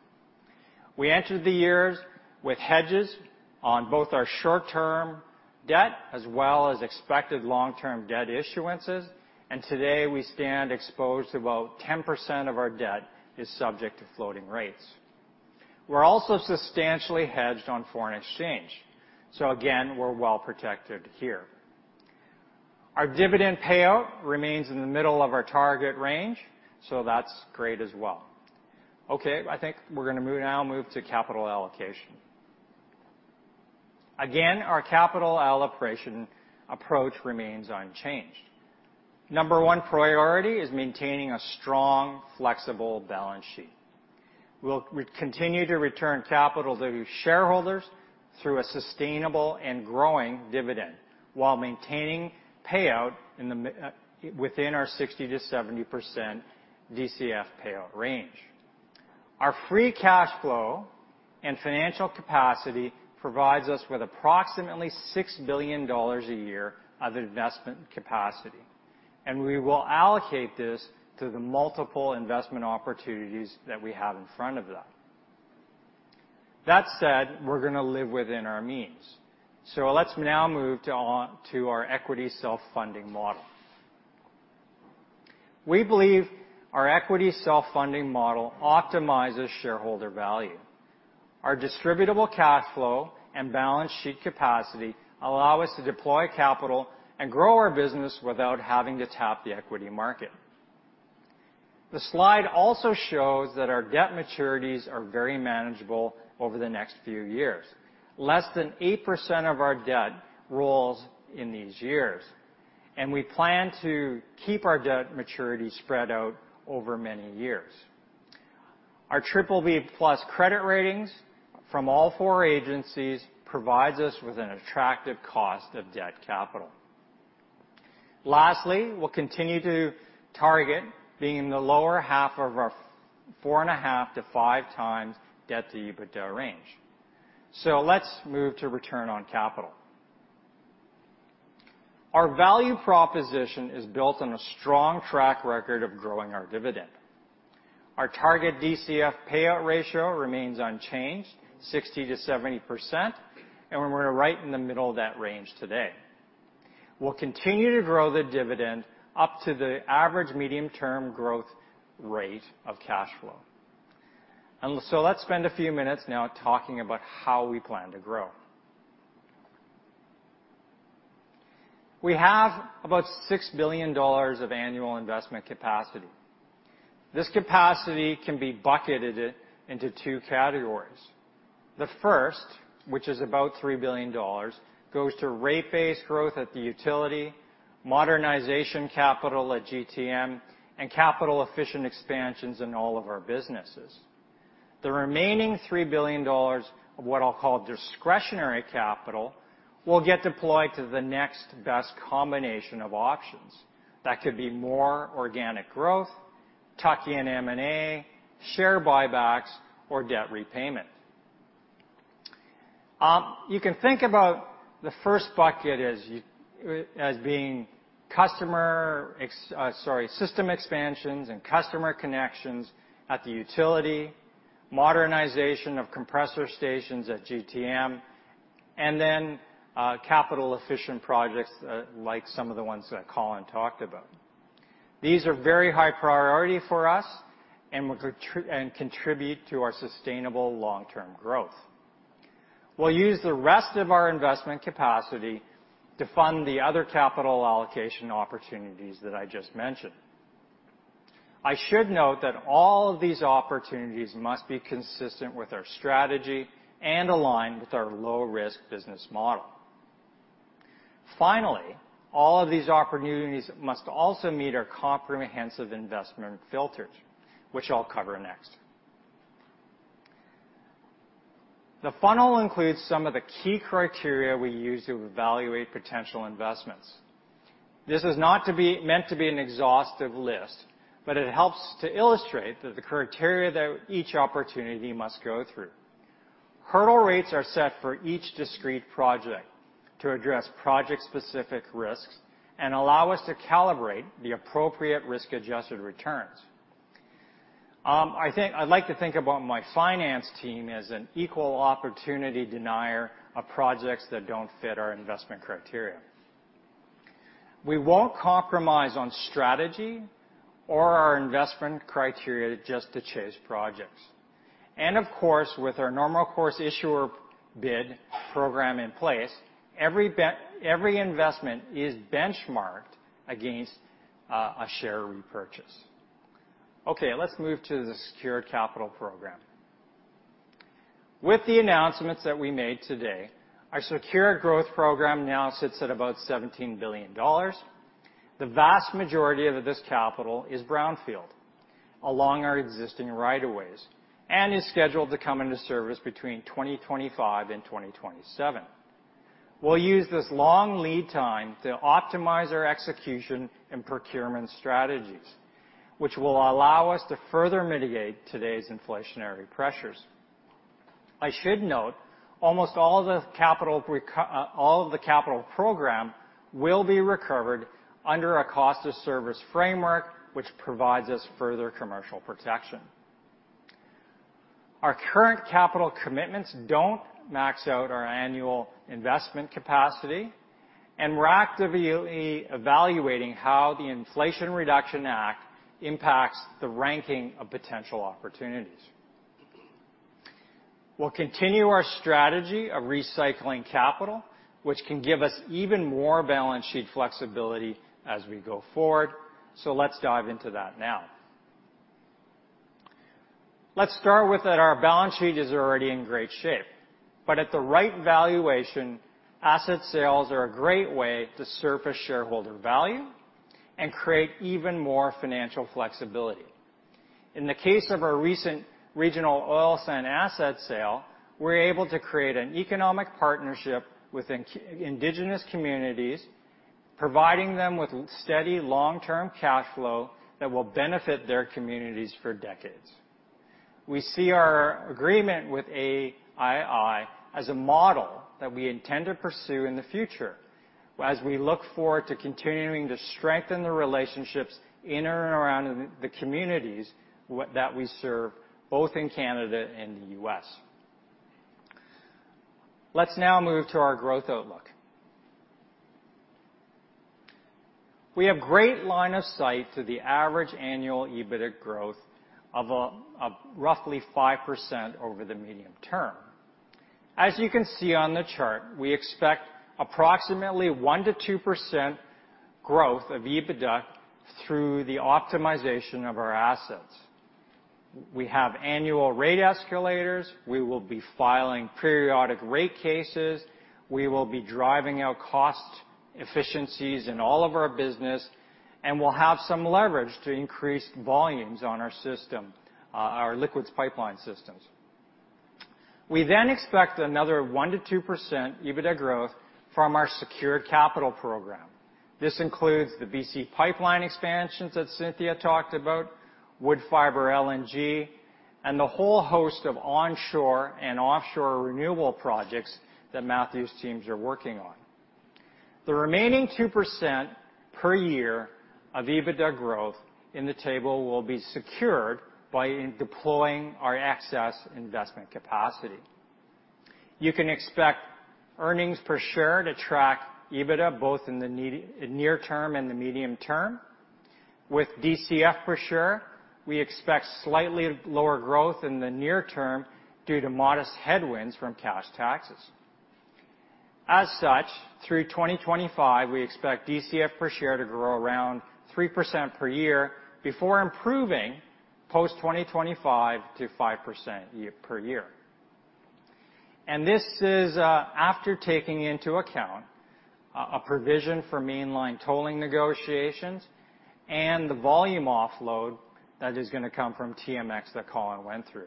H: We entered the years with hedges on both our short-term debt as well as expected long-term debt issuances, and today we stand exposed to about 10% of our debt is subject to floating rates. We're also substantially hedged on foreign exchange. Again, we're well protected here. Our dividend payout remains in the middle of our target range, that's great as well. I think we're going to move now to capital allocation. Our capital allocation approach remains unchanged. Number 1 priority is maintaining a strong, flexible balance sheet. We'll continue to return capital to shareholders through a sustainable and growing dividend while maintaining payout within our 60%-70% DCF payout range. Our free cash flow and financial capacity provides us with approximately $6 billion a year of investment capacity, and we will allocate this to the multiple investment opportunities that we have in front of them. That said, we're going to live within our means. Let's now move to our equity self-funding model. We believe our equity self-funding model optimizes shareholder value. Our distributable cash flow and balance sheet capacity allow us to deploy capital and grow our business without having to tap the equity market. The slide also shows that our debt maturities are very manageable over the next few years. Less than 8% of our debt rolls in these years, and we plan to keep our debt maturity spread out over many years. Our BBB+ credit ratings from all four agencies provides us with an attractive cost of debt capital. We'll continue to target being in the lower half of our 4.5-5x debt-to-EBITDA range. Let's move to return on capital. Our value proposition is built on a strong track record of growing our dividend. Our target DCF payout ratio remains unchanged, 60%-70%, and we're right in the middle of that range today. We'll continue to grow the dividend up to the average medium-term growth rate of cash flow. Let's spend a few minutes now talking about how we plan to grow. We have about 6 billion dollars of annual investment capacity. This capacity can be bucketed into two categories. The first, which is about 3 billion dollars, goes to rate-based growth at the utility, modernization capital at GTM, and capital-efficient expansions in all of our businesses. The remaining 3 billion dollars, what I'll call discretionary capital, will get deployed to the next best combination of options. That could be more organic growth, tuck-in M&A, share buybacks, or debt repayment. You can think about the first bucket as being customer system expansions and customer connections at the utility, modernization of compressor stations at GTM, capital-efficient projects, like some of the ones that Colin talked about. These are very high priority for us and will contribute to our sustainable long-term growth. We'll use the rest of our investment capacity to fund the other capital allocation opportunities that I just mentioned. I should note that all of these opportunities must be consistent with our strategy and align with our low-risk business model. All of these opportunities must also meet our comprehensive investment filters, which I'll cover next. The funnel includes some of the key criteria we use to evaluate potential investments. This is not meant to be an exhaustive list. It helps to illustrate that the criteria that each opportunity must go through. Hurdle rates are set for each discrete project to address project-specific risks and allow us to calibrate the appropriate risk-adjusted returns. I'd like to think about my finance team as an equal opportunity denier of projects that don't fit our investment criteria. We won't compromise on strategy or our investment criteria just to chase projects. Of course, with our normal course issuer bid program in place, every investment is benchmarked against a share repurchase. Okay, let's move to the secured capital program. With the announcements that we made today, our secure growth program now sits at about 17 billion dollars. The vast majority of this capital is brownfield along our existing right of ways and is scheduled to come into service between 2025 and 2027. We'll use this long lead time to optimize our execution and procurement strategies, which will allow us to further mitigate today's inflationary pressures. I should note almost all of the capital program will be recovered under a cost-of-service framework, which provides us further commercial protection. Our current capital commitments don't max out our annual investment capacity, and we're actively evaluating how the Inflation Reduction Act impacts the ranking of potential opportunities. We'll continue our strategy of recycling capital, which can give us even more balance sheet flexibility as we go forward. Let's dive into that now. Let's start with that our balance sheet is already in great shape. At the right valuation, asset sales are a great way to surface shareholder value and create even more financial flexibility. In the case of our recent regional oil sand asset sale, we're able to create an economic partnership with Indigenous communities, providing them with steady long-term cash flow that will benefit their communities for decades. We see our agreement with AII as a model that we intend to pursue in the future as we look forward to continuing to strengthen the relationships in and around the communities that we serve, both in Canada and the U.S. Let's now move to our growth outlook. We have great line of sight to the average annual EBIT growth of roughly 5% over the medium term. As you can see on the chart, we expect approximately 1%-2% growth of EBITDA through the optimization of our assets. We have annual rate escalators. We will be filing periodic rate cases. We will be driving out cost efficiencies in all of our business, and we'll have some leverage to increase volumes on our system, our liquids pipeline systems. We expect another 1%-2% EBITDA growth from our secured capital program. This includes the BC Pipeline expansions that Cynthia talked about, Woodfibre LNG, and the whole host of onshore and offshore renewable projects that Matthew's teams are working on. The remaining 2% per year of EBITDA growth in the table will be secured by deploying our excess investment capacity. You can expect earnings per share to track EBITDA, both in the near term and the medium term. With DCF per share, we expect slightly lower growth in the near term due to modest headwinds from cash taxes. As such, through 2025, we expect DCF per share to grow around 3% per year before improving post 2025 to 5% per year. This is after taking into account a provision for Mainline tolling negotiations and the volume offload that is gonna come from TMX that Colin went through.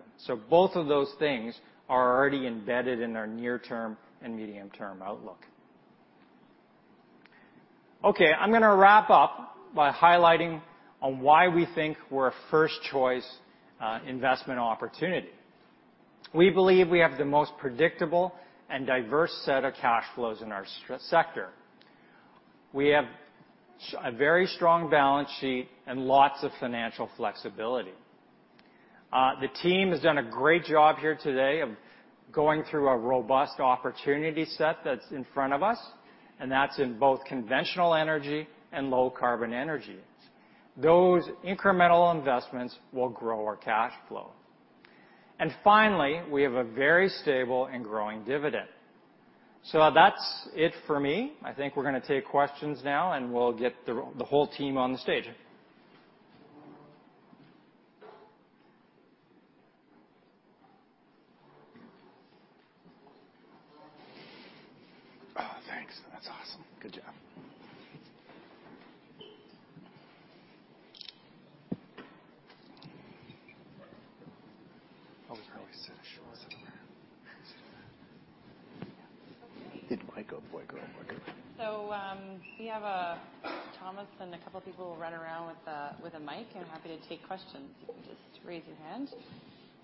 H: Both of those things are already embedded in our near-term and medium-term outlook. I'm gonna wrap up by highlighting on why we think we're a first-choice investment opportunity. We believe we have the most predictable and diverse set of cash flows in our sector. We have a very strong balance sheet and lots of financial flexibility. The team has done a great job here today of going through a robust opportunity set that's in front of us, that's in both conventional energy and low-carbon energy. Those incremental investments will grow our cash flow. Finally, we have a very stable and growing dividend. That's it for me. I think we're gonna take questions now, we'll get the whole team on the stage.
C: Oh, thanks. That's awesome. Good job. Oh, we probably said short somewhere. It might go.
A: We have Thomas and a couple people who will run around with a mic, and happy to take questions. Just raise your hand.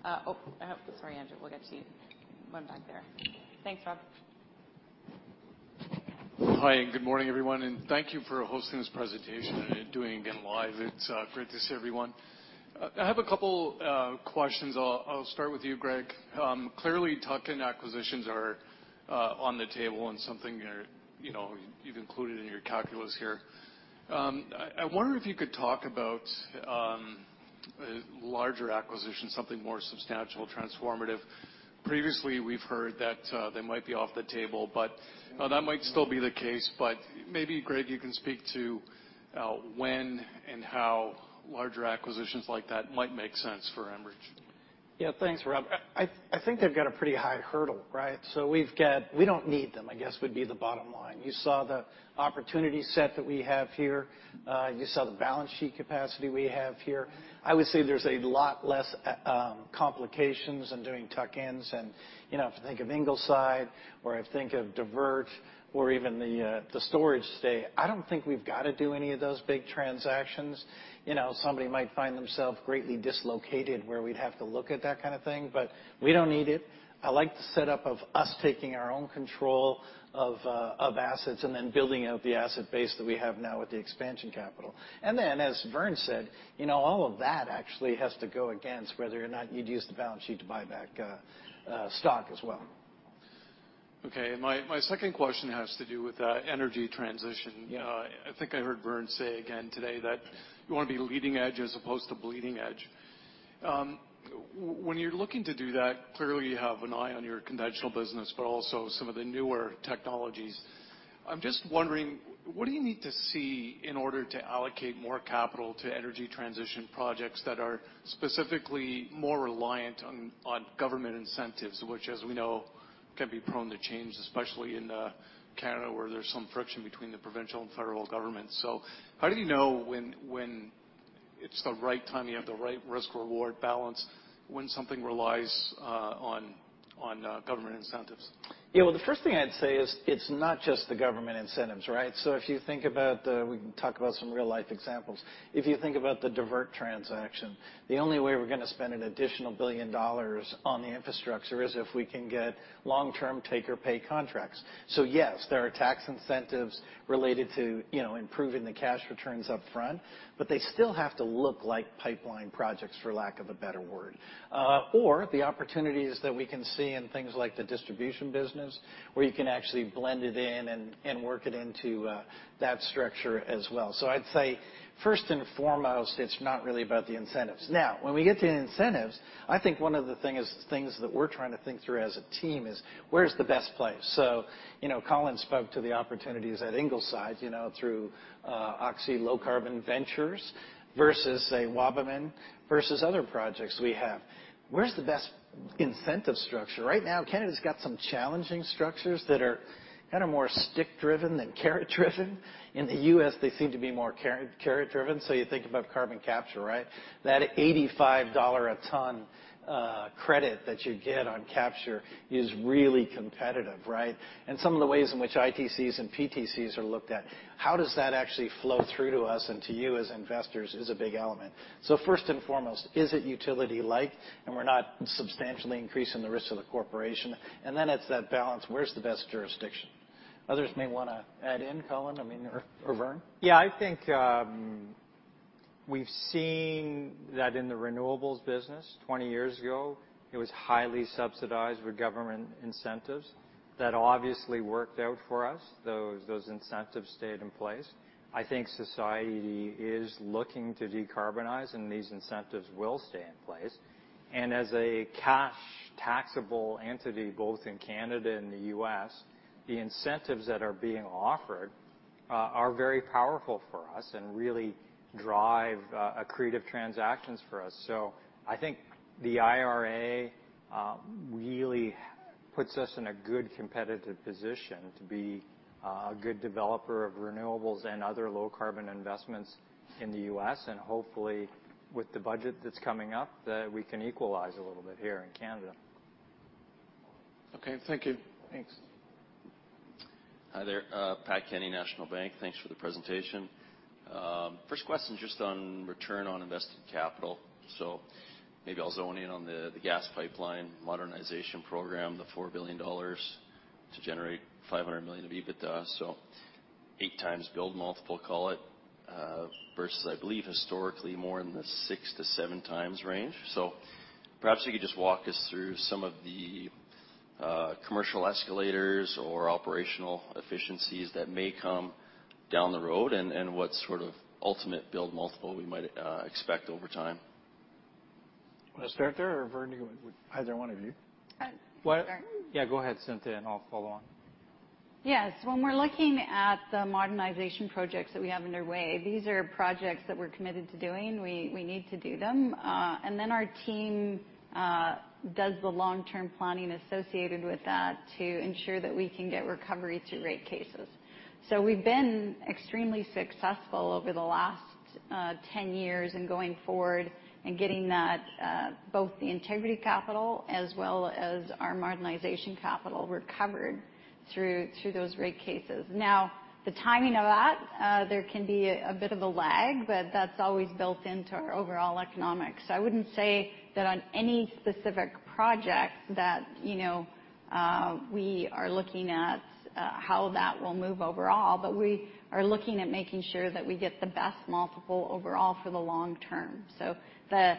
A: Oh, I hope. Sorry, Andrew. We'll get to you. One back there. Thanks, Rob.
I: Hi, good morning, everyone, and thank you for hosting this presentation and doing it again live. It's great to see everyone. I have a couple questions. I'll start with you, Greg. Clearly tuck-in acquisitions are on the table and something you're, you know, you've included in your calculus here. I wonder if you could talk about larger acquisitions, something more substantial, transformative. Previously, we've heard that they might be off the table, but. Well, that might still be the case, but maybe, Greg, you can speak to when and how larger acquisitions like that might make sense for Enbridge.
C: Yeah. Thanks, Rob. I think they've got a pretty high hurdle, right? We don't need them, I guess, would be the bottom line. You saw the opportunity set that we have here. You saw the balance sheet capacity we have here. I would say there's a lot less complications in doing tuck-ins and, you know, if I think of Ingleside or I think of Divert or even the storage stay, I don't think we've gotta do any of those big transactions. You know, somebody might find themself greatly dislocated where we'd have to look at that kind of thing, but we don't need it. I like the setup of us taking our own control of assets and then building out the asset base that we have now with the expansion capital. As Vern said, you know, all of that actually has to go against whether or not you'd use the balance sheet to buy back, stock as well.
I: Okay. My second question has to do with the energy transition. I think I heard Vern say again today that you wanna be leading edge as opposed to bleeding edge. When you're looking to do that, clearly you have an eye on your conventional business, but also some of the newer technologies. I'm just wondering, what do you need to see in order to allocate more capital to energy transition projects that are specifically more reliant on government incentives, which, as we know, can be prone to change, especially in Canada, where there's some friction between the provincial and federal government. How do you know when it's the right time, you have the right risk/reward balance when something relies on government incentives?
C: Yeah. Well, the first thing I'd say is it's not just the government incentives, right? If you think about, we can talk about some real-life examples. If you think about the Divert transaction, the only way we're gonna spend an additional $1 billion on the infrastructure is if we can get long-term take-or-pay contracts. Yes, there are tax incentives related to, you know, improving the cash returns up front, but they still have to look like pipeline projects, for lack of a better word. Or the opportunities that we can see in things like the distribution business, where you can actually blend it in and work it into that structure as well. I'd say, first and foremost, it's not really about the incentives. When we get to the incentives, I think one of the things that we're trying to think through as a team is where's the best place? You know, Colin spoke to the opportunities at Ingleside, you know, through Oxy Low Carbon Ventures versus, say, Wabamun versus other projects we have. Where's the best incentive structure? Right now, Canada's got some challenging structures that are kind of more stick-driven than carrot-driven. In the U.S., they seem to be more carrot-driven, so you think about carbon capture, right? That $85 a ton credit that you get on capture is really competitive, right? Some of the ways in which ITCs and PTCs are looked at, how does that actually flow through to us and to you as investors is a big element. First and foremost, is it utility-like, and we're not substantially increasing the risk to the corporation? It's that balance, where's the best jurisdiction? Others may wanna add in. Colin, I mean, or Vern.
H: I think, we've seen that in the renewables business 20 years ago, it was highly subsidized with government incentives. That obviously worked out for us. Those incentives stayed in place. I think society is looking to decarbonize, and these incentives will stay in place. As a cash taxable entity, both in Canada and the U.S., the incentives that are being offered, are very powerful for us and really drive accretive transactions for us. I think the IRA really puts us in a good competitive position to be a good developer of renewables and other low-carbon investments in the U.S., and hopefully, with the budget that's coming up, we can equalize a little bit here in Canada.
I: Okay. Thank you.
C: Thanks.
J: Hi there, Pat Kenny, National Bank. Thanks for the presentation. First question just on return on invested capital. Maybe I'll zone in on the gas pipeline modernization program, the $4 billion to generate $500 million of EBITDA. 8x build multiple, call it, versus, I believe, historically more in the 6x-7x range. Perhaps you could just walk us through some of the commercial escalators or operational efficiencies that may come down the road and what sort of ultimate build multiple we might expect over time.
C: Wanna start there, or Vern, either one of you.
D: I- Well- Sure.
H: Yeah. Go ahead, Cynthia, and I'll follow on.
D: Yes. When we're looking at the modernization projects that we have underway, these are projects that we're committed to doing. We need to do them. Our team does the long-term planning associated with that to ensure that we can get recovery through rate cases. We've been extremely successful over the last 10 years and going forward in getting that, both the integrity capital as well as our modernization capital recovered through those rate cases. The timing of that, there can be a bit of a lag, but that's always built into our overall economics. I wouldn't say that on any specific project that, you know, we are looking at how that will move overall, but we are looking at making sure that we get the best multiple overall for the long term. The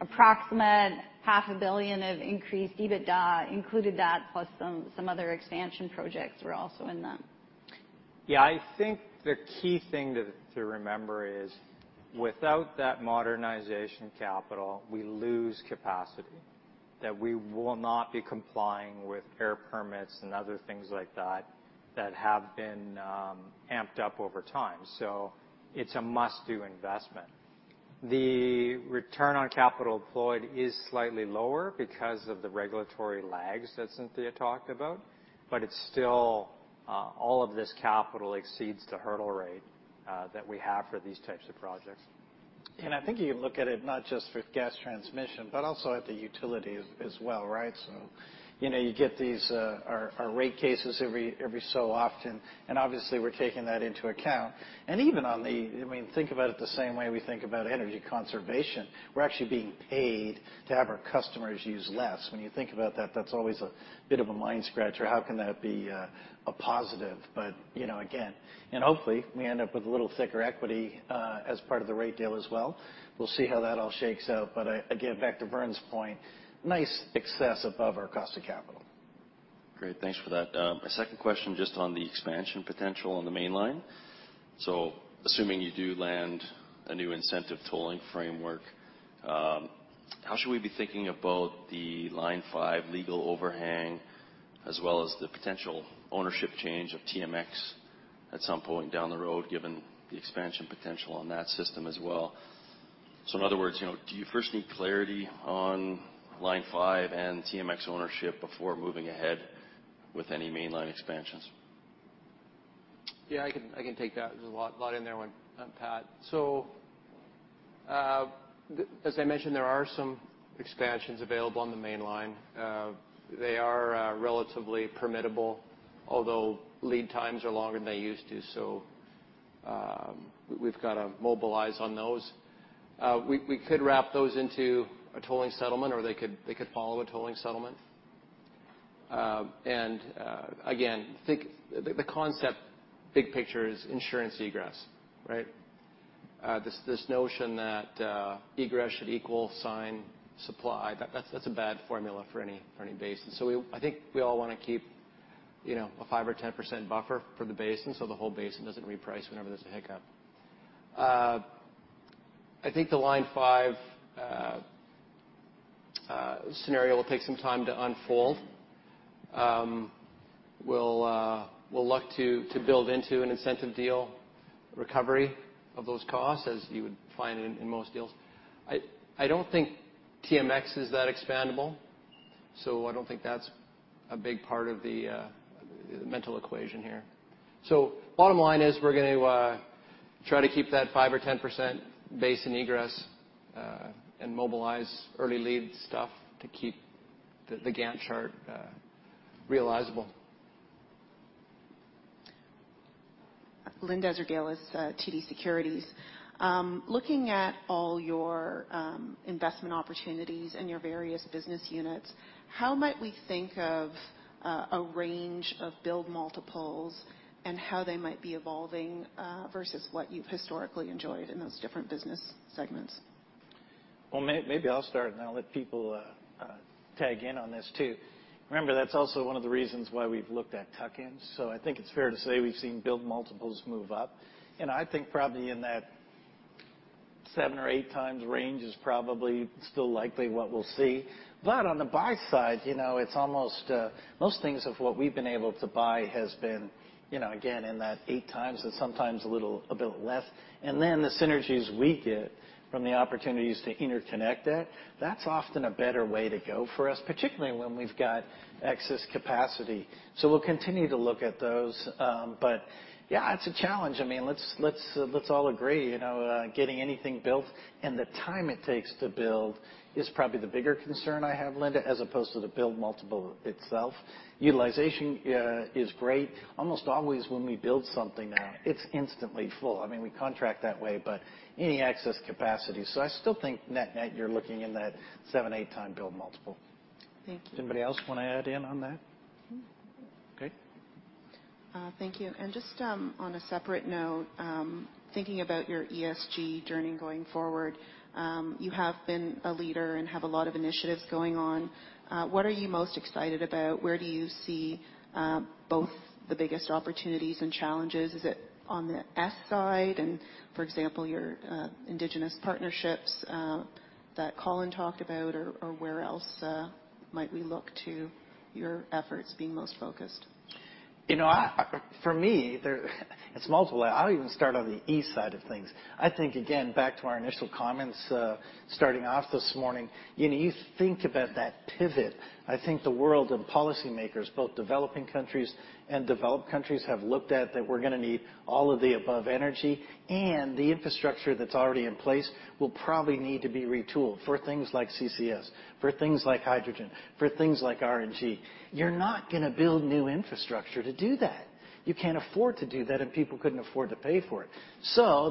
D: approximate half a billion of increased EBITDA included that, plus some other expansion projects were also in them.
H: Yeah. I think the key thing to remember is without that modernization capital, we lose capacity. We will not be complying with air permits and other things like that that have been amped up over time. It's a must-do investment. The return on capital employed is slightly lower because of the regulatory lags that Cynthia talked about, but it's still all of this capital exceeds the hurdle rate that we have for these types of projects. I think you look at it not just with gas transmission, but also at the utility as well, right? You know, you get these our rate cases every so often, and obviously we're taking that into account. Even on the... I mean, think about it the same way we think about energy conservation. We're actually being paid to have our customers use less. When you think about that's always a bit of a mind scratcher. How can that be a positive? You know, again. Hopefully we end up with a little thicker equity as part of the rate deal as well. We'll see how that all shakes out. Again, back to Vern's point, nice excess above our cost of capital.
J: Great, thanks for that. My second question, just on the expansion potential on the Mainline. Assuming you do land a new incentive tolling framework, how should we be thinking about the Line 5 legal overhang, as well as the potential ownership change of TMX at some point down the road, given the expansion potential on that system as well? In other words, you know, do you first need clarity on Line 5 and TMX ownership before moving ahead with any Mainline expansions?
G: Yeah, I can take that. There's a lot in there one, Pat. As I mentioned, there are some expansions available on the Mainline. They are relatively permittable, although lead times are longer than they used to. We've got to mobilize on those. We could wrap those into a tolling settlement or they could follow a tolling settlement. Again, the concept big picture is insurance egress, right? This notion that egress should equal sign supply, that's a bad formula for any basin. I think we all wanna keep, you know, a 5% or 10% buffer for the basin, so the whole basin doesn't reprice whenever there's a hiccup. I think the Line 5 scenario will take some time to unfold. We'll look to build into an incentive deal recovery of those costs, as you would find in most deals. I don't think TMX is that expandable, so I don't think that's a big part of the mental equation here. Bottom line is we're gonna try to keep that 5% or 10% base in egress and mobilize early lead stuff to keep the Gantt chart realizable.
K: Linda Ezergailis, TD Securities. Looking at all your investment opportunities and your various business units, how might we think of a range of build multiples and how they might be evolving versus what you've historically enjoyed in those different business segments?
C: Well, maybe I'll start, and I'll let people tag in on this too. Remember, that's also one of the reasons why we've looked at tuck-ins. I think it's fair to say we've seen build multiples move up. I think probably in that 7x or 8x range is probably still likely what we'll see. On the buy side, you know, it's almost most things of what we've been able to buy has been, you know, again, in that 8x and sometimes a bit less. The synergies we get from the opportunities to interconnect it, that's often a better way to go for us, particularly when we've got excess capacity. We'll continue to look at those, but yeah, it's a challenge. I mean, let's all agree, you know, getting anything built and the time it takes to build is probably the bigger concern I have, Linda, as opposed to the build multiple itself. Utilization is great. Almost always when we build something now, it's instantly full. I mean, we contract that way, but any excess capacity. I still think net-net, you're looking in that seven, eight time build multiple.
K: Thank you.
C: Anybody else wanna add in on that? Okay.
K: Thank you. Just, on a separate note, thinking about your ESG journey going forward, you have been a leader and have a lot of initiatives going on. What are you most excited about? Where do you see, both the biggest opportunities and challenges? Is it on the S side and, for example, your Indigenous partnerships, that Colin talked about, or where else, might we look to your efforts being most focused?
C: You know, for me, it's multiple. I'll even start on the E side of things. I think, again, back to our initial comments, starting off this morning, you know, you think about that pivot, I think the world and policy makers, both developing countries and developed countries, have looked at that we're gonna need all of the above energy, and the infrastructure that's already in place will probably need to be retooled for things like CCS, for things like hydrogen, for things like RNG. You're not gonna build new infrastructure to do that. You can't afford to do that, and people couldn't afford to pay for it.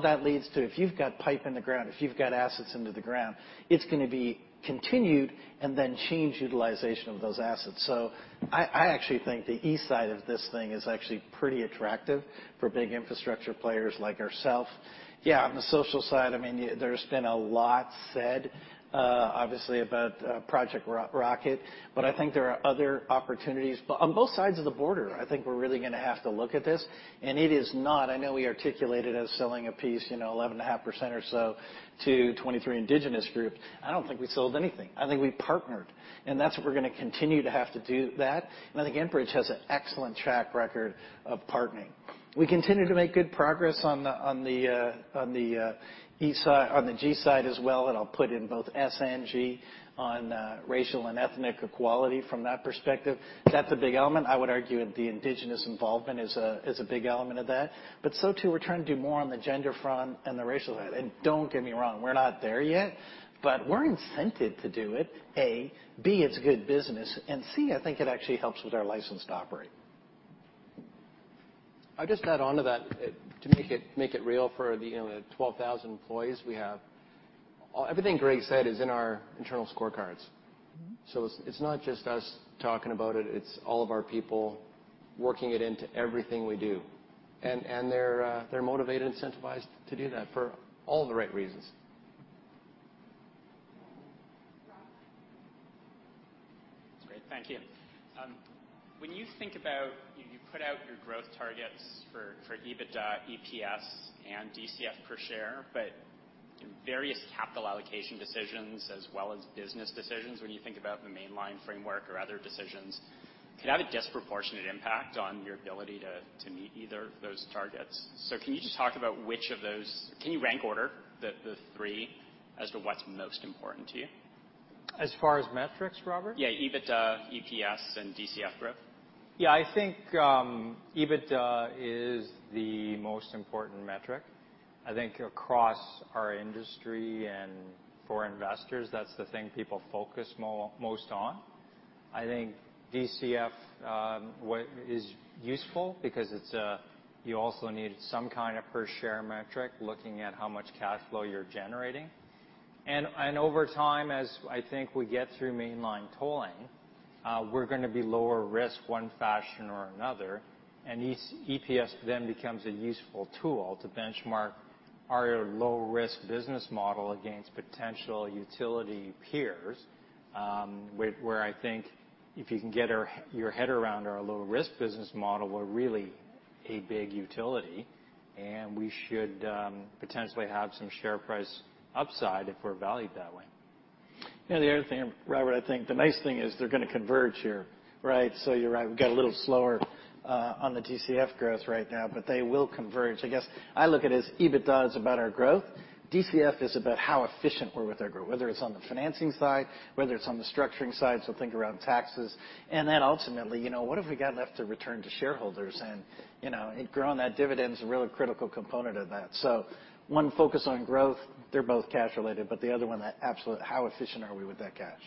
C: That leads to, if you've got pipe in the ground, if you've got assets into the ground, it's gonna be continued and then change utilization of those assets. I actually think the E side of this thing is actually pretty attractive for big infrastructure players like ourself. On the social side, I mean, there's been a lot said, obviously about Project Rocket, but I think there are other opportunities. On both sides of the border, I think we're really gonna have to look at this. It is not... I know we articulated as selling a piece, you know, 11.5% or so. To 23 indigenous groups. I don't think we sold anything. I think we partnered. That's what we're gonna continue to have to do that. I think Enbridge has an excellent track record of partnering. We continue to make good progress on the G side as well, and I'll put in both S and G on racial and ethnic equality from that perspective. That's a big element. I would argue that the indigenous involvement is a big element of that. So too, we're trying to do more on the gender front and the racial. Don't get me wrong, we're not there yet, but we're incented to do it, A. B, it's good business. And C, I think it actually helps with our license to operate.
G: I'll just add on to that to make it, make it real for the, you know, the 12,000 employees we have. Everything Greg said is in our internal scorecards.
C: Mm-hmm.
G: It's, it's not just us talking about it's all of our people working it into everything we do. They're motivated, incentivized to do that for all the right reasons.
H: Robert.
L: That's great. Thank you. When you think about you know, you put out your growth targets for EBITDA, EPS, and DCF per share, but in various capital allocation decisions as well as business decisions, when you think about the Mainline framework or other decisions, could have a disproportionate impact on your ability to meet either of those targets. Can you rank order the three as to what's most important to you?
H: As far as metrics, Robert?
L: Yeah, EBITDA, EPS, and DCF growth.
H: Yeah. I think EBITDA is the most important metric. I think across our industry and for investors, that's the thing people focus most on. I think DCF is useful because it's you also need some kind of per share metric looking at how much cash flow you're generating. Over time, as I think we get through Mainline tolling, we're gonna be lower risk one fashion or another, and EPS then becomes a useful tool to benchmark our low-risk business model against potential utility peers, where I think if you can get your head around our low-risk business model, we're really a big utility, and we should potentially have some share price upside if we're valued that way.
C: You know, the other thing, Robert, I think the nice thing is they're gonna converge here, right? You're right. We've got a little slower on the DCF growth right now, but they will converge. I guess I look at as EBITDA is about our growth. DCF is about how efficient we're with our growth, whether it's on the financing side, whether it's on the structuring side, so think around taxes. Ultimately, you know, what have we got left to return to shareholders? You know, growing that dividend is a really critical component of that. One focus on growth, they're both cash related, but the other one, absolute how efficient are we with that cash.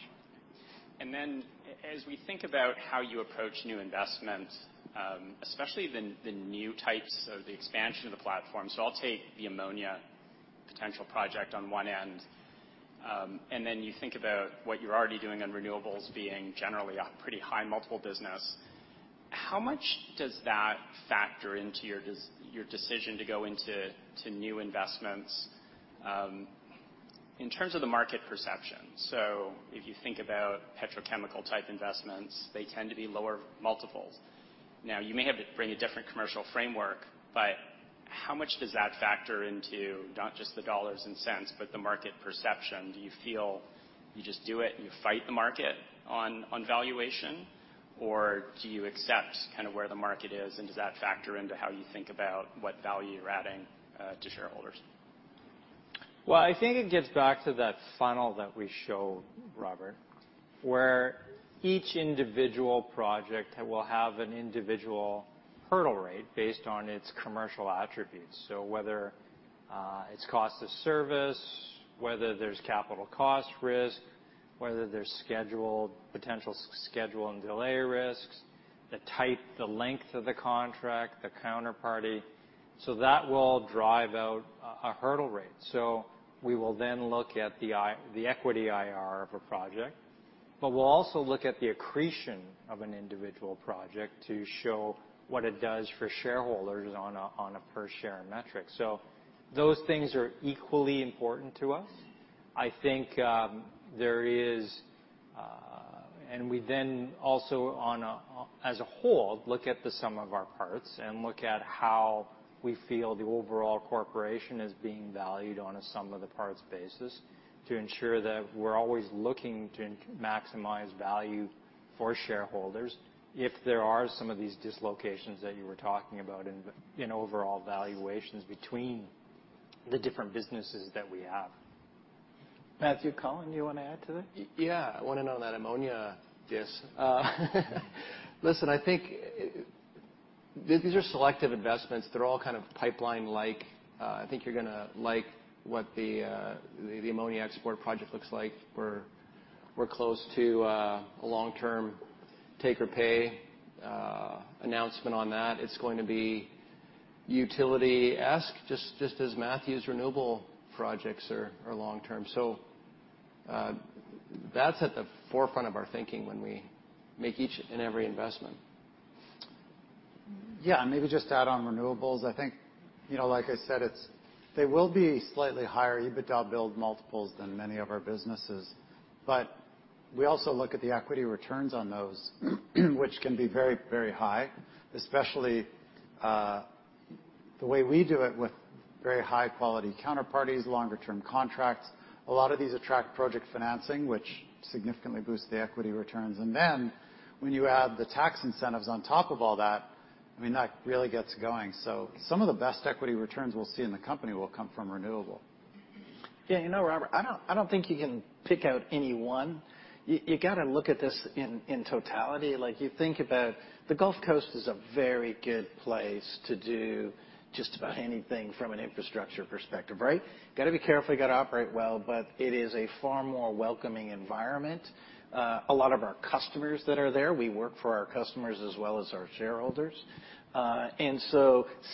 L: As we think about how you approach new investments, especially the new types of the expansion of the platform. I'll take the ammonia potential project on one end, you think about what you're already doing on renewables being generally a pretty high multiple business. How much does that factor into your decision to go into new investments, in terms of the market perception? If you think about petrochemical type investments, they tend to be lower multiples. Now, you may have to bring a different commercial framework, but how much does that factor into not just the dollars and cents, but the market perception? Do you feel you just do it, and you fight the market on valuation, or do you accept kind of where the market is, and does that factor into how you think about what value you're adding to shareholders?
H: I think it gets back to that funnel that we show, Robert, where each individual project will have an individual hurdle rate based on its commercial attributes. Whether its cost of service, whether there's capital cost risk, whether there's schedule, potential schedule and delay risks, the type, the length of the contract, the counterparty. That will drive out a hurdle rate. We will then look at the equity IR of a project, but we'll also look at the accretion of an individual project to show what it does for shareholders on a per share metric. Those things are equally important to us. I think, there is... We then also on a, as a whole, look at the sum of our parts and look at how we feel the overall corporation is being valued on a sum of the parts basis to ensure that we're always looking to maximize value for shareholders if there are some of these dislocations that you were talking about in the, in overall valuations between the different businesses that we have. Matthew, Colin, do you wanna add to that?
G: Yeah. I wanna know on that ammonia disc. Listen, I think these are selective investments. They're all kind of pipeline like. I think you're gonna like what the ammonia export project looks like. We're close to a long-term take or pay announcement on that. It's going to be utility-esque, just as Matthew's renewable projects are long-term. That's at the forefront of our thinking when we make each and every investment.
F: Yeah. Maybe just add on renewables. I think, you know, like I said, They will be slightly higher EBITDA build multiples than many of our businesses. We also look at the equity returns on those which can be very, very high, especially, the way we do it with very high quality counterparties, longer-term contracts. A lot of these attract project financing, which significantly boosts the equity returns. Then when you add the tax incentives on top of all that, I mean, that really gets going. Some of the best equity returns we'll see in the company will come from renewable.
C: You know, Robert, I don't think you can pick out any one. You gotta look at this in totality. Like, you think about the Gulf Coast is a very good place to do just about anything from an infrastructure perspective, right? Gotta be careful, you gotta operate well, but it is a far more welcoming environment. A lot of our customers that are there, we work for our customers as well as our shareholders.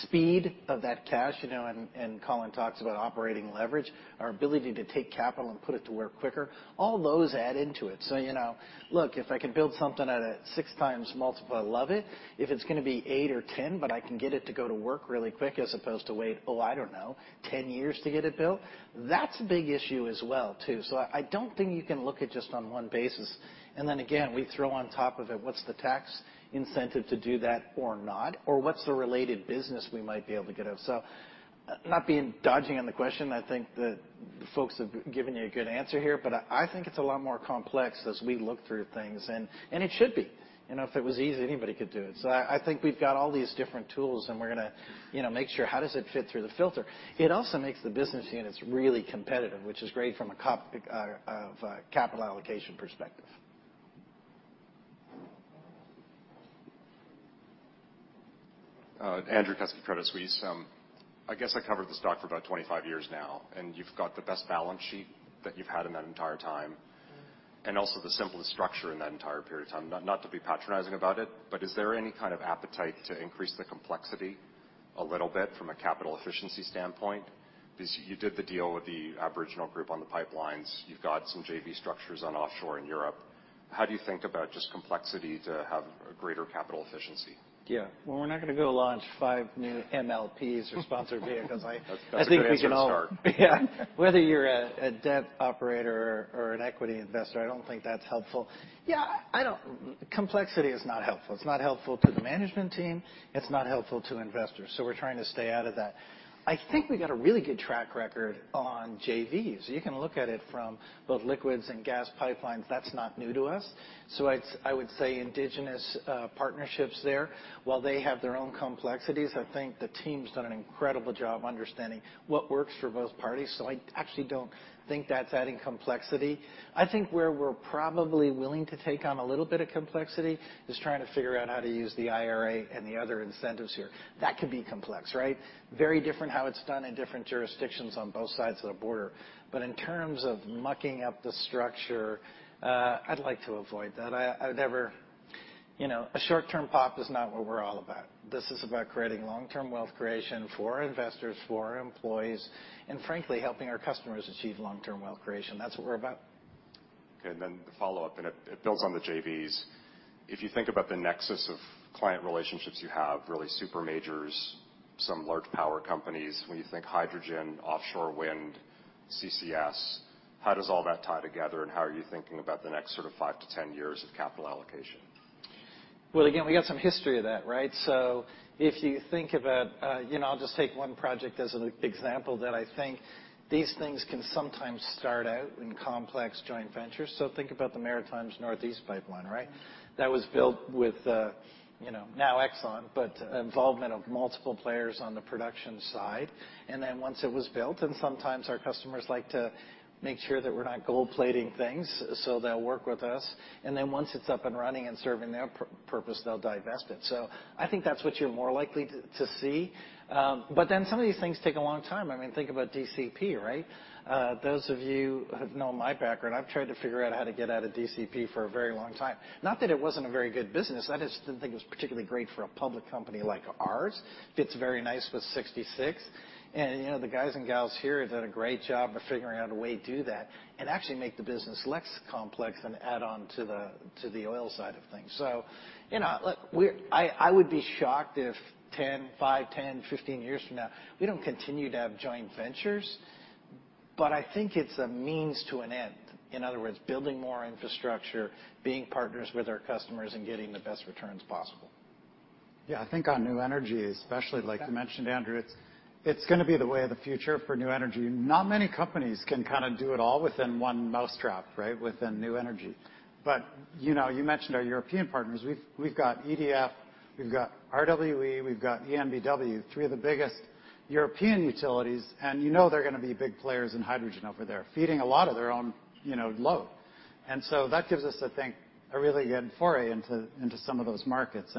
C: Speed of that cash, you know, and Colin talks about operating leverage, our ability to take capital and put it to work quicker, all those add into it. You know, look, if I can build something at a 6x multiple, I love it. If it's gonna be 8x or 10x, but I can get it to go to work really quick as opposed to wait, oh, I don't know, 10 years to get it built, that's a big issue as well, too. I don't think you can look at just on one basis. Then again, we throw on top of it what's the tax incentive to do that or not, or what's the related business we might be able to get out. Not being dodging on the question, I think the folks have given you a good answer here, but I think it's a lot more complex as we look through things and it should be. You know, if it was easy, anybody could do it. I think we've got all these different tools, and we're going to, you know, make sure how does it fit through the filter. It also makes the business units really competitive, which is great from a capital allocation perspective.
M: Andrew Kuske, Credit Suisse. I guess I covered the stock for about 25 years now, and you've got the best balance sheet that you've had in that entire time, and also the simplest structure in that entire period of time. Not to be patronizing about it, but is there any kind of appetite to increase the complexity a little bit from a capital efficiency standpoint? You did the deal with the Aboriginal group on the pipelines. You've got some JV structures on offshore in Europe. How do you think about just complexity to have a greater capital efficiency?
C: We're not gonna go launch 5 new MLPs or sponsored vehicles. I think we can all-
M: That's a good answer to start.
L: Yeah. Whether you're a debt operator or an equity investor, I don't think that's helpful. Yeah, complexity is not helpful. It's not helpful to the management team. It's not helpful to investors. We're trying to stay out of that. I think we got a really good track record on JVs. You can look at it from both liquids and gas pipelines. That's not new to us. I would say indigenous partnerships there, while they have their own complexities, I think the team's done an incredible job understanding what works for both parties. I actually don't think that's adding complexity. I think where we're probably willing to take on a little bit of complexity is trying to figure out how to use the IRA and the other incentives here. That could be complex, right?
C: Very different how it's done in different jurisdictions on both sides of the border. In terms of mucking up the structure, I'd like to avoid that. I would never, you know, a short-term pop is not what we're all about. This is about creating long-term wealth creation for our investors, for our employees, and frankly, helping our customers achieve long-term wealth creation. That's what we're about.
M: Okay, the follow-up, and it builds on the JVs. If you think about the nexus of client relationships you have, really super majors, some large power companies. When you think hydrogen, offshore wind, CCS, how does all that tie together, and how are you thinking about the next sort of 5-10 years of capital allocation?
C: Well, again, we got some history of that, right? If you think about, you know, I'll just take one project as an example that I think these things can sometimes start out in complex joint ventures. Think about the Maritimes & Northeast Pipeline, right? That was built with, you know, now Exxon, but involvement of multiple players on the production side. Once it was built, and sometimes our customers like to make sure that we're not gold plating things, so they'll work with us. Once it's up and running and serving their purpose, they'll divest it. I think that's what you're more likely to see. Some of these things take a long time. I mean, think about DCP, right? Those of you who know my background, I've tried to figure out how to get out of DCP for a very long time. Not that it wasn't a very good business, I just didn't think it was particularly great for a public company like ours. Fits very nice with 66. You know, the guys and gals here have done a great job of figuring out a way to do that and actually make the business less complex and add on to the oil side of things. You know, look, I would be shocked if five, 10, 15 years from now, we don't continue to have joint ventures, but I think it's a means to an end. In other words, building more infrastructure, being partners with our customers, and getting the best returns possible.
F: Yeah. I think on new energy, especially like you mentioned, Andrew, it's gonna be the way of the future for new energy. Not many companies can kinda do it all within one mousetrap, right? Within new energy. You know, you mentioned our European partners. We've got EDF, we've got RWE, we've got EnBW, three of the biggest European utilities, and you know they're gonna be big players in hydrogen over there, feeding a lot of their own, you know, load. That gives us, I think, a really good foray into some of those markets.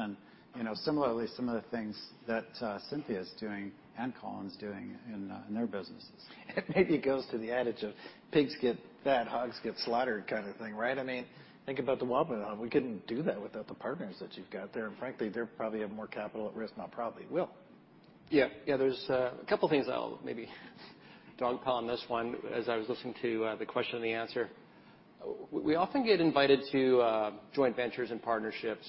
F: You know, similarly, some of the things that Cynthia is doing and Colin's doing in their businesses.
C: Maybe it goes to the adage of pigs get fat, hogs get slaughtered kind of thing, right? I mean, think about the Wabamun Hub. We couldn't do that without the partners that you've got there. Frankly, they probably have more capital at risk, not probably, will.
G: Yeah, there's 2 things I'll maybe don't call on this one. As I was listening to the question and the answer, we often get invited to joint ventures and partnerships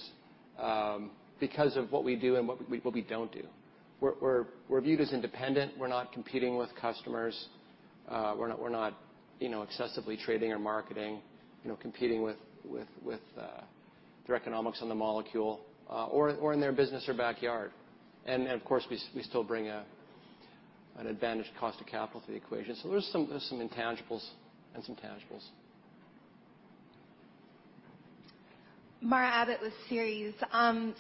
G: because of what we do and what we don't do. We're viewed as independent. We're not competing with customers. We're not, you know, excessively trading or marketing, you know, competing with their economics on the molecule or in their business or backyard. Of course, we still bring an advantage cost of capital to the equation. There's some intangibles and some tangibles.
N: Mara Abbott with Ceres.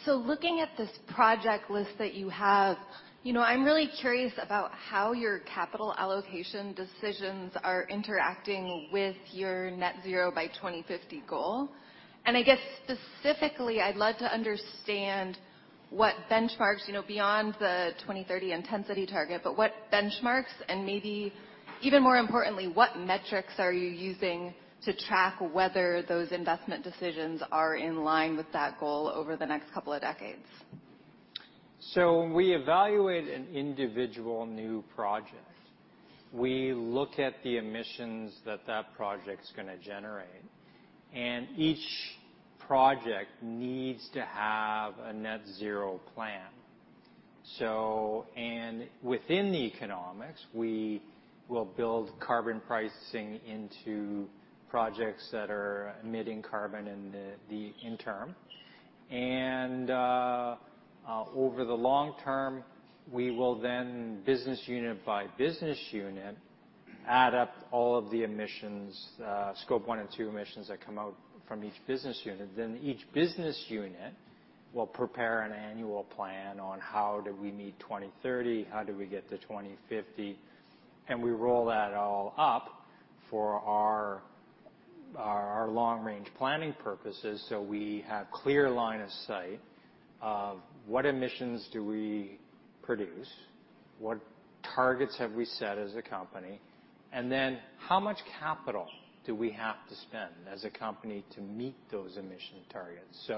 N: Looking at this project list that you have, you know, I'm really curious about how your capital allocation decisions are interacting with your net zero by 2050 goal. I guess specifically, I'd love to understand what benchmarks, you know, beyond the 2030 intensity target, but what benchmarks, and maybe even more importantly, what metrics are you using to track whether those investment decisions are in line with that goal over the next couple of decades?
H: When we evaluate an individual new project, we look at the emissions that that project's gonna generate, and each project needs to have a net zero plan. Within the economics, we will build carbon pricing into projects that are emitting carbon in the interim. Over the long term, we will then, business unit by business unit, add up all of the emissions, Scope 1 and 2 emissions that come out from each business unit. Each business unit will prepare an annual plan on how do we meet 2030, how do we get to 2050, and we roll that all up for our long-range planning purposes, so we have clear line of sight of what emissions do we produce, what targets have we set as a company, and then how much capital do we have to spend as a company to meet those emission targets.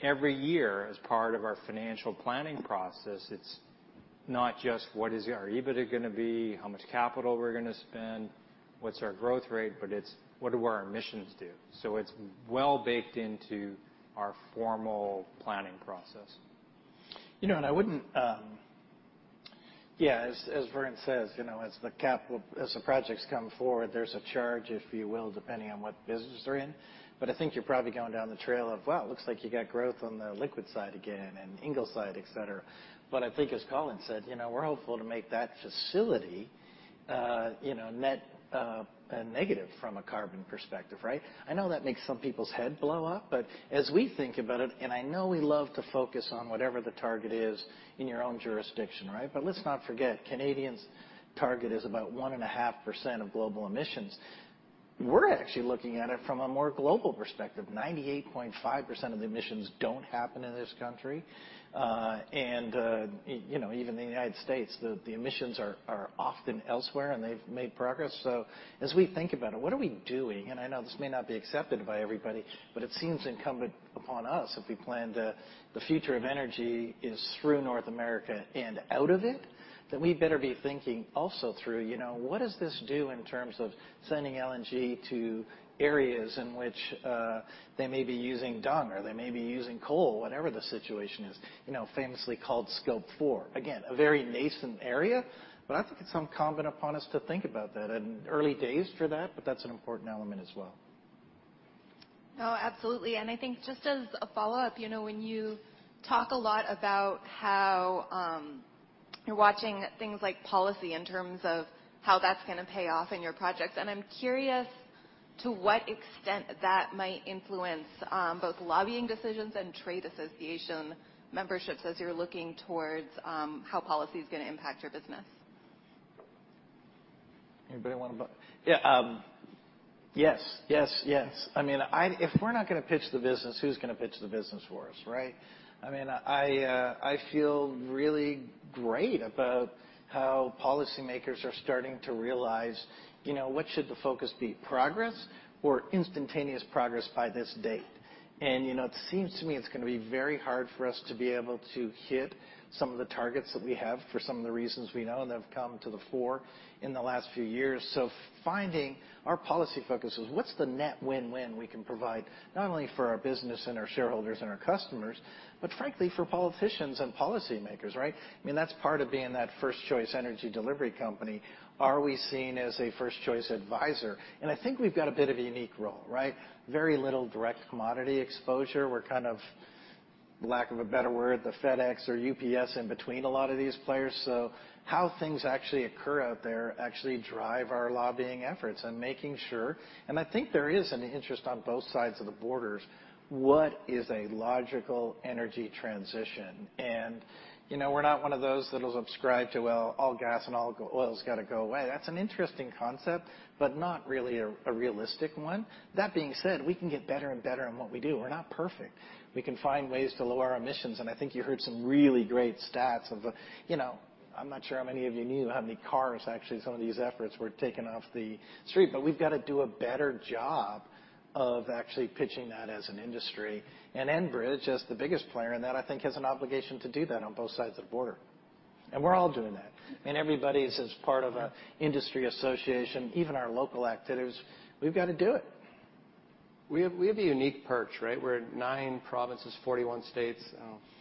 H: Every year, as part of our financial planning process, it's not just what is our EBITDA gonna be, how much capital we're gonna spend, what's our growth rate, but it's what do our emissions do. It's well baked into our formal planning process.
C: You know, I wouldn't. Yeah, as Vern says, you know, as the projects come forward, there's a charge, if you will, depending on what business they're in. I think you're probably going down the trail of, wow, it looks like you got growth on the liquid side again and Ingleside, et cetera. I think as Colin said, you know, we're hopeful to make that facility, you know, net negative from a carbon perspective, right? I know that makes some people's head blow up. As we think about it, and I know we love to focus on whatever the target is in your own jurisdiction, right? Let's not forget, Canadians' target is about 1.5% of global emissions. We're actually looking at it from a more global perspective. 98.5% of the emissions don't happen in this country. You know, even the United States, the emissions are often elsewhere, and they've made progress. As we think about it, what are we doing? I know this may not be accepted by everybody, but it seems incumbent upon us if we plan the future of energy is through North America and out of it, then we better be thinking also through, you know, what does this do in terms of sending LNG to areas in which they may be using dung or they may be using coal, whatever the situation is, you know, famously called Scope 4. Again, a very nascent area, but I think it's incumbent upon us to think about that. Early days for that, but that's an important element as well.
N: No, absolutely. I think just as a follow-up, you know, when you talk a lot about how, you're watching things like policy in terms of how that's gonna pay off in your projects, and I'm curious to what extent that might influence, both lobbying decisions and trade association memberships as you're looking towards, how policy is gonna impact your business. Yes. I mean, if we're not gonna pitch the business, who's gonna pitch the business for us, right? I mean, I feel really great about how policymakers are starting to realize, you know, what should the focus be, progress or instantaneous progress by this date? You know, it seems to me, it's gonna be very hard for us to be able to hit some of the targets that we have for some of the reasons we know, and they've come to the fore in the last few years. Finding our policy focuses, what's the net win-win we can provide not only for our business and our shareholders and our customers, but frankly, for politicians and policymakers, right? I mean, that's part of being that first choice energy delivery company. Are we seen as a first choice advisor?
C: I think we've got a bit of a unique role, right? Very little direct commodity exposure. We're kind of, lack of a better word, the FedEx or UPS in between a lot of these players. How things actually occur out there actually drive our lobbying efforts and making sure, and I think there is an interest on both sides of the borders, what is a logical energy transition? You know, we're not one of those that'll subscribe to, well, all gas and all oil has gotta go away. That's an interesting concept, but not really a realistic one. That being said, we can get better and better in what we do. We're not perfect. We can find ways to lower our emissions. I think you heard some really great stats of, you know, I'm not sure how many of you knew how many cars actually some of these efforts were taken off the street, but we've gotta do a better job of actually pitching that as an industry. Enbridge, as the biggest player in that, I think, has an obligation to do that on both sides of the border. We're all doing that. I mean, everybody's as part of a industry association, even our local activities, we've gotta do it.
G: We have a unique perch, right? We're at 9 provinces, 41 states,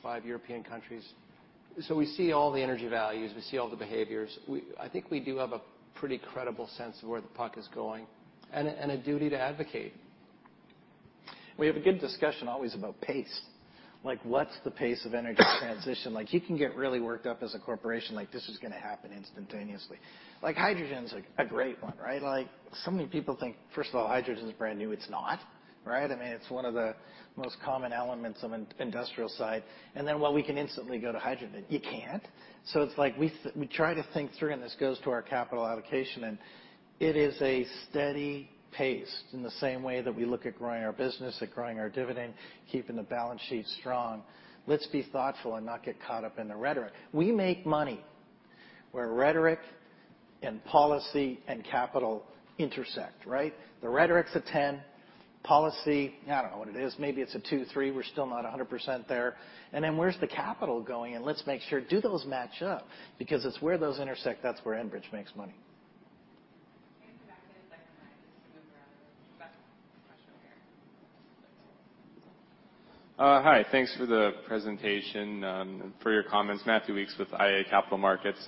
G: 5 European countries. We see all the energy values, we see all the behaviors. I think we do have a pretty credible sense of where the puck is going and a duty to advocate. We have a good discussion always about pace. Like, what's the pace of energy transition? Like, you can get really worked up as a corporation like this is gonna happen instantaneously. Like, hydrogen's, like, a great one, right? Like, so many people think, first of all, hydrogen is brand new. It's not, right? I mean, it's one of the most common elements on an industrial site. Well, we can instantly go to hydrogen. You can't. It's like we try to think through, and this goes to our capital allocation, and it is a steady pace in the same way that we look at growing our business, at growing our dividend, keeping the balance sheet strong. Let's be thoughtful and not get caught up in the rhetoric. We make money where rhetoric and policy and capital intersect, right? The rhetoric's a 10. Policy, I don't know what it is. Maybe it's a 2, 3. We're still not 100% there. Then where's the capital going? Let's make sure do those match up? It's where those intersect, that's where Enbridge makes money.
A: Can I get a second mic just to move around? Last question over here.
O: Hi. Thanks for the presentation and for your comments. Matthew Weeks with iA Capital Markets.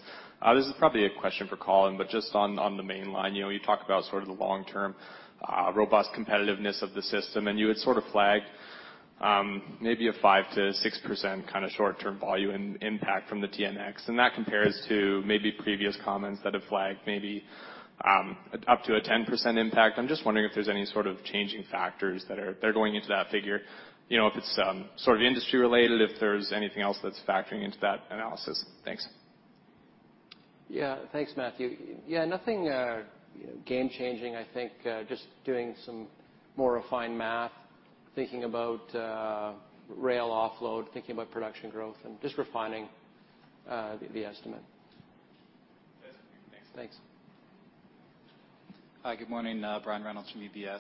O: This is probably a question for Colin, but just on the Mainline. You know, you talk about sort of the long-term robust competitiveness of the system, and you had sort of flagged maybe a 5%-6% kind of short-term volume impact from the TMX. That compares to maybe previous comments that have flagged maybe up to a 10% impact. I'm just wondering if there are any sort of changing factors that are going into that figure. You know, if it's sort of industry-related, if there's anything else that's factoring into that analysis. Thanks.
G: Thanks, Matthew. Nothing game changing. I think just doing some more refined math, thinking about rail offload, thinking about production growth, and just refining the estimate.
O: That's it. Thanks.
G: Thanks.
P: Hi. Good morning. Brian Reynolds from UBS.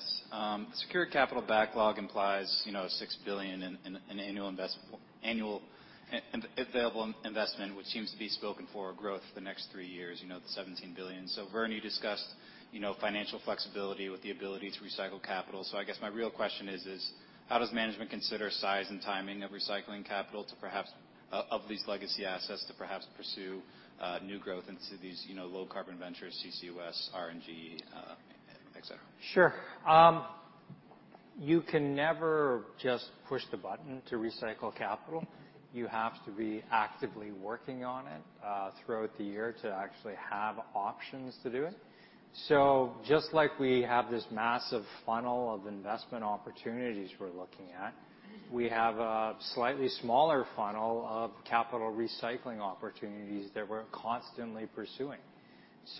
P: secured capital backlog implies, you know, $6 billion in annual available investment, which seems to be spoken for growth the next three years, you know, the $17 billion. Vern, you discussed, you know, financial flexibility with the ability to recycle capital. I guess my real question is how does management consider size and timing of recycling capital to perhaps of these legacy assets to perhaps pursue new growth into these, you know, low-carbon ventures, CCU.S., RNG, et cetera?
H: Sure. You can never just push the button to recycle capital. You have to be actively working on it throughout the year to actually have options to do it. Just like we have this massive funnel of investment opportunities we're looking at, we have a slightly smaller funnel of capital recycling opportunities that we're constantly pursuing.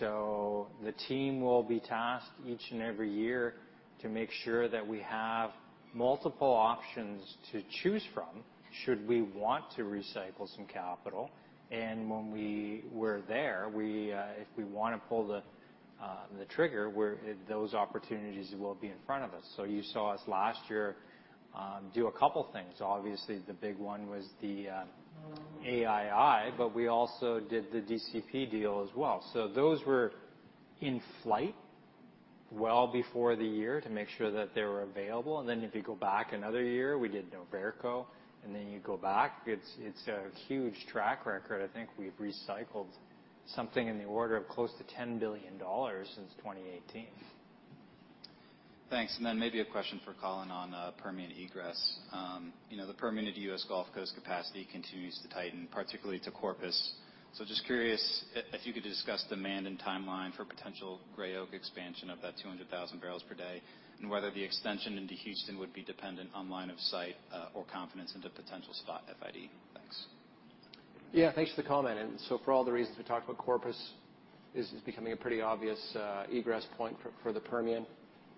H: The team will be tasked each and every year to make sure that we have multiple options to choose from should we want to recycle some capital. When we're there, we, if we wanna pull the trigger, those opportunities will be in front of us. You saw us last year do a couple things. Obviously, the big one was the AII, but we also did the DCP deal as well. Those were in flight well before the year to make sure that they were available. Then if you go back another year, we did Noverco. Then you go back, it's a huge track record. I think we've recycled something in the order of close to $10 billion since 2018.
P: Thanks. Maybe a question for Colin on Permian egress. You know, the Permian to U.S. Gulf Coast capacity continues to tighten, particularly to Corpus. Just curious if you could discuss demand and timeline for potential Gray Oak expansion of that 200,000 bbl per day, and whether the extension into Houston would be dependent on line of sight, or confidence into potential spot FID. Thanks.
G: Thanks for the comment. For all the reasons we talked about Corpus, this is becoming a pretty obvious egress point for the Permian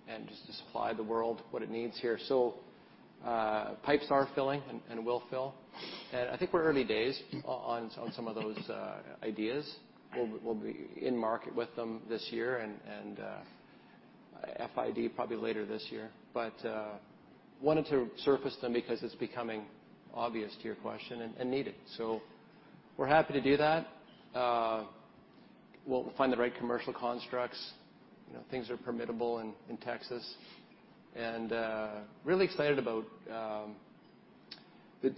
G: and just to supply the world what it needs here. Pipes are filling and will fill. I think we're early days on some of those ideas. We'll be in market with them this year and FID probably later this year. Wanted to surface them because it's becoming obvious to your question and needed. We're happy to do that. We'll find the right commercial constructs, you know, things are permittable in Texas, and really excited about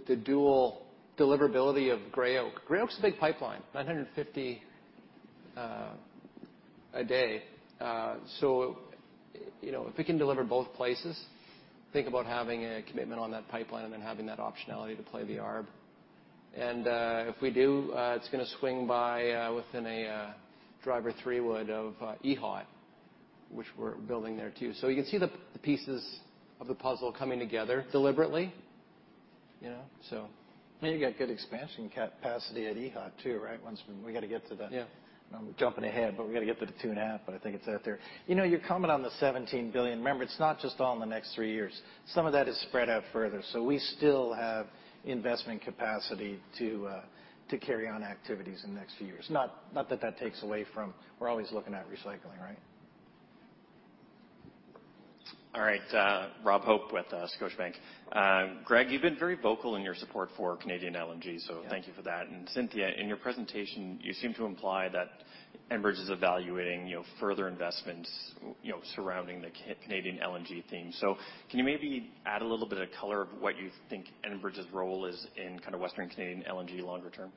G: the dual deliverability of Gray Oak. Gray Oak's a big pipeline, 950 a day.
C: you know, if we can deliver both places, think about having a commitment on that pipeline and then having that optionality to play the arb. If we do, it's gonna swing by within a driver three wood of EHOT, which we're building there too. you can see the pieces of the puzzle coming together deliberately, you know?
H: I mean, you got good expansion capacity at EHOT too, right? Once we gotta get to.
G: Yeah.
C: I'm jumping ahead, we gotta get to the two and a half, I think it's out there. You know, your comment on the $17 billion. Remember, it's not just all in the next three years. Some of that is spread out further. We still have investment capacity to carry on activities in the next few years. Not that that takes away from we're always looking at recycling, right?
Q: All right, Rob Hope with Scotiabank. Greg, you've been very vocal in your support for Canadian LNG...
D: Yeah.
Q: Thank you for that. Cynthia, in your presentation, you seem to imply that Enbridge is evaluating, you know, further investments, you know, surrounding the Canadian LNG theme. Can you maybe add a little bit of color of what you think Enbridge's role is in kind of Western Canadian LNG longer term?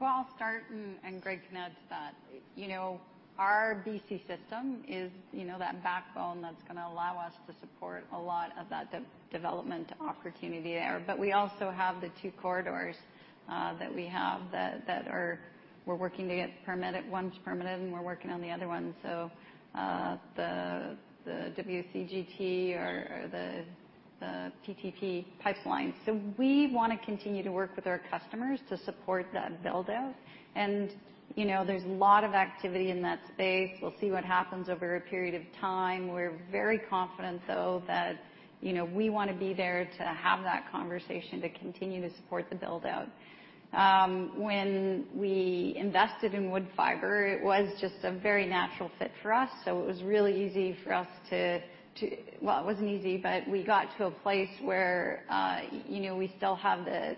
D: I'll start and Greg can add to that. You know, our BC system is, you know, that backbone that's gonna allow us to support a lot of that de-development opportunity there. We also have the two corridors that we have that are... We're working to get permitted. One's permitted, and we're working on the other one, the WCGT or the TTP pipeline. We wanna continue to work with our customers to support that build-out. You know, there's a lot of activity in that space. We'll see what happens over a period of time. We're very confident though that, you know, we wanna be there to have that conversation to continue to support the build-out. When we invested in Woodfibre LNG it was just a very natural fit for us, so it was really easy for us to. Well, it wasn't easy, but we got to a place where, you know, we still have the.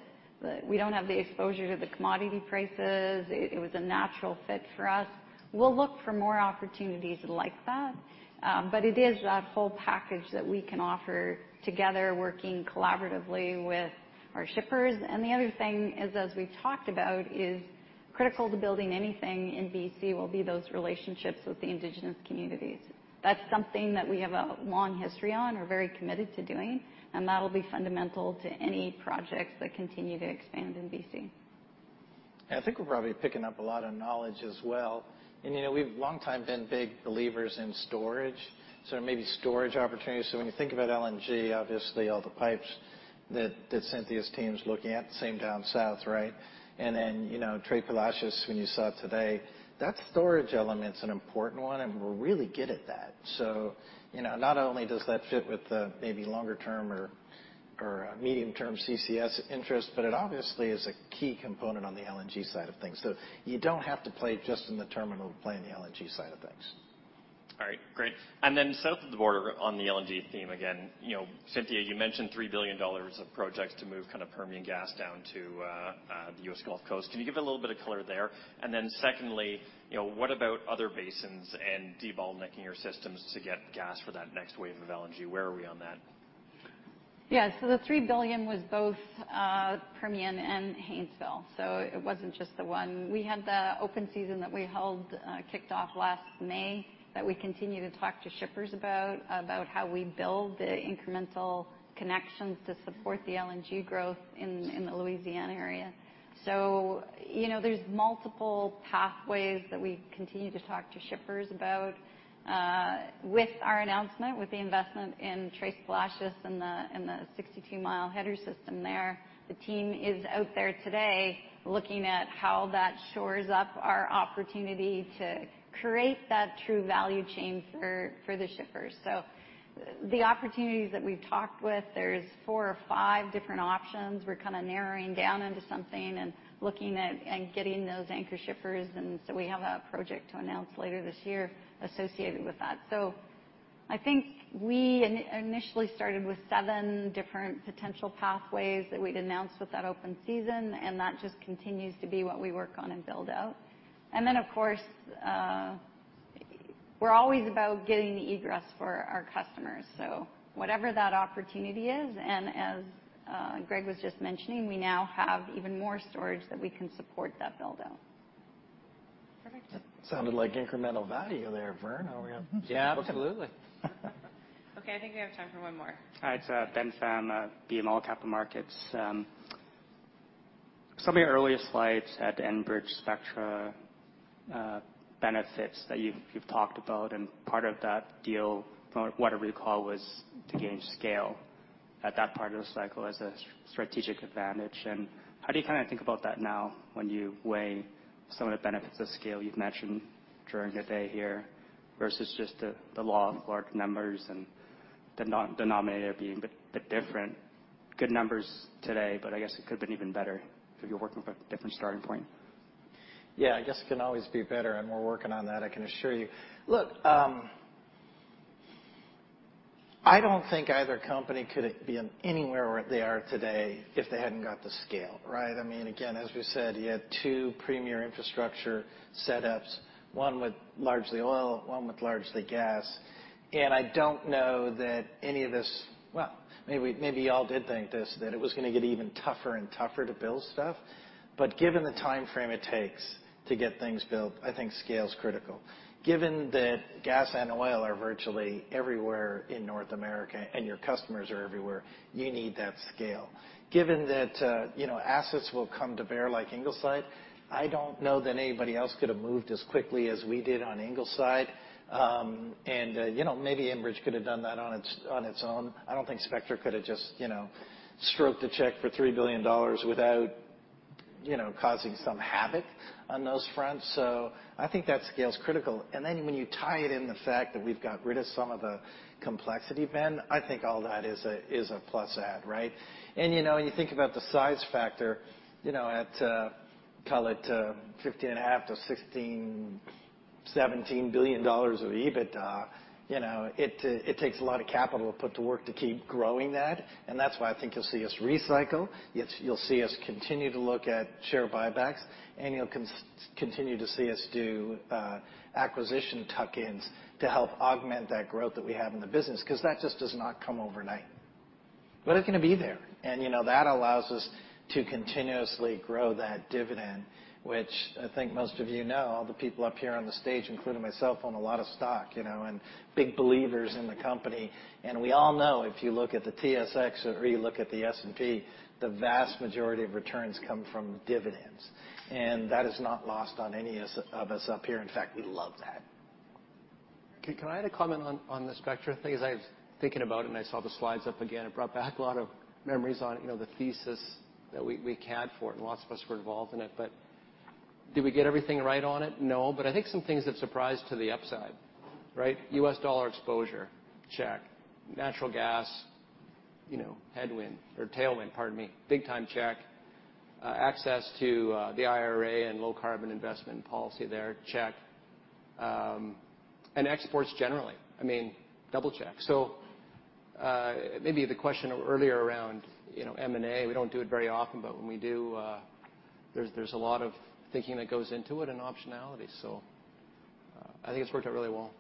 D: We don't have the exposure to the commodity prices. It was a natural fit for us. We'll look for more opportunities like that. But it is that whole package that we can offer together, working collaboratively with our shippers. The other thing is, as we've talked about, is critical to building anything in BC will be those relationships with the Indigenous communities. That's something that we have a long history on, are very committed to doing, and that'll be fundamental to any projects that continue to expand in BC.
C: Yeah, I think we're probably picking up a lot of knowledge as well. You know, we've longtime been big believers in storage, so there may be storage opportunities. When you think about LNG, obviously all the pipes that Cynthia's team's looking at, same down south, right? You know, Tres Palacios, when you saw today, that storage element's an important one, and we're really good at that. You know, not only does that fit with the maybe longer-term or medium-term CCS interest, but it obviously is a key component on the LNG side of things. You don't have to play just in the terminal, play in the LNG side of things.
Q: All right. Great. South of the border on the LNG theme again, you know, Cynthia, you mentioned $3 billion of projects to move kind of Permian gas down to the U.S. Gulf Coast. Can you give a little bit of color there? Secondly, you know, what about other basins and de-bottlenecking your systems to get gas for that next wave of LNG? Where are we on that?
D: The $3 billion was both Permian and Haynesville, so it wasn't just the one. We had the open season that we held, kicked off last May that we continue to talk to shippers about how we build the incremental connections to support the LNG growth in the Louisiana area. You know, there's multiple pathways that we continue to talk to shippers about. With our announcement, with the investment in Tres Palacios and the 62-mile header system there, the team is out there today looking at how that shores up our opportunity to create that true value chain for the shippers. The opportunities that we've talked with, there's 4 or 5 different options. We're kind of narrowing down into something and looking at and getting those anchor shippers. We have a project to announce later this year associated with that. I think we initially started with 7 different potential pathways that we'd announced with that open season, and that just continues to be what we work on and build out. Of course, we're always about getting the egress for our customers, so whatever that opportunity is and as Greg was just mentioning, we now have even more storage that we can support that build-out.
Q: Perfect.
C: Sounded like incremental value there, Vern. How are we?
Q: Yeah, absolutely. Okay, I think we have time for one more.
R: All right. It's Ben Pham, BMO Capital Markets. Some of your earlier slides had Enbridge Spectra benefits that you've talked about, and part of that deal from what I recall was to gain scale at that part of the cycle as a strategic advantage. How do you kinda think about that now when you weigh some of the benefits of scale you've mentioned during your day here versus just the law of large numbers and the no-denominator being a bit different? Good numbers today, but I guess it could have been even better if you're working from a different starting point.
C: Yeah. I guess it can always be better, and we're working on that, I can assure you. Look, I don't think either company could have been anywhere where they are today if they hadn't got the scale, right? I mean, again, as we said, you had two premier infrastructure setups, one with largely oil, one with largely gas, and I don't know that any of this... Well, maybe y'all did think this, that it was gonna get even tougher and tougher to build stuff. Given the timeframe it takes to get things built, I think scale's critical. Given that gas and oil are virtually everywhere in North America and your customers are everywhere, you need that scale. Given that, you know, assets will come to bear like Ingleside, I don't know that anybody else could have moved as quickly as we did on Ingleside. You know, maybe Enbridge could have done that on its own. I don't think Spectra could have just, you know, stroked a check for $3 billion without, you know, causing some havoc on those fronts. I think that scale's critical. Then when you tie it in the fact that we've got rid of some of the complexity, Ben, I think all that is a plus add, right? You know, when you think about the size factor, you know, at, call it, $15.5 billion-$17 billion of EBITDA, you know, it takes a lot of capital to put to work to keep growing that. That's why I think you'll see us recycle, you'll see us continue to look at share buybacks, and you'll continue to see us do acquisition tuck-ins to help augment that growth that we have in the business, because that just does not come overnight. It's going to be there. You know, that allows us to continuously grow that dividend, which I think most of you know, all the people up here on the stage, including myself, own a lot of stock, you know, and big believers in the company. We all know, if you look at the TSX or you look at the S&P, the vast majority of returns come from dividends. That is not lost on any of us up here. In fact, we love that.
G: Can I add a comment on the Spectra thing? As I was thinking about it and I saw the slides up again, it brought back a lot of memories on, you know, the thesis that we had for it, and lots of us were involved in it. Did we get everything right on it? No. I think some things have surprised to the upside, right? U.S. dollar exposure, check. Natural gas, you know, headwind or tailwind, pardon me, big time check. Access to the IRA and low carbon investment policy there, check. Exports generally, I mean, double check. Maybe the question earlier around, you know, M&A, we don't do it very often, but when we do, there's a lot of thinking that goes into it and optionality. I think it's worked out really well.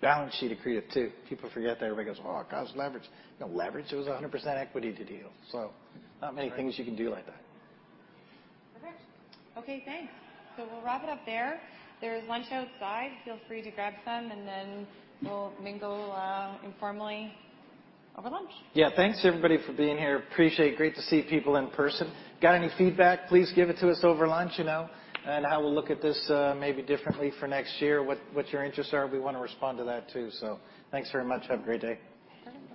C: Balance sheet accretive too. People forget that. Everybody goes, "Oh, God, it's leverage." No leverage. It was a 100% equity to deal. Not many things you can do like that.
A: Perfect. Okay, thanks. We'll wrap it up there. There's lunch outside. Feel free to grab some, and then we'll mingle informally over lunch.
C: Yeah. Thanks everybody for being here. Appreciate. Great to see people in person. Got any feedback, please give it to us over lunch, you know, and how we'll look at this maybe differently for next year, what your interests are. We wanna respond to that too. Thanks very much. Have a great day.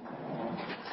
A: All right.